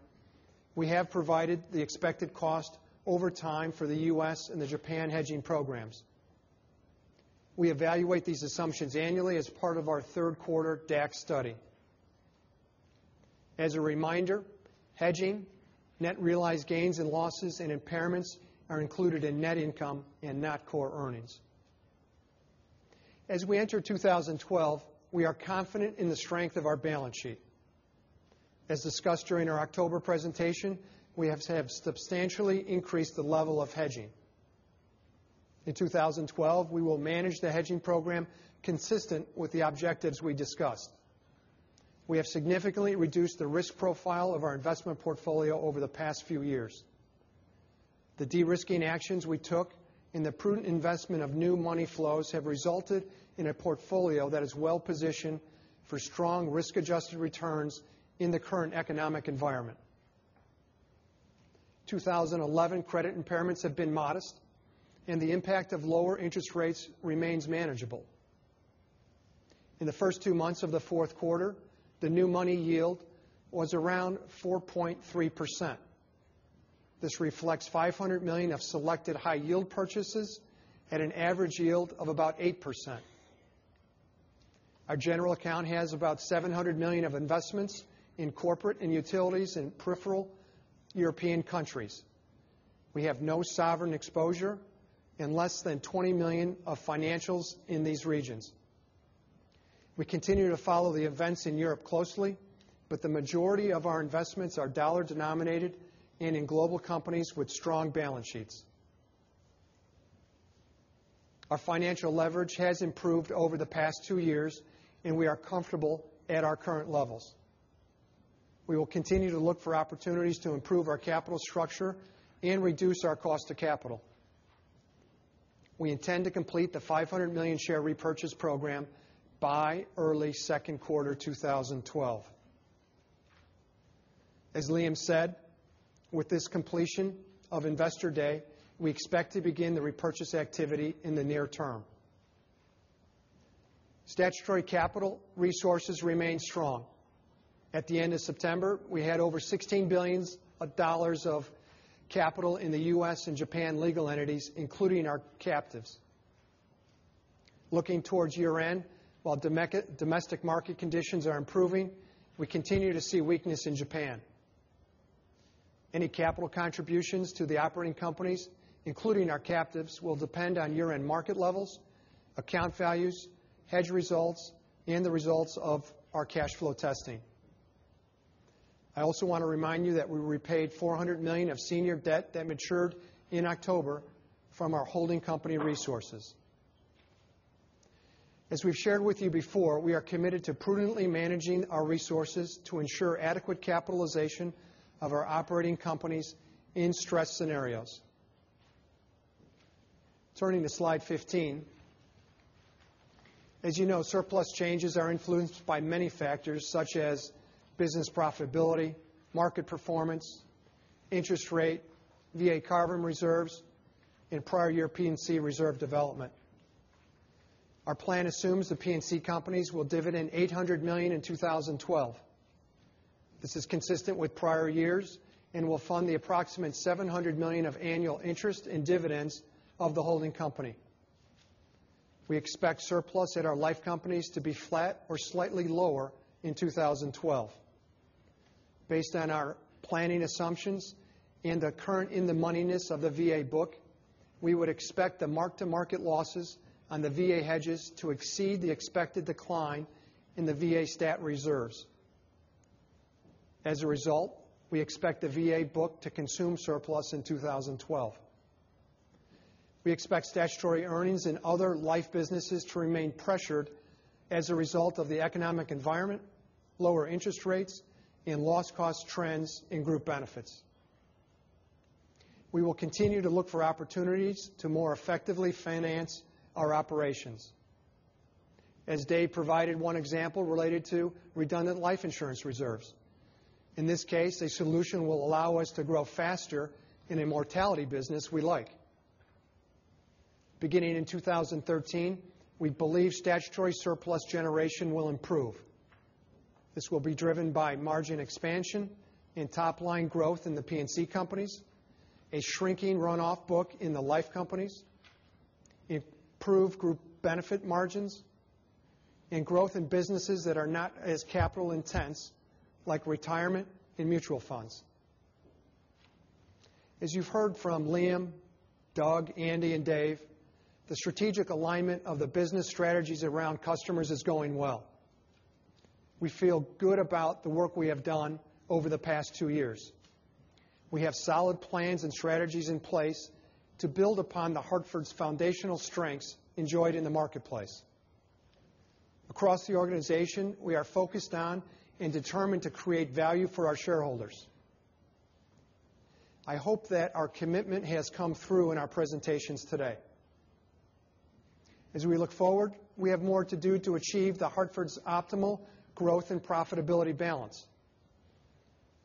we have provided the expected cost over time for the U.S. and the Japan hedging programs. We evaluate these assumptions annually as part of our third quarter DAC study. As a reminder, hedging, net realized gains and losses, and impairments are included in net income and not core earnings. As we enter 2012, we are confident in the strength of our balance sheet. As discussed during our October presentation, we have substantially increased the level of hedging. In 2012, we will manage the hedging program consistent with the objectives we discussed. We have significantly reduced the risk profile of our investment portfolio over the past few years. The de-risking actions we took and the prudent investment of new money flows have resulted in a portfolio that is well-positioned for strong risk-adjusted returns in the current economic environment. 2011 credit impairments have been modest, and the impact of lower interest rates remains manageable. In the first two months of the fourth quarter, the new money yield was around 4.3%. This reflects $500 million of selected high yield purchases at an average yield of about 8%. Our general account has about $700 million of investments in corporate and utilities in peripheral European countries. We have no sovereign exposure and less than $20 million of financials in these regions. We continue to follow the events in Europe closely, but the majority of our investments are dollar-denominated and in global companies with strong balance sheets. Our financial leverage has improved over the past two years, and we are comfortable at our current levels. We will continue to look for opportunities to improve our capital structure and reduce our cost of capital. We intend to complete the $500 million share repurchase program by early second quarter 2012. As Liam said, with this completion of Investor Day, we expect to begin the repurchase activity in the near term. Statutory capital resources remain strong. At the end of September, we had over $16 billion of capital in the U.S. and Japan legal entities, including our captives. Looking towards year-end, while domestic market conditions are improving, we continue to see weakness in Japan. Any capital contributions to the operating companies, including our captives, will depend on year-end market levels, account values, hedge results, and the results of our cash flow testing. I also want to remind you that we repaid $400 million of senior debt that matured in October from our holding company resources. As we've shared with you before, we are committed to prudently managing our resources to ensure adequate capitalization of our operating companies in stress scenarios. Turning to slide 15. As you know, surplus changes are influenced by many factors such as business profitability, market performance, interest rate, VA CARVM reserves, and prior year P&C reserve development. Our plan assumes the P&C companies will dividend $800 million in 2012. This is consistent with prior years and will fund the approximate $700 million of annual interest in dividends of the holding company. We expect surplus at our life companies to be flat or slightly lower in 2012. Based on our planning assumptions and the current in-the-moneyness of the VA book, we would expect the mark-to-market losses on the VA hedges to exceed the expected decline in the VA stat reserves. As a result, we expect the VA book to consume surplus in 2012. We expect statutory earnings in other life businesses to remain pressured as a result of the economic environment, lower interest rates, and loss cost trends in group benefits. We will continue to look for opportunities to more effectively finance our operations. As Dave provided one example related to redundant life insurance reserves. In this case, a solution will allow us to grow faster in a mortality business we like. Beginning in 2013, we believe statutory surplus generation will improve. This will be driven by margin expansion and top-line growth in the P&C companies, a shrinking run-off book in the life companies, improved group benefit margins, and growth in businesses that are not as capital intense, like retirement and mutual funds. As you've heard from Liam, Doug, Andy, and Dave, the strategic alignment of the business strategies around customers is going well. We feel good about the work we have done over the past two years. We have solid plans and strategies in place to build upon The Hartford's foundational strengths enjoyed in the marketplace. Across the organization, we are focused on and determined to create value for our shareholders. I hope that our commitment has come through in our presentations today. As we look forward, we have more to do to achieve The Hartford's optimal growth and profitability balance.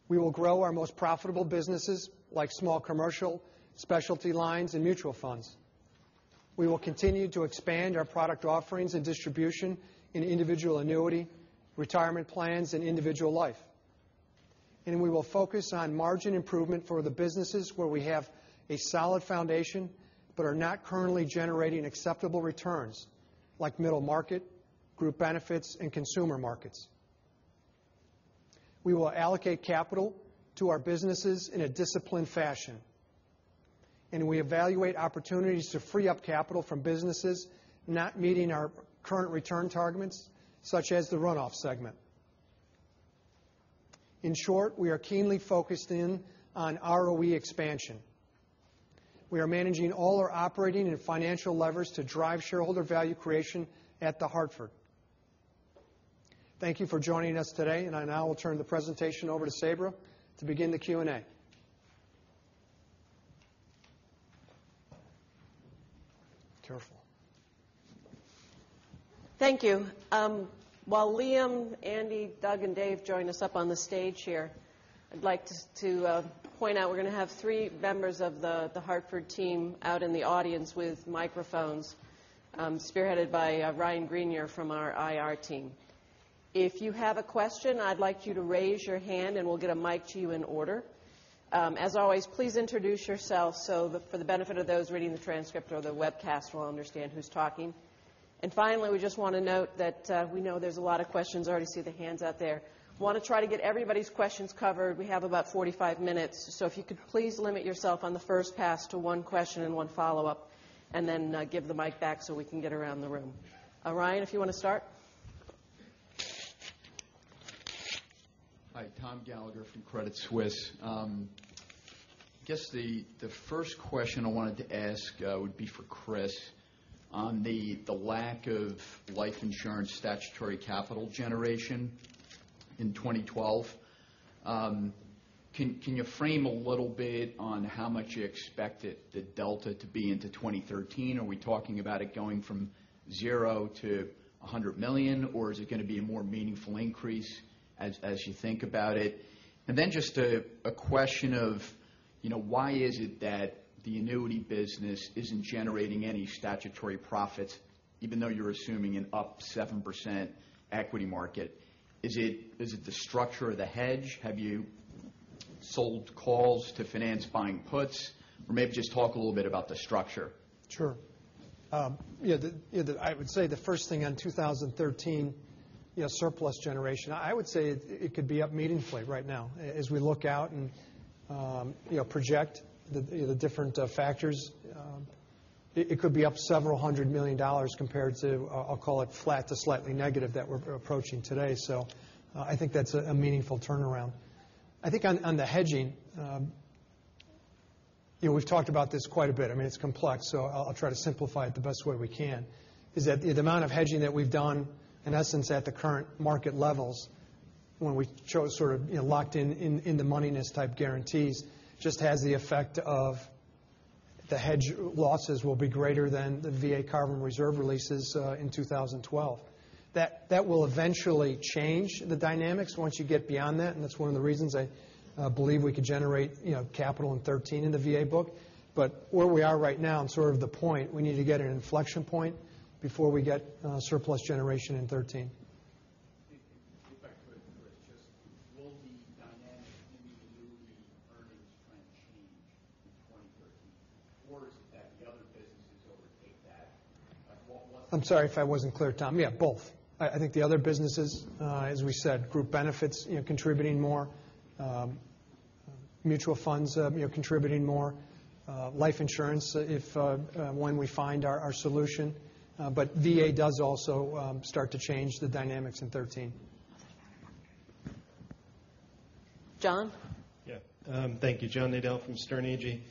We will grow our most profitable businesses, like small commercial, specialty lines, and mutual funds. We will continue to expand our product offerings and distribution in individual annuity, retirement plans, and individual life. We will focus on margin improvement for the businesses where we have a solid foundation but are not currently generating acceptable returns, like middle market, group benefits, and consumer markets. We will allocate capital to our businesses in a disciplined fashion, and we evaluate opportunities to free up capital from businesses not meeting our current return targets, such as the run-off segment. In short, we are keenly focused in on ROE expansion. We are managing all our operating and financial levers to drive shareholder value creation at The Hartford. Thank you for joining us today, and I now will turn the presentation over to Sabra to begin the Q&A. Careful. Thank you. While Liam, Andy, Doug, and Dave join us up on the stage here, I'd like to point out we're going to have three members of The Hartford team out in the audience with microphones, spearheaded by Ryan Greenier from our IR team. If you have a question, I'd like you to raise your hand, and we'll get a mic to you in order. As always, please introduce yourself for the benefit of those reading the transcript or the webcast will understand who's talking. Finally, we just want to note that we know there's a lot of questions. I already see the hands out there. We want to try to get everybody's questions covered. We have about 45 minutes, so if you could please limit yourself on the first pass to one question and one follow-up, then give the mic back so we can get around the room. Ryan, if you want to start. Hi. Thomas Gallagher from Credit Suisse. I guess the first question I wanted to ask would be for Chris on the lack of life insurance statutory capital generation in 2012. Can you frame a little bit on how much you expect the delta to be into 2013? Are we talking about it going from zero to $100 million, or is it going to be a more meaningful increase as you think about it? Just a question of why is it that the annuity business isn't generating any statutory profits even though you're assuming an up seven percent equity market? Is it the structure of the hedge? Have you sold calls to finance buying puts? Or maybe just talk a little bit about the structure. Sure. I would say the first thing on 2013 surplus generation, I would say it could be up meaningfully right now as we look out and project the different factors. It could be up several hundred million dollars compared to, I'll call it flat to slightly negative that we're approaching today. I think that's a meaningful turnaround. I think on the hedging, we've talked about this quite a bit. It's complex, so I'll try to simplify it the best way we can, is that the amount of hedging that we've done in essence at the current market levels when we sort of locked in the moneyness type guarantees just has the effect of the hedge losses will be greater than the VA CARVM reserve releases in 2012. That will eventually change the dynamics once you get beyond that, and that's one of the reasons I believe we could generate capital in 2013 in the VA book. Where we are right now and sort of the point, we need to get an inflection point before we get surplus generation in 2013. If I could, Chris, just will the dynamic in the annuity earnings trend change in 2013, or is it that the other businesses overtake that? What's- I'm sorry if I wasn't clear, Tom. Yeah, both. I think the other businesses, as we said, group benefits contributing more, mutual funds contributing more, life insurance when we find our solution. VA does also start to change the dynamics in 2013. John? Yeah. Thank you. John Nadel from Sterne Agee.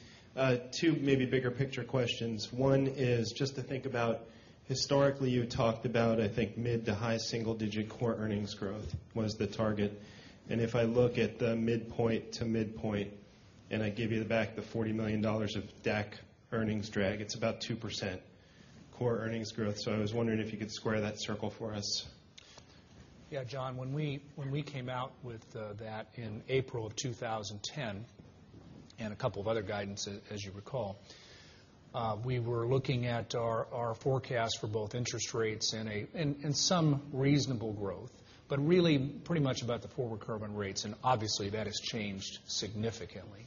Two maybe bigger picture questions. One is just to think about historically, you had talked about, I think mid to high single-digit core earnings growth was the target. If I look at the midpoint to midpoint, and I give you back the $40 million of DAC earnings drag, it's about 2% core earnings growth. I was wondering if you could square that circle for us. John, when we came out with that in April of 2010, and a couple of other guidances, as you recall, we were looking at our forecast for both interest rates and some reasonable growth, but really pretty much about the forward curve rates, and obviously, that has changed significantly.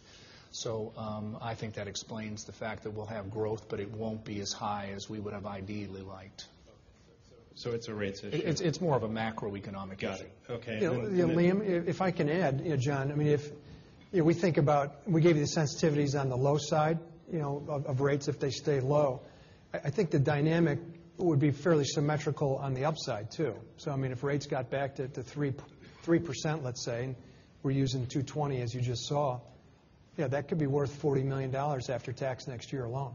I think that explains the fact that we'll have growth, but it won't be as high as we would have ideally liked. It's a rate situation. It's more of a macroeconomic issue. Got it. Okay. Liam, if I can add, John, if we think about we gave you the sensitivities on the low side of rates if they stay low, I think the dynamic would be fairly symmetrical on the upside, too. If rates got back to 3%, let's say, we're using 220 as you just saw, that could be worth $40 million after tax next year alone.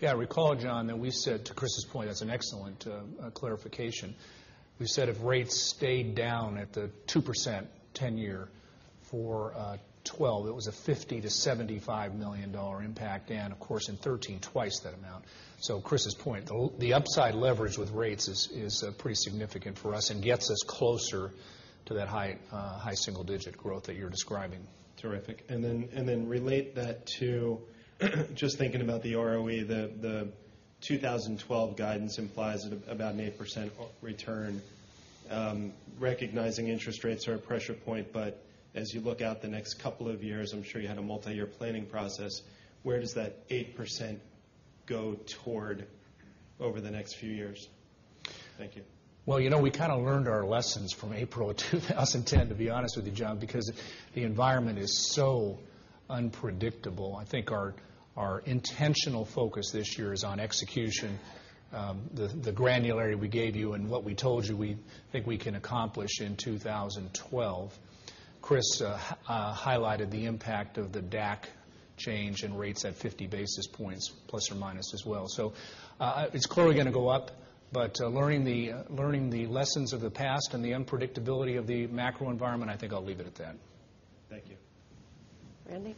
Yeah. Recall, John, that we said, to Chris' point, that's an excellent clarification. We said if rates stayed down at the 2% 10-year for 2012, it was a $50 million-$75 million impact. Of course, in 2013, twice that amount. Chris' point, the upside leverage with rates is pretty significant for us and gets us closer to that high single-digit growth that you're describing. Terrific. Then relate that to just thinking about the ROE, the 2012 guidance implies at about an 8% return, recognizing interest rates are a pressure point. As you look out the next couple of years, I'm sure you had a multi-year planning process, where does that 8% go toward over the next few years? Thank you. Well, we kind of learned our lessons from April of 2010, to be honest with you, John, because the environment is so unpredictable. I think our intentional focus this year is on execution, the granularity we gave you and what we told you we think we can accomplish in 2012. Chris highlighted the impact of the DAC change and rates at 50 basis points plus or minus as well. It's clearly going to go up, but learning the lessons of the past and the unpredictability of the macro environment, I think I'll leave it at that. Thank you. Randy?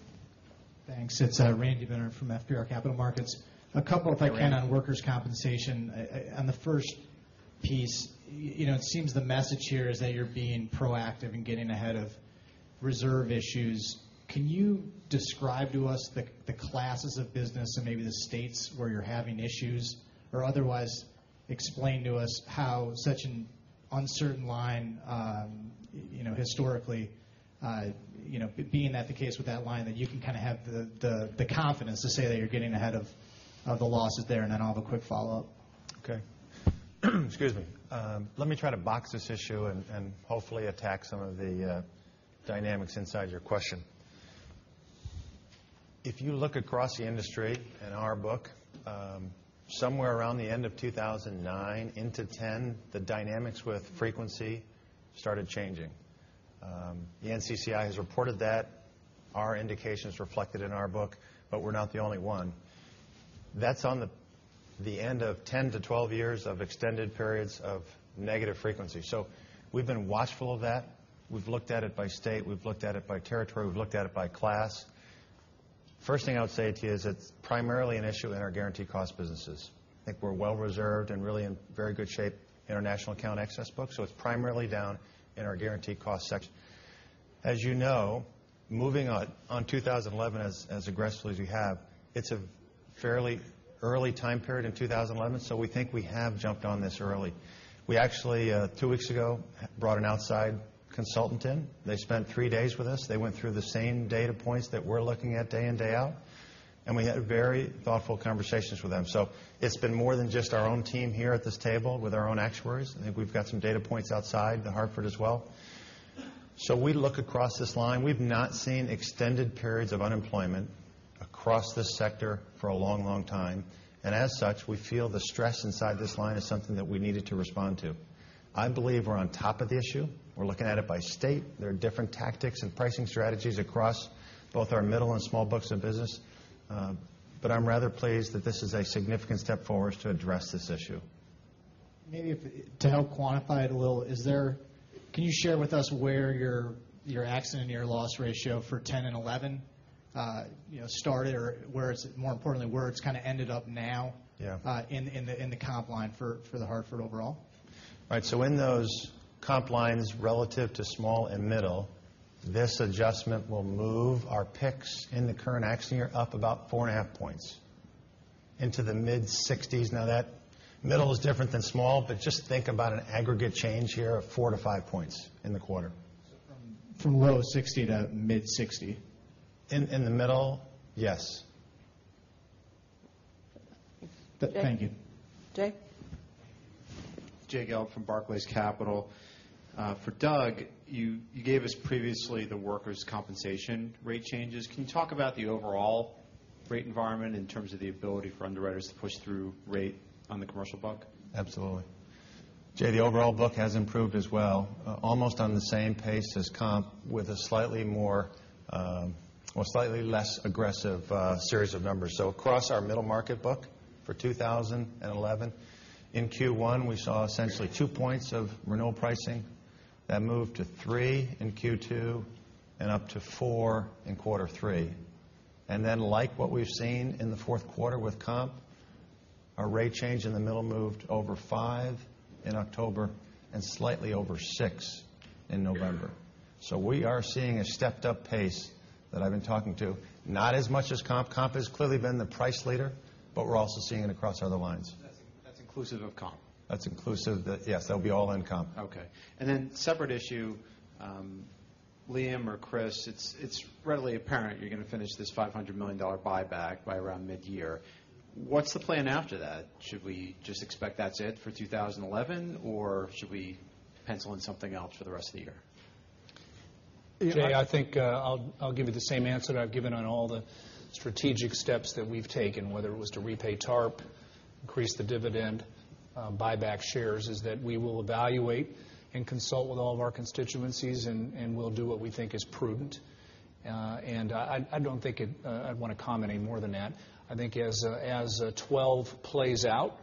Thanks. It's Randy Binner from FBR Capital Markets. A couple, if I can, on workers' compensation. On the first piece, it seems the message here is that you're being proactive and getting ahead of reserve issues. Can you describe to us the classes of business and maybe the states where you're having issues? Otherwise, explain to us how such an uncertain line historically, being that the case with that line, that you can kind of have the confidence to say that you're getting ahead of the losses there, and then I'll have a quick follow-up. Okay. Excuse me. Let me try to box this issue and hopefully attack some of the dynamics inside your question. If you look across the industry in our book, somewhere around the end of 2009 into 2010, the dynamics with frequency Started changing. The NCCI has reported that, our indication is reflected in our book, but we're not the only one. That's on the end of 10 to 12 years of extended periods of negative frequency. We've been watchful of that. We've looked at it by state, we've looked at it by territory, we've looked at it by class. First thing I would say to you is it's primarily an issue in our guaranteed cost businesses. I think we're well reserved and really in very good shape in our national account excess book, it's primarily down in our guaranteed cost section. As you know, moving on 2011 as aggressively as we have, it's a fairly early time period in 2011, we think we have jumped on this early. We actually, two weeks ago, brought an outside consultant in. They spent three days with us. They went through the same data points that we're looking at day in, day out, we had very thoughtful conversations with them. It's been more than just our own team here at this table with our own actuaries. I think we've got some data points outside The Hartford as well. We look across this line. We've not seen extended periods of unemployment across this sector for a long time. As such, we feel the stress inside this line is something that we needed to respond to. I believe we're on top of the issue. We're looking at it by state. There are different tactics and pricing strategies across both our middle and small books of business. I'm rather pleased that this is a significant step forward to address this issue. Maybe to help quantify it a little, can you share with us where your accident and your loss ratio for 2010 and 2011 started or more importantly, where it's ended up now Yeah in the comp line for The Hartford overall? Right. In those comp lines relative to small and middle, this adjustment will move our picks in the current accident year up about four and a half points into the mid-60s. That middle is different than small, but just think about an aggregate change here of four to five points in the quarter. From low 60 to mid 60. In the middle, yes. Thank you. Jay? Jay Gelb from Barclays Capital. For Doug, you gave us previously the workers' compensation rate changes. Can you talk about the overall rate environment in terms of the ability for underwriters to push through rate on the commercial book? Absolutely. Jay, the overall book has improved as well, almost on the same pace as comp, with a slightly less aggressive series of numbers. Across our middle market book for 2011, in Q1, we saw essentially two points of renewal pricing. That moved to three in Q2, and up to four in quarter three. Like what we've seen in the fourth quarter with comp, our rate change in the middle moved over five in October and slightly over six in November. We are seeing a stepped-up pace that I've been talking to, not as much as comp. Comp has clearly been the price leader, but we're also seeing it across other lines. That's inclusive of comp? That's inclusive. Yes, that would be all in comp. Okay. Separate issue, Liam or Chris, it's readily apparent you're going to finish this $500 million buyback by around mid-year. What's the plan after that? Should we just expect that's it for 2011, or should we pencil in something else for the rest of the year? Jay, I think I'll give you the same answer that I've given on all the strategic steps that we've taken, whether it was to repay TARP, increase the dividend, buy back shares, is that we will evaluate and consult with all of our constituencies, and we'll do what we think is prudent. I don't think I'd want to comment any more than that. I think as 2012 plays out,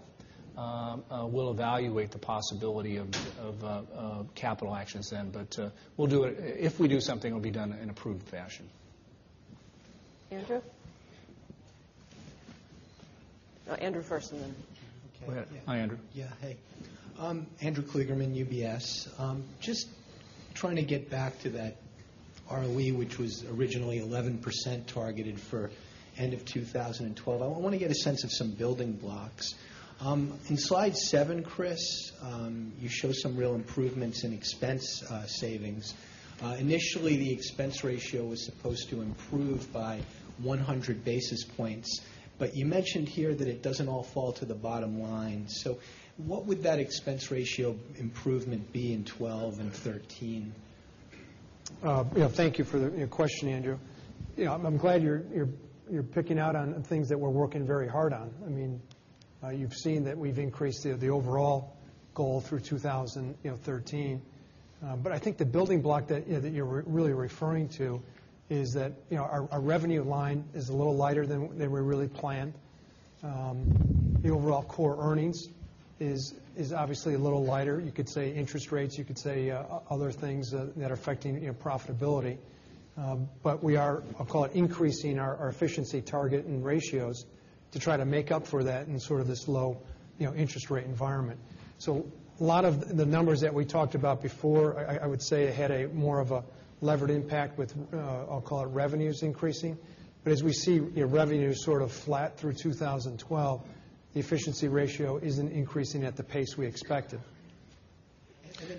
we'll evaluate the possibility of capital actions then. If we do something, it'll be done in an approved fashion. Andrew? Andrew first, and then Go ahead. Hi, Andrew. Yeah. Hey. Andrew Kligerman, UBS. Just trying to get back to that ROE, which was originally 11% targeted for end of 2012. I want to get a sense of some building blocks. In slide seven, Chris, you show some real improvements in expense savings. Initially, the expense ratio was supposed to improve by 100 basis points, you mentioned here that it doesn't all fall to the bottom line. What would that expense ratio improvement be in 2012 and 2013? Thank you for the question, Andrew. I'm glad you're picking out on things that we're working very hard on. You've seen that we've increased the overall goal through 2013. I think the building block that you're really referring to is that our revenue line is a little lighter than we really planned. The overall core earnings is obviously a little lighter. You could say interest rates, you could say other things that are affecting profitability. We are, I'll call it increasing our efficiency target and ratios to try to make up for that in sort of this low interest rate environment. A lot of the numbers that we talked about before, I would say, had a more of a levered impact with, I'll call it revenues increasing. As we see revenues sort of flat through 2012, the efficiency ratio isn't increasing at the pace we expected.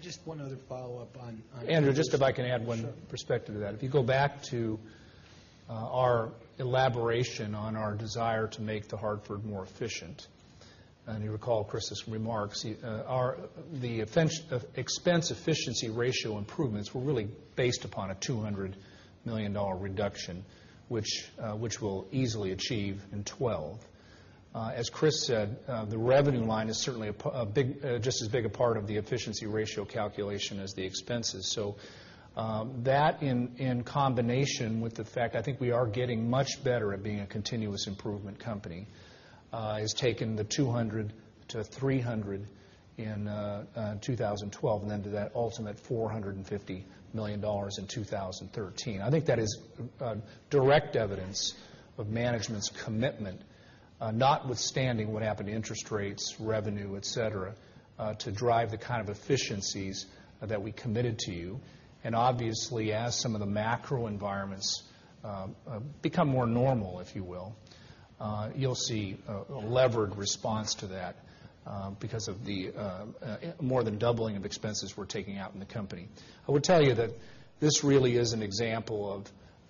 Just one other follow-up on- Andrew, just if I can add one perspective to that. If you go back to our elaboration on our desire to make The Hartford more efficient You recall Chris' remarks, the expense efficiency ratio improvements were really based upon a $200 million reduction, which we'll easily achieve in 2012. As Chris said, the revenue line is certainly just as big a part of the efficiency ratio calculation as the expenses. That in combination with the fact, I think we are getting much better at being a continuous improvement company, has taken the 200 to 300 in 2012 and then to that ultimate $450 million in 2013. I think that is direct evidence of management's commitment, notwithstanding what happened to interest rates, revenue, et cetera, to drive the kind of efficiencies that we committed to you. Obviously, as some of the macro environments become more normal, if you will, you'll see a levered response to that because of the more than doubling of expenses we're taking out in the company. I would tell you that this really is an example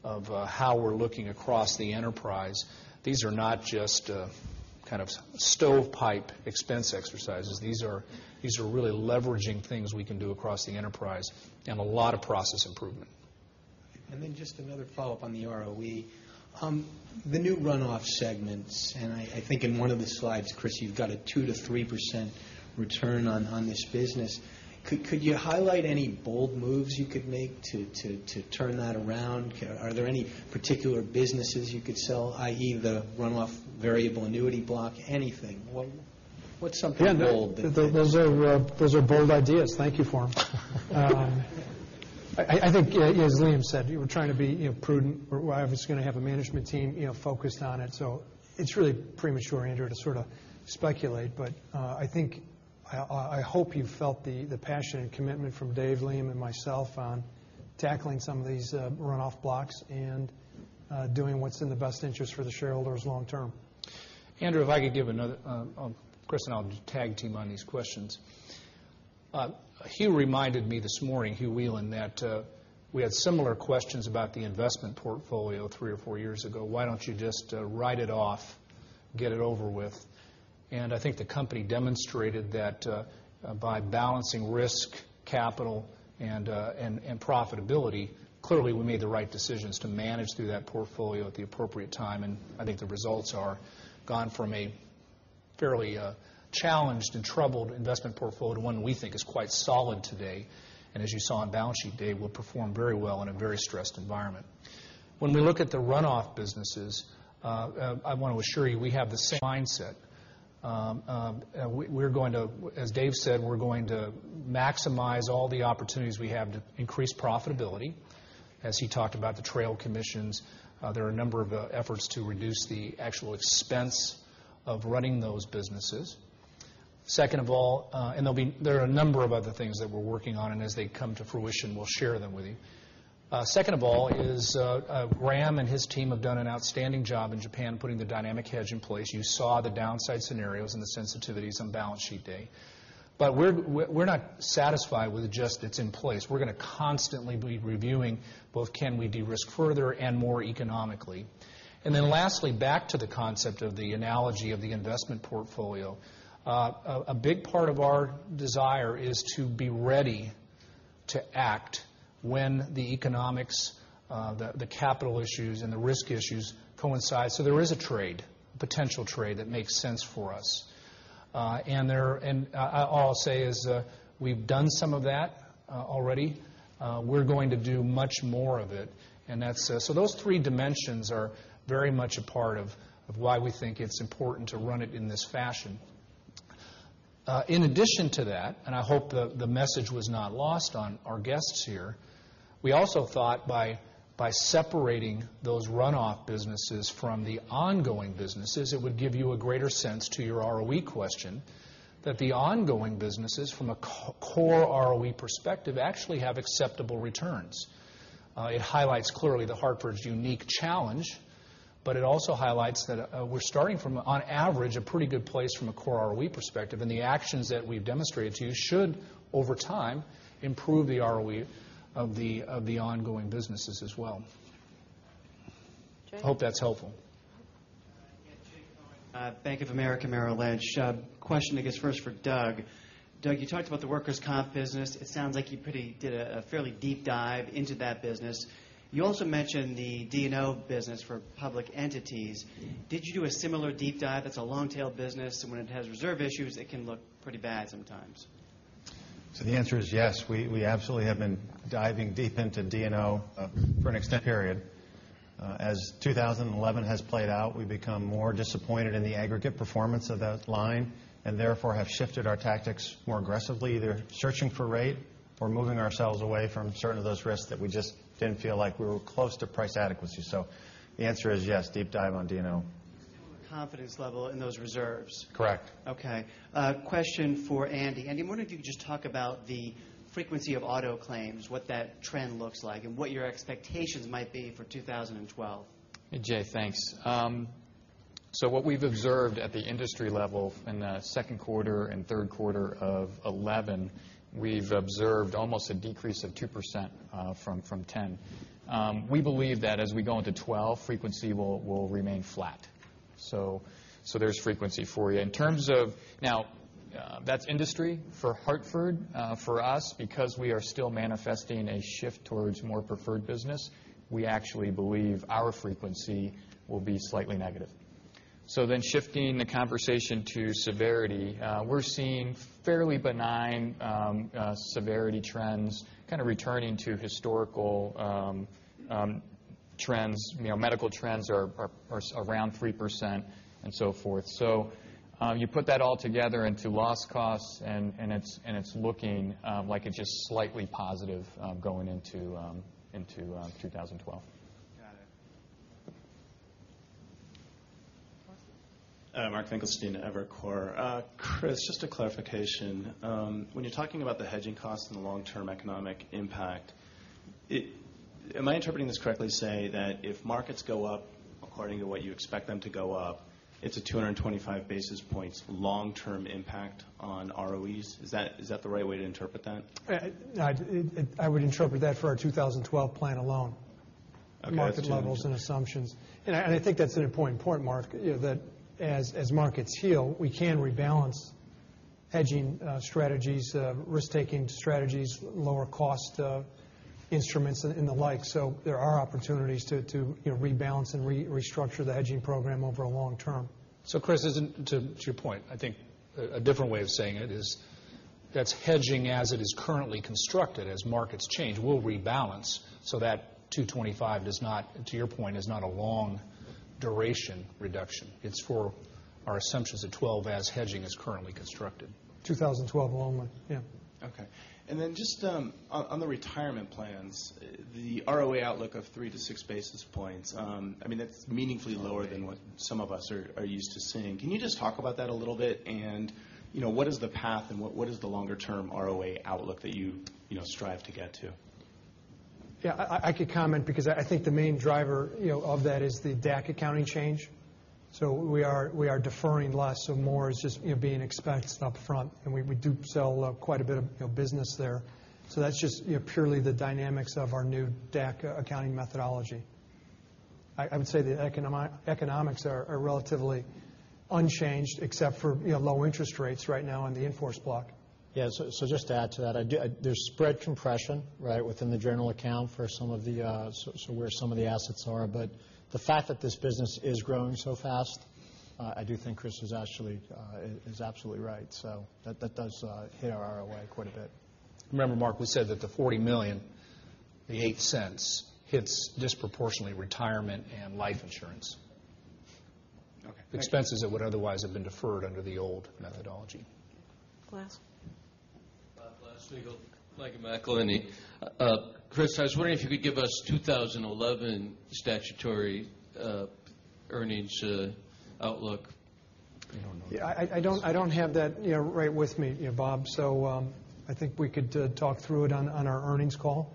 of how we're looking across the enterprise. These are not just kind of stovepipe expense exercises. These are really leveraging things we can do across the enterprise and a lot of process improvement. Just another follow-up on the ROE. The new runoff segments, I think in one of the slides, Chris, you've got a 2% to 3% return on this business. Could you highlight any bold moves you could make to turn that around? Are there any particular businesses you could sell, i.e., the runoff variable annuity block? Anything. What's something bold that- Yeah, those are bold ideas. Thank you for them. I think as Liam said, we're trying to be prudent. I was going to have a management team focused on it. It's really premature, Andrew, to sort of speculate, but I hope you felt the passion and commitment from Dave, Liam, and myself on tackling some of these runoff blocks and doing what's in the best interest for the shareholders long term. Andrew, Chris and I will just tag team on these questions. Hugh reminded me this morning, Hugh Whelan, that we had similar questions about the investment portfolio three or four years ago. Why don't you just write it off, get it over with? I think the company demonstrated that by balancing risk, capital, and profitability, clearly, we made the right decisions to manage through that portfolio at the appropriate time, I think the results are gone from a fairly challenged and troubled investment portfolio to one we think is quite solid today. As you saw on balance sheet day, will perform very well in a very stressed environment. When we look at the runoff businesses, I want to assure you, we have the same mindset. As Dave said, we're going to maximize all the opportunities we have to increase profitability. As he talked about the trail commissions, there are a number of efforts to reduce the actual expense of running those businesses. Second of all, there are a number of other things that we're working on, and as they come to fruition, we'll share them with you. Second of all is Ram and his team have done an outstanding job in Japan putting the dynamic hedge in place. You saw the downside scenarios and the sensitivities on balance sheet day. We're not satisfied with just it's in place. We're going to constantly be reviewing both can we de-risk further and more economically. Lastly, back to the concept of the analogy of the investment portfolio. A big part of our desire is to be ready to act when the economics, the capital issues, and the risk issues coincide. There is a potential trade that makes sense for us. All I'll say is we've done some of that already. We're going to do much more of it. Those three dimensions are very much a part of why we think it's important to run it in this fashion. In addition to that, and I hope the message was not lost on our guests here, we also thought by separating those runoff businesses from the ongoing businesses, it would give you a greater sense to your ROE question that the ongoing businesses from a core ROE perspective actually have acceptable returns. It highlights clearly The Hartford's unique challenge, but it also highlights that we're starting from, on average, a pretty good place from a core ROE perspective, and the actions that we've demonstrated to you should, over time, improve the ROE of the ongoing businesses as well. Jay? Hope that's helpful. Yeah. Jay Cohen, Bank of America Merrill Lynch. Question, I guess, first for Doug. Doug, you talked about the workers' comp business. It sounds like you did a fairly deep dive into that business. You also mentioned the D&O business for public entities. Did you do a similar deep dive? That's a long-tail business, and when it has reserve issues, it can look pretty bad sometimes. The answer is yes, we absolutely have been diving deep into D&O for an extended period. As 2011 has played out, we've become more disappointed in the aggregate performance of that line and therefore have shifted our tactics more aggressively, either searching for rate or moving ourselves away from certain of those risks that we just didn't feel like we were close to price adequacy. The answer is yes, deep dive on D&O. Similar confidence level in those reserves? Correct. Okay. Question for Andy. Andy, I wonder if you could just talk about the frequency of auto claims, what that trend looks like, and what your expectations might be for 2012. Jay, thanks. What we've observed at the industry level in the second quarter and third quarter of 2011, we've observed almost a decrease of 2% from 2010. We believe that as we go into 2012, frequency will remain flat. There's frequency for you. Now, that's industry for Hartford. For us, because we are still manifesting a shift towards more preferred business, we actually believe our frequency will be slightly negative. Shifting the conversation to severity, we're seeing fairly benign severity trends kind of returning to historical trends. Medical trends are around 3% and so forth. You put that all together into loss costs and it's looking like it's just slightly positive going into 2012. Got it. Mark Finkelstein, Evercore. Chris, just a clarification. When you're talking about the hedging costs and the long-term economic impact, am I interpreting this correctly to say that if markets go up according to what you expect them to go up, it's a 225 basis points long-term impact on ROEs? Is that the right way to interpret that? I would interpret that for our 2012 plan alone. Okay. Market levels and assumptions. I think that's an important point, Mark, that as markets heal, we can rebalance hedging strategies, risk-taking strategies, lower cost instruments and the like. There are opportunities to rebalance and restructure the hedging program over a long term. Chris, to your point, I think a different way of saying it is that's hedging as it is currently constructed. As markets change, we'll rebalance so that 225, to your point, is not a long-duration reduction. It's for our assumptions at 2012 as hedging is currently constructed. 2012 only, yeah. Okay. Then just on the retirement plans, the ROA outlook of 3 to 6 basis points, that's meaningfully lower than what some of us are used to seeing. Can you just talk about that a little bit, and what is the path, and what is the longer-term ROA outlook that you strive to get to? Yeah, I could comment because I think the main driver of that is the DAC accounting change. We are deferring less, so more is just being expensed up front, and we do sell quite a bit of business there. That's just purely the dynamics of our new DAC accounting methodology. I would say the economics are relatively unchanged except for low interest rates right now on the in-force block. Just to add to that, there's spread compression within the general account for where some of the assets are. The fact that this business is growing so fast, I do think Chris is absolutely right. That does hit our ROA quite a bit. Remember, Mark, we said that the $40 million, the $0.08, hits disproportionately retirement and life insurance. Okay. Expenses that would otherwise have been deferred under the old methodology. Glass. Bob Glasspiegel, Blaylock & Partners. Chris, I was wondering if you could give us 2011 statutory earnings outlook. I don't have that right with me, Bob. I think we could talk through it on our earnings call.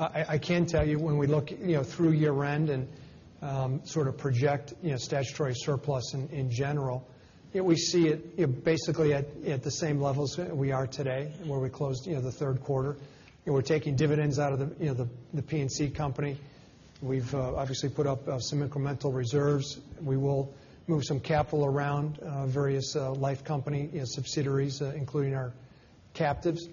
I can tell you when we look through year-end and sort of project statutory surplus in general, we see it basically at the same levels we are today, where we closed the third quarter. We're taking dividends out of The P&C Company. We've obviously put up some incremental reserves. We will move some capital around various life company subsidiaries, including our captives,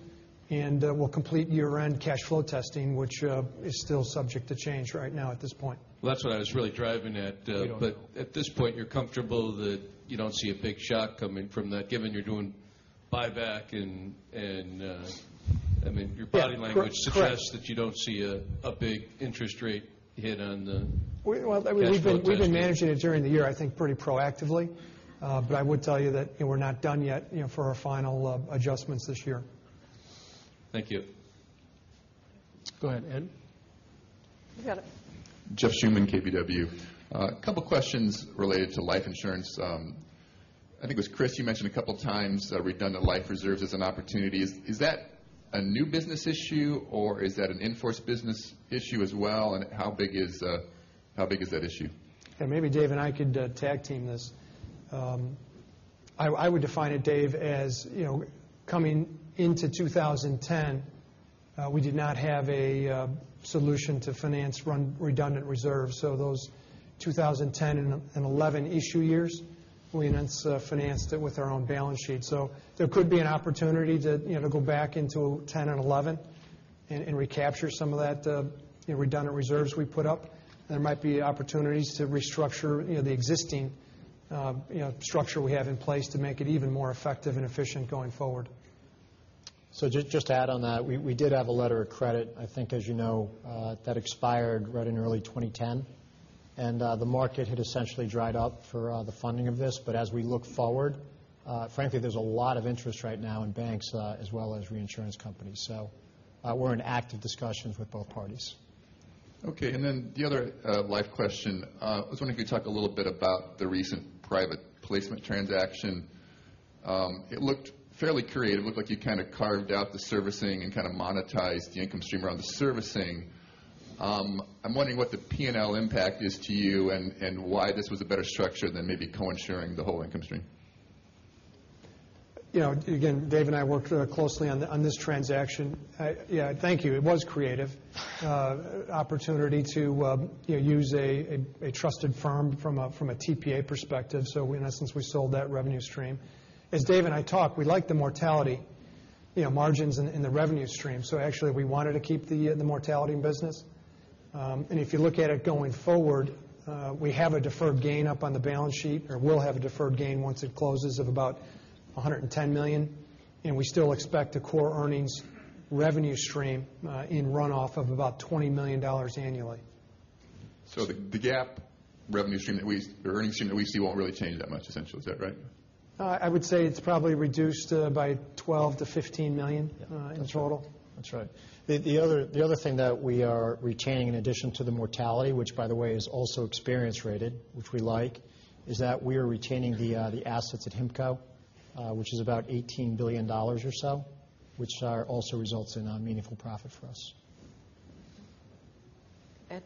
and we'll complete year-end cash flow testing, which is still subject to change right now at this point. Well, that's what I was really driving at. We don't know. At this point, you're comfortable that you don't see a big shock coming from that, given you're doing buyback and your body language suggests that you don't see a big interest rate hit on the cash flow testing. Well, we've been managing it during the year, I think, pretty proactively. I would tell you that we're not done yet for our final adjustments this year. Thank you. Go ahead, Ed. You got it. Jeff Schuman, KBW. A couple questions related to life insurance. I think it was Chris, you mentioned a couple times redundant life reserves as an opportunity. Is that a new business issue, or is that an in-force business issue as well, and how big is that issue? Maybe Jeff and I could tag team this. I would define it, Dave, as coming into 2010, we did not have a solution to finance redundant reserves. Those 2010 and 2011 issue years, we then financed it with our own balance sheet. There could be an opportunity to go back into 2010 and 2011 and recapture some of that redundant reserves we put up. There might be opportunities to restructure the existing structure we have in place to make it even more effective and efficient going forward. Just to add on that, we did have a letter of credit, I think as you know, that expired right in early 2010. The market had essentially dried up for the funding of this. As we look forward, frankly, there's a lot of interest right now in banks as well as reinsurance companies. We're in active discussions with both parties. Okay, the other life question. I was wondering if you could talk a little bit about the recent private placement transaction. It looked fairly creative. It looked like you kind of carved out the servicing and kind of monetized the income stream around the servicing. I'm wondering what the P&L impact is to you and why this was a better structure than maybe co-insuring the whole income stream. Dave and I worked closely on this transaction. Thank you. It was creative. Opportunity to use a trusted firm from a TPA perspective. In essence, we sold that revenue stream. As Dave and I talked, we like the mortality margins in the revenue stream. Actually, we wanted to keep the mortality in business. If you look at it going forward, we have a deferred gain up on the balance sheet, or will have a deferred gain once it closes of about $110 million. We still expect a core earnings revenue stream in runoff of about $20 million annually. The GAAP revenue stream that we or earnings stream that we see won't really change that much, essentially. Is that right? I would say it's probably reduced by $12 million-$15 million in total. That's right. The other thing that we are retaining in addition to the mortality, which by the way is also experience rated, which we like, is that we are retaining the assets at HIMCO, which is about $18 billion or so, which also results in a meaningful profit for us. Ed?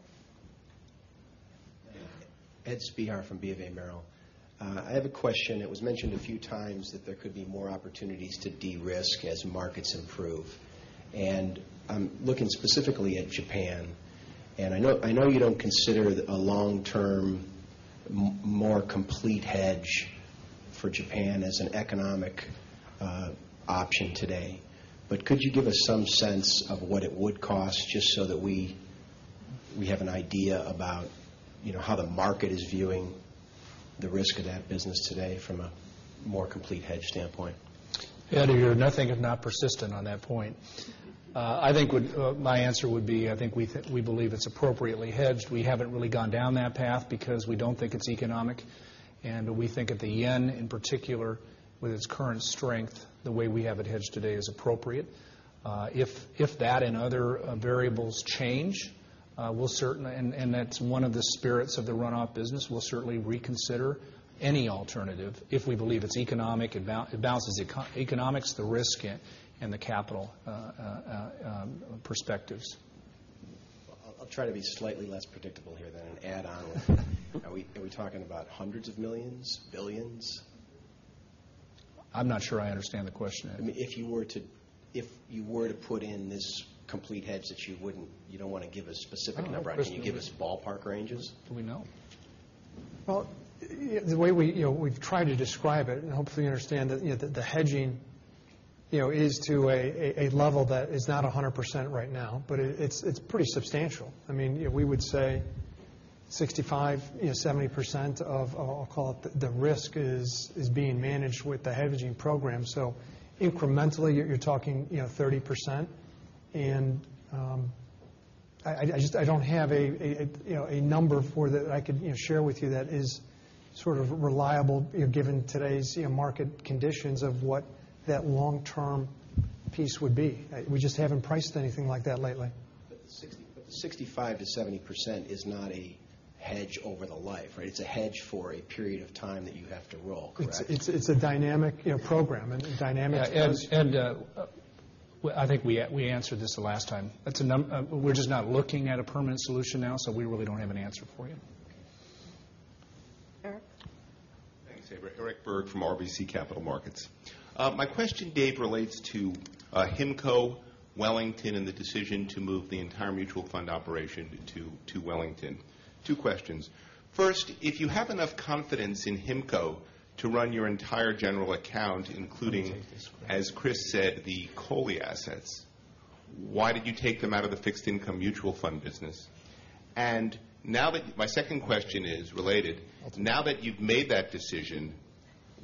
Ed Spehar from BofA Merrill. I have a question. It was mentioned a few times that there could be more opportunities to de-risk as markets improve. I'm looking specifically at Japan, I know you don't consider a long-term, more complete hedge for Japan as an economic option today, could you give us some sense of what it would cost just so that we have an idea about how the market is viewing the risk of that business today from a more complete hedge standpoint? Ed, you're nothing if not persistent on that point. I think my answer would be, we believe it's appropriately hedged. We haven't really gone down that path because we don't think it's economic, we think that the yen, in particular, with its current strength, the way we have it hedged today is appropriate. If that and other variables change, that's one of the spirits of the runoff business, we'll certainly reconsider any alternative if we believe it balances economics, the risk, and the capital perspectives. I'll try to be slightly less predictable here and add on with are we talking about hundreds of millions? Billions? I'm not sure I understand the question, Ed. If you were to put in this complete hedge that you don't want to give a specific number. I don't know, Chris. Can you give us ballpark ranges? Do we know? The way we've tried to describe it, hopefully you understand that the hedging is to a level that is not 100% right now, it's pretty substantial. We would say 65%-70% of, I'll call it, the risk is being managed with the hedging program. Incrementally, you're talking 30%. I don't have a number for that I could share with you that is sort of reliable given today's market conditions of what that long-term piece would be. We just haven't priced anything like that lately. The 65%-70% is not a hedge over the life, right? It's a hedge for a period of time that you have to roll, correct? It's a dynamic program and a dynamic- Ed, I think we answered this the last time. We're just not looking at a permanent solution now, we really don't have an answer for you. Eric? Sabra. Eric Berg from RBC Capital Markets. My question, Dave, relates to HIMCO, Wellington, and the decision to move the entire mutual fund operation to Wellington. Two questions. First, if you have enough confidence in HIMCO to run your entire general account, including, as Chris said, the COLI assets, why did you take them out of the fixed income mutual fund business? My second question is related. Now that you've made that decision,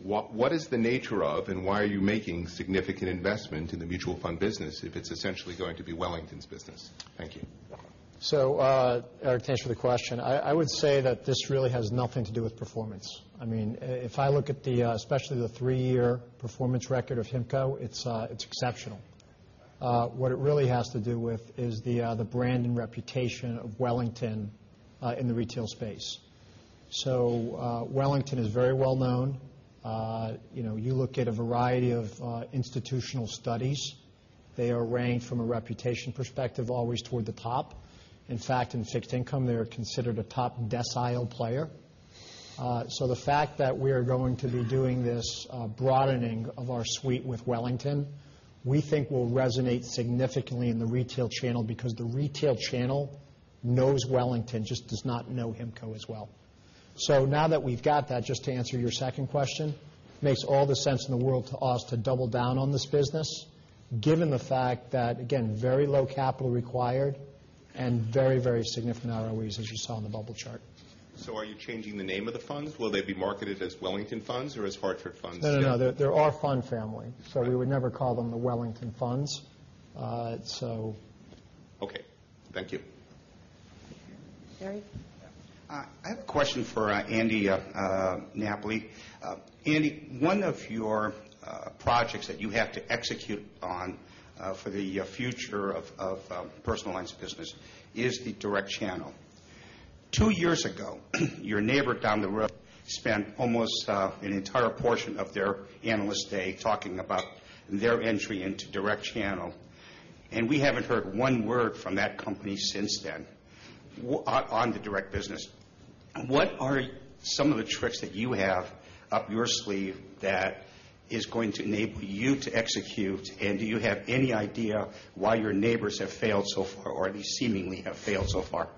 what is the nature of and why are you making significant investment in the mutual fund business if it's essentially going to be Wellington's business? Thank you. You're welcome. Eric, thanks for the question. I would say that this really has nothing to do with performance. If I look at especially the three-year performance record of HIMCO, it's exceptional. What it really has to do with is the brand and reputation of Wellington in the retail space. Wellington is very well known. You look at a variety of institutional studies, they are ranked from a reputation perspective always toward the top. In fact, in fixed income, they are considered a top decile player. The fact that we are going to be doing this broadening of our suite with Wellington, we think will resonate significantly in the retail channel because the retail channel knows Wellington, just does not know HIMCO as well. Now that we've got that, just to answer your second question, makes all the sense in the world to us to double down on this business given the fact that, again, very low capital required and very significant ROEs, as you saw on the bubble chart. Are you changing the name of the funds? Will they be marketed as Wellington Funds or as Hartford Funds? No. They're our fund family, so we would never call them the Wellington Funds. Okay. Thank you. Gary? I have a question for Andy Napoli. Andy, one of your projects that you have to execute on for the future of personal lines of business is the direct channel. Two years ago, your neighbor down the road spent almost an entire portion of their analyst day talking about their entry into direct channel, and we haven't heard one word from that company since then on the direct business. What are some of the tricks that you have up your sleeve that is going to enable you to execute? Do you have any idea why your neighbors have failed so far, or at least seemingly have failed so far?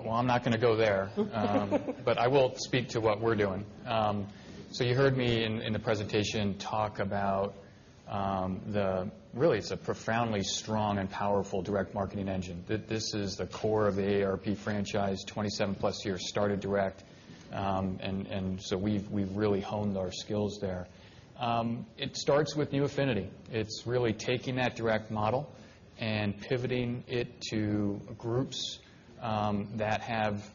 Well, I'm not going to go there. I will speak to what we're doing. You heard me in the presentation talk about really, it's a profoundly strong and powerful direct marketing engine. This is the core of the AARP franchise, 27 plus years, started direct. We've really honed our skills there. It starts with new affinity. It's really taking that direct model and pivoting it to groups that have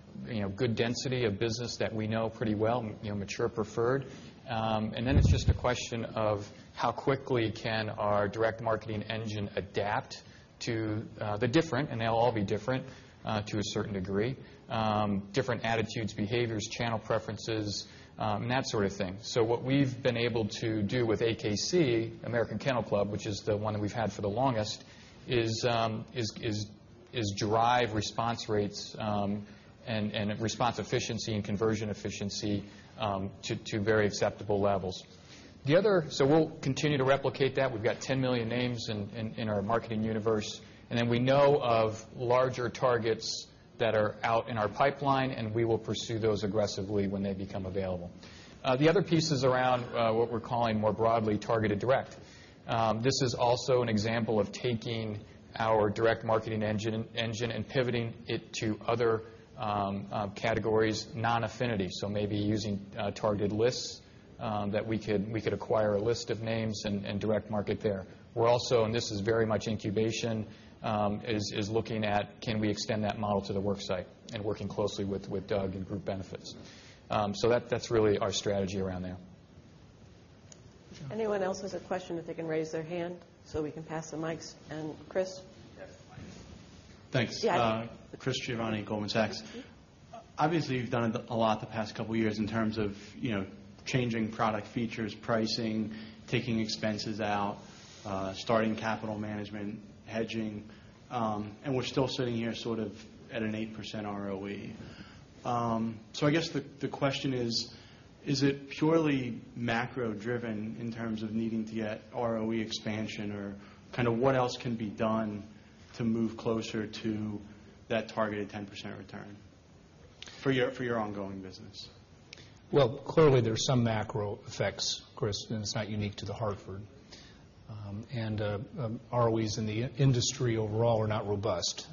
good density of business that we know pretty well, mature preferred. It's just a question of how quickly can our direct marketing engine adapt to the different, and they'll all be different to a certain degree, different attitudes, behaviors, channel preferences, and that sort of thing. What we've been able to do with AKC, American Kennel Club, which is the one that we've had for the longest, is drive response rates and response efficiency and conversion efficiency to very acceptable levels. We'll continue to replicate that. We've got 10 million names in our marketing universe, we know of larger targets that are out in our pipeline, and we will pursue those aggressively when they become available. The other piece is around what we're calling more broadly Targeted Direct. This is also an example of taking our direct marketing engine and pivoting it to other categories, non-affinity. Maybe using targeted lists that we could acquire a list of names and direct market there. We're also, this is very much incubation, is looking at can we extend that model to the work site and working closely with Doug and group benefits. That's really our strategy around there. Anyone else has a question if they can raise their hand so we can pass the mics. Chris? Yes. Thanks. Yes. Chris Giovanni, Goldman Sachs. Obviously, you've done a lot the past couple of years in terms of changing product features, pricing, taking expenses out, starting capital management, hedging, we're still sitting here sort of at an 8% ROE. I guess the question is it purely macro-driven in terms of needing to get ROE expansion? Or kind of what else can be done to move closer to that targeted 10% return for your ongoing business? Well, clearly, there's some macro effects, Chris, it's not unique to The Hartford. ROEs in the industry overall are not robust.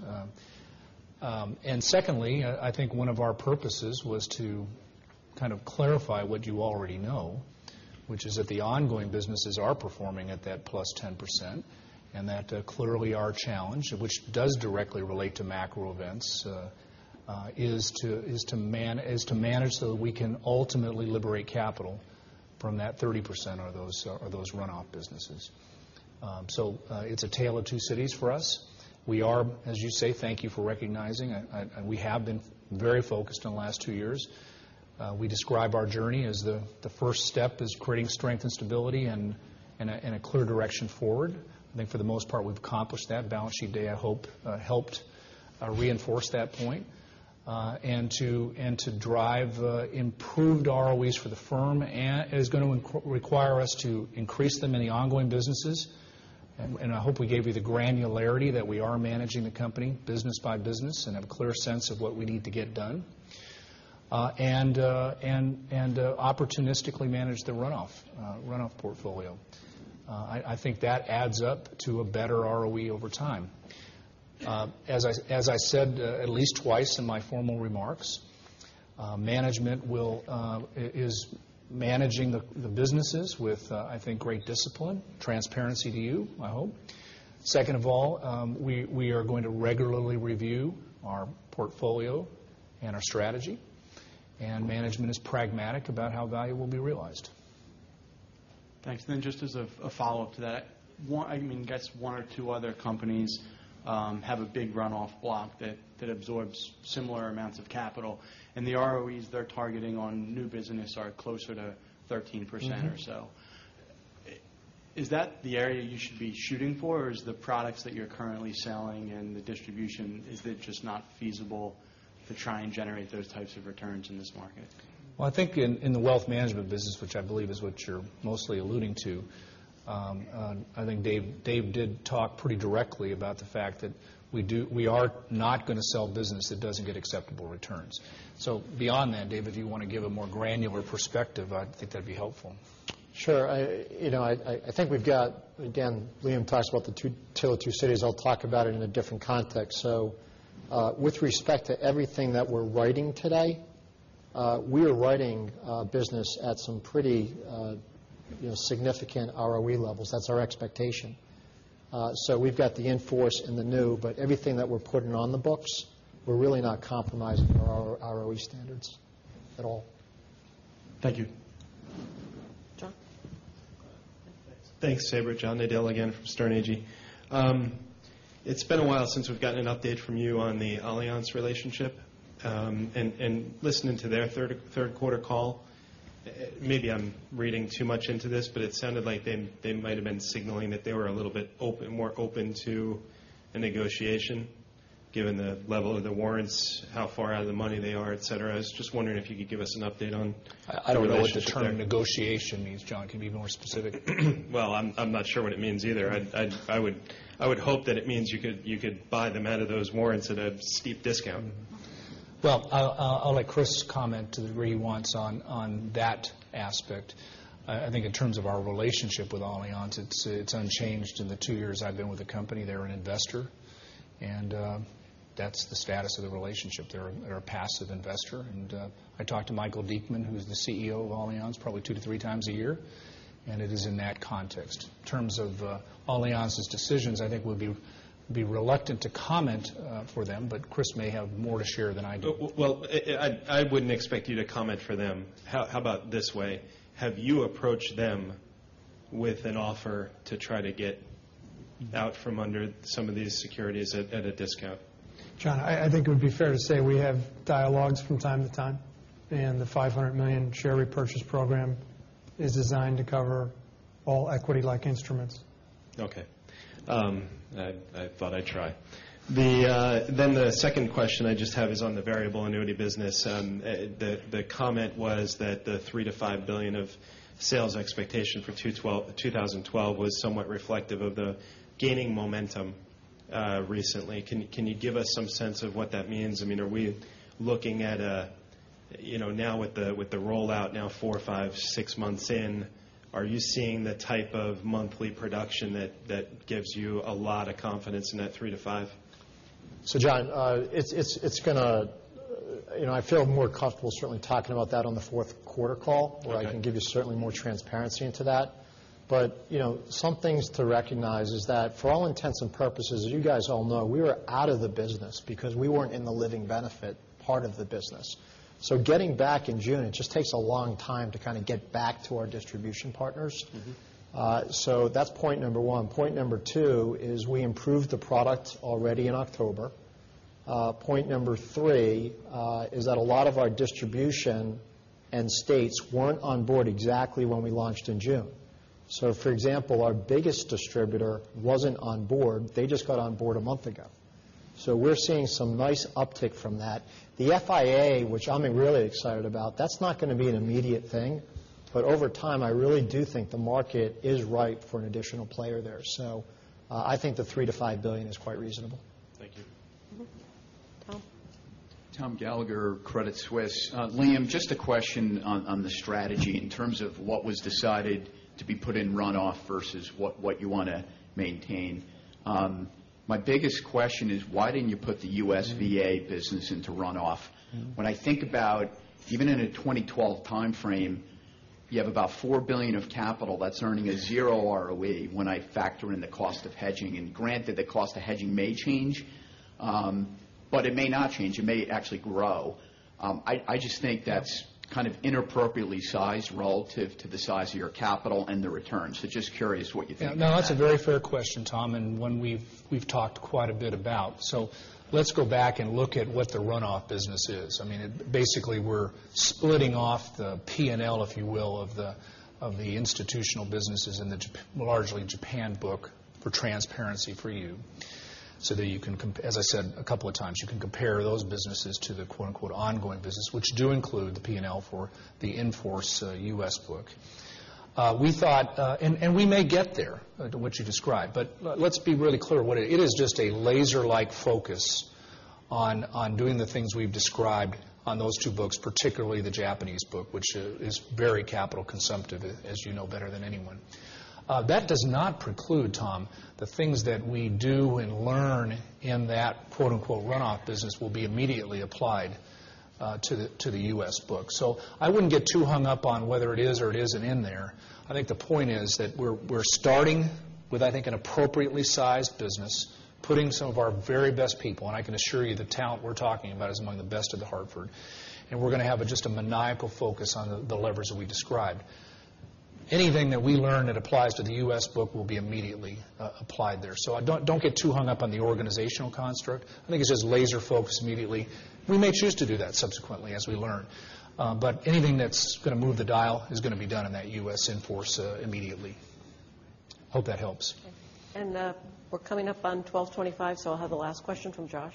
Secondly, I think one of our purposes was to kind of clarify what you already know, which is that the ongoing businesses are performing at that plus 10%, that clearly our challenge, which does directly relate to macro events is to manage so that we can ultimately liberate capital from that 30% or those runoff businesses. It's a tale of two cities for us. We are, as you say, thank you for recognizing, we have been very focused on the last two years. We describe our journey as the first step is creating strength and stability and a clear direction forward. I think for the most part, we've accomplished that. Balance sheet day, I hope helped reinforce that point. To drive improved ROEs for the firm is going to require us to increase them in the ongoing businesses. I hope we gave you the granularity that we are managing the company business by business and have a clear sense of what we need to get done. Opportunistically manage the runoff portfolio. I think that adds up to a better ROE over time. As I said at least twice in my formal remarks, management is managing the businesses with, I think, great discipline, transparency to you, I hope. Second of all, we are going to regularly review our portfolio and our strategy, and management is pragmatic about how value will be realized. Thanks. Just as a follow-up to that, I mean, I guess one or two other companies have a big runoff block that absorbs similar amounts of capital, and the ROEs they're targeting on new business are closer to 13% or so. Is that the area you should be shooting for, or is the products that you're currently selling and the distribution, is it just not feasible to try and generate those types of returns in this market? I think in the Wealth Management business, which I believe is what you're mostly alluding to, I think Dave did talk pretty directly about the fact that we are not going to sell business that doesn't get acceptable returns. Beyond that, Dave, if you want to give a more granular perspective, I think that'd be helpful. Sure. I think we've got, again, Liam talks about the tale of two cities. I'll talk about it in a different context. With respect to everything that we're writing today, we are writing business at some pretty significant ROE levels. That's our expectation. We've got the in-force and the new, but everything that we're putting on the books, we're really not compromising our ROE standards at all. Thank you. John? Thanks, Sabra. John Nadel again from Sterne Agee. It's been a while since we've gotten an update from you on the Allianz relationship. Listening to their third quarter call Maybe I'm reading too much into this, but it sounded like they might have been signaling that they were a little bit more open to a negotiation, given the level of the warrants, how far out of the money they are, et cetera. I was just wondering if you could give us an update on the relationship there. I don't know what the term negotiation means, John. Can you be more specific? Well, I'm not sure what it means either. I would hope that it means you could buy them out of those warrants at a steep discount. Well, I'll let Chris comment to the degree he wants on that aspect. I think in terms of our relationship with Allianz, it's unchanged in the two years I've been with the company. They're an investor, and that's the status of the relationship. They're a passive investor. I talk to Michael Diekmann, who's the CEO of Allianz, probably two to three times a year, and it is in that context. In terms of Allianz's decisions, I think we'd be reluctant to comment for them, but Chris may have more to share than I do. Well, I wouldn't expect you to comment for them. How about this way? Have you approached them with an offer to try to get out from under some of these securities at a discount? John, I think it would be fair to say we have dialogues from time to time. The $500 million share repurchase program is designed to cover all equity-like instruments. Okay. I thought I'd try. The second question I just have is on the variable annuity business. The comment was that the $3 billion-$5 billion of sales expectation for 2012 was somewhat reflective of the gaining momentum recently. Can you give us some sense of what that means? Are we looking at a, now with the rollout now four, five, six months in, are you seeing the type of monthly production that gives you a lot of confidence in that $3 billion-$5 billion? John, I feel more comfortable certainly talking about that on the fourth quarter call- Okay where I can give you certainly more transparency into that. Some things to recognize is that for all intents and purposes, as you guys all know, we were out of the business because we weren't in the living benefit part of the business. Getting back in June, it just takes a long time to kind of get back to our distribution partners. That's point 1. Point 2 is we improved the product already in October. Point 3 is that a lot of our distribution and states weren't on board exactly when we launched in June. For example, our biggest distributor wasn't on board. They just got on board a month ago. We're seeing some nice uptick from that. The FIA, which I'm really excited about, that's not going to be an immediate thing. Over time, I really do think the market is ripe for an additional player there. I think the $3 billion-$5 billion is quite reasonable. Thank you. Mm-hmm. Tom? Thomas Gallagher, Credit Suisse. Liam, just a question on the strategy in terms of what was decided to be put in runoff versus what you want to maintain. My biggest question is why didn't you put the U.S. VA business into runoff? When I think about even in a 2012 timeframe, you have about $4 billion of capital that's earning a 0 ROE when I factor in the cost of hedging. Granted, the cost of hedging may change, but it may not change. It may actually grow. I just think that's kind of inappropriately sized relative to the size of your capital and the returns. Just curious what you think of that. That's a very fair question, Tom, and one we've talked quite a bit about. Let's go back and look at what the runoff business is. Basically, we're splitting off the P&L, if you will, of the institutional businesses in the largely Japan book for transparency for you, so that you can, as I said a couple of times, you can compare those businesses to the "ongoing business," which do include the P&L for the in-force U.S. book. We thought, and we may get there, to what you described. Let's be really clear. It is just a laser-like focus on doing the things we've described on those two books, particularly the Japanese book, which is very capital consumptive, as you know better than anyone. That does not preclude, Tom, the things that we do and learn in that "runoff business" will be immediately applied to the U.S. book. I wouldn't get too hung up on whether it is or it isn't in there. I think the point is that we're starting with, I think, an appropriately sized business, putting some of our very best people, and I can assure you the talent we're talking about is among the best of The Hartford, and we're going to have just a maniacal focus on the levers that we described. Anything that we learn that applies to the U.S. book will be immediately applied there. Don't get too hung up on the organizational construct. I think it's just laser focus immediately. We may choose to do that subsequently as we learn. Anything that's going to move the dial is going to be done in that U.S. in-force immediately. Hope that helps. Okay. We're coming up on 12:25 P.M., I'll have the last question from Josh.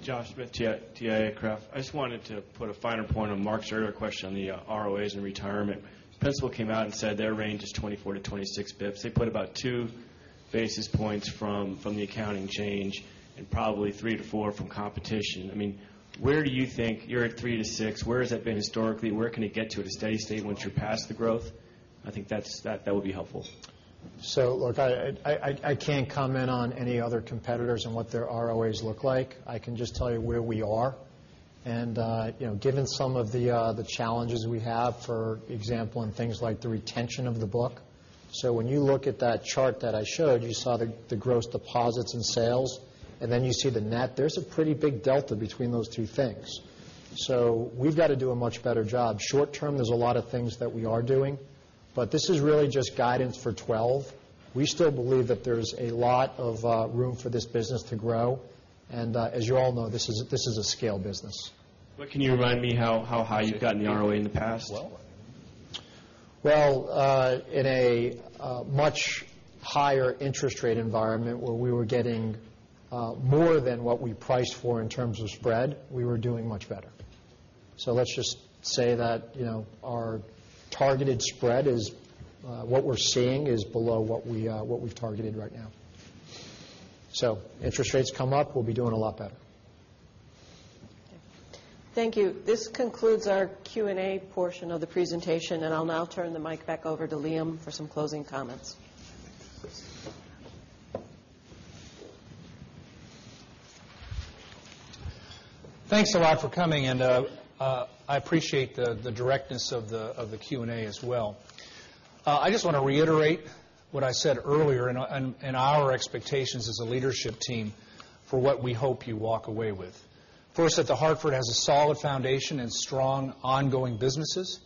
Josh Smith, TIAA-CREF. I just wanted to put a finer point on Mark's earlier question on the ROAs and retirement. Principal came out and said their range is 24 to 26 basis points. They put about two basis points from the accounting change and probably three to four from competition. Where do you think, you're at three to six, where has that been historically? Where can it get to at a steady state once you're past the growth? I think that would be helpful. Look, I can't comment on any other competitors and what their ROAs look like. I can just tell you where we are. Given some of the challenges we have, for example, on things like the retention of the book. When you look at that chart that I showed, you saw the gross deposits and sales, and then you see the net. There's a pretty big delta between those two things. We've got to do a much better job. Short term, there's a lot of things that we are doing. This is really just guidance for 2012. We still believe that there's a lot of room for this business to grow, and as you all know, this is a scale business. Can you remind me how high you've gotten ROE in the past? Well, in a much higher interest rate environment where we were getting more than what we priced for in terms of spread, we were doing much better. Let's just say that our targeted spread is what we're seeing is below what we've targeted right now. Interest rates come up, we'll be doing a lot better. Thank you. This concludes our Q&A portion of the presentation, and I'll now turn the mic back over to Liam for some closing comments. Thanks a lot for coming, and I appreciate the directness of the Q&A as well. I just want to reiterate what I said earlier and our expectations as a leadership team for what we hope you walk away with. First, that The Hartford has a solid foundation and strong ongoing businesses.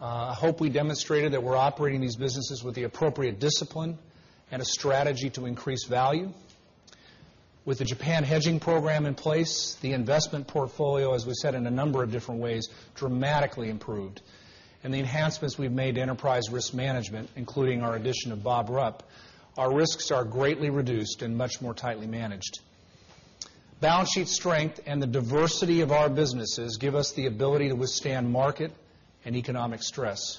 I hope we demonstrated that we're operating these businesses with the appropriate discipline and a strategy to increase value. With the Japan hedging program in place, the investment portfolio, as we said in a number of different ways, dramatically improved, and the enhancements we've made to enterprise risk management, including our addition of Robert Rupp, our risks are greatly reduced and much more tightly managed. Balance sheet strength and the diversity of our businesses give us the ability to withstand market and economic stress.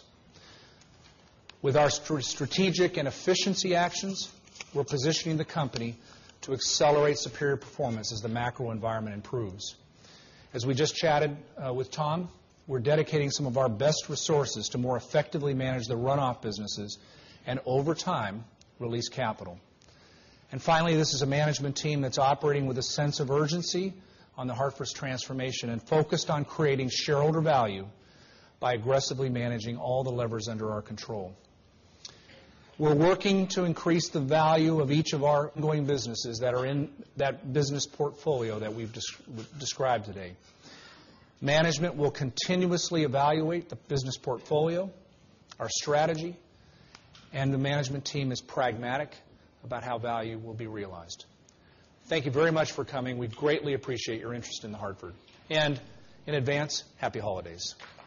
With our strategic and efficiency actions, we're positioning the company to accelerate superior performance as the macro environment improves. As we just chatted with Tom, we're dedicating some of our best resources to more effectively manage the runoff businesses and over time, release capital. Finally, this is a management team that's operating with a sense of urgency on The Hartford's transformation and focused on creating shareholder value by aggressively managing all the levers under our control. We're working to increase the value of each of our ongoing businesses that are in that business portfolio that we've described today. Management will continuously evaluate the business portfolio, our strategy, and the management team is pragmatic about how value will be realized. Thank you very much for coming. We greatly appreciate your interest in The Hartford, and in advance, happy holidays.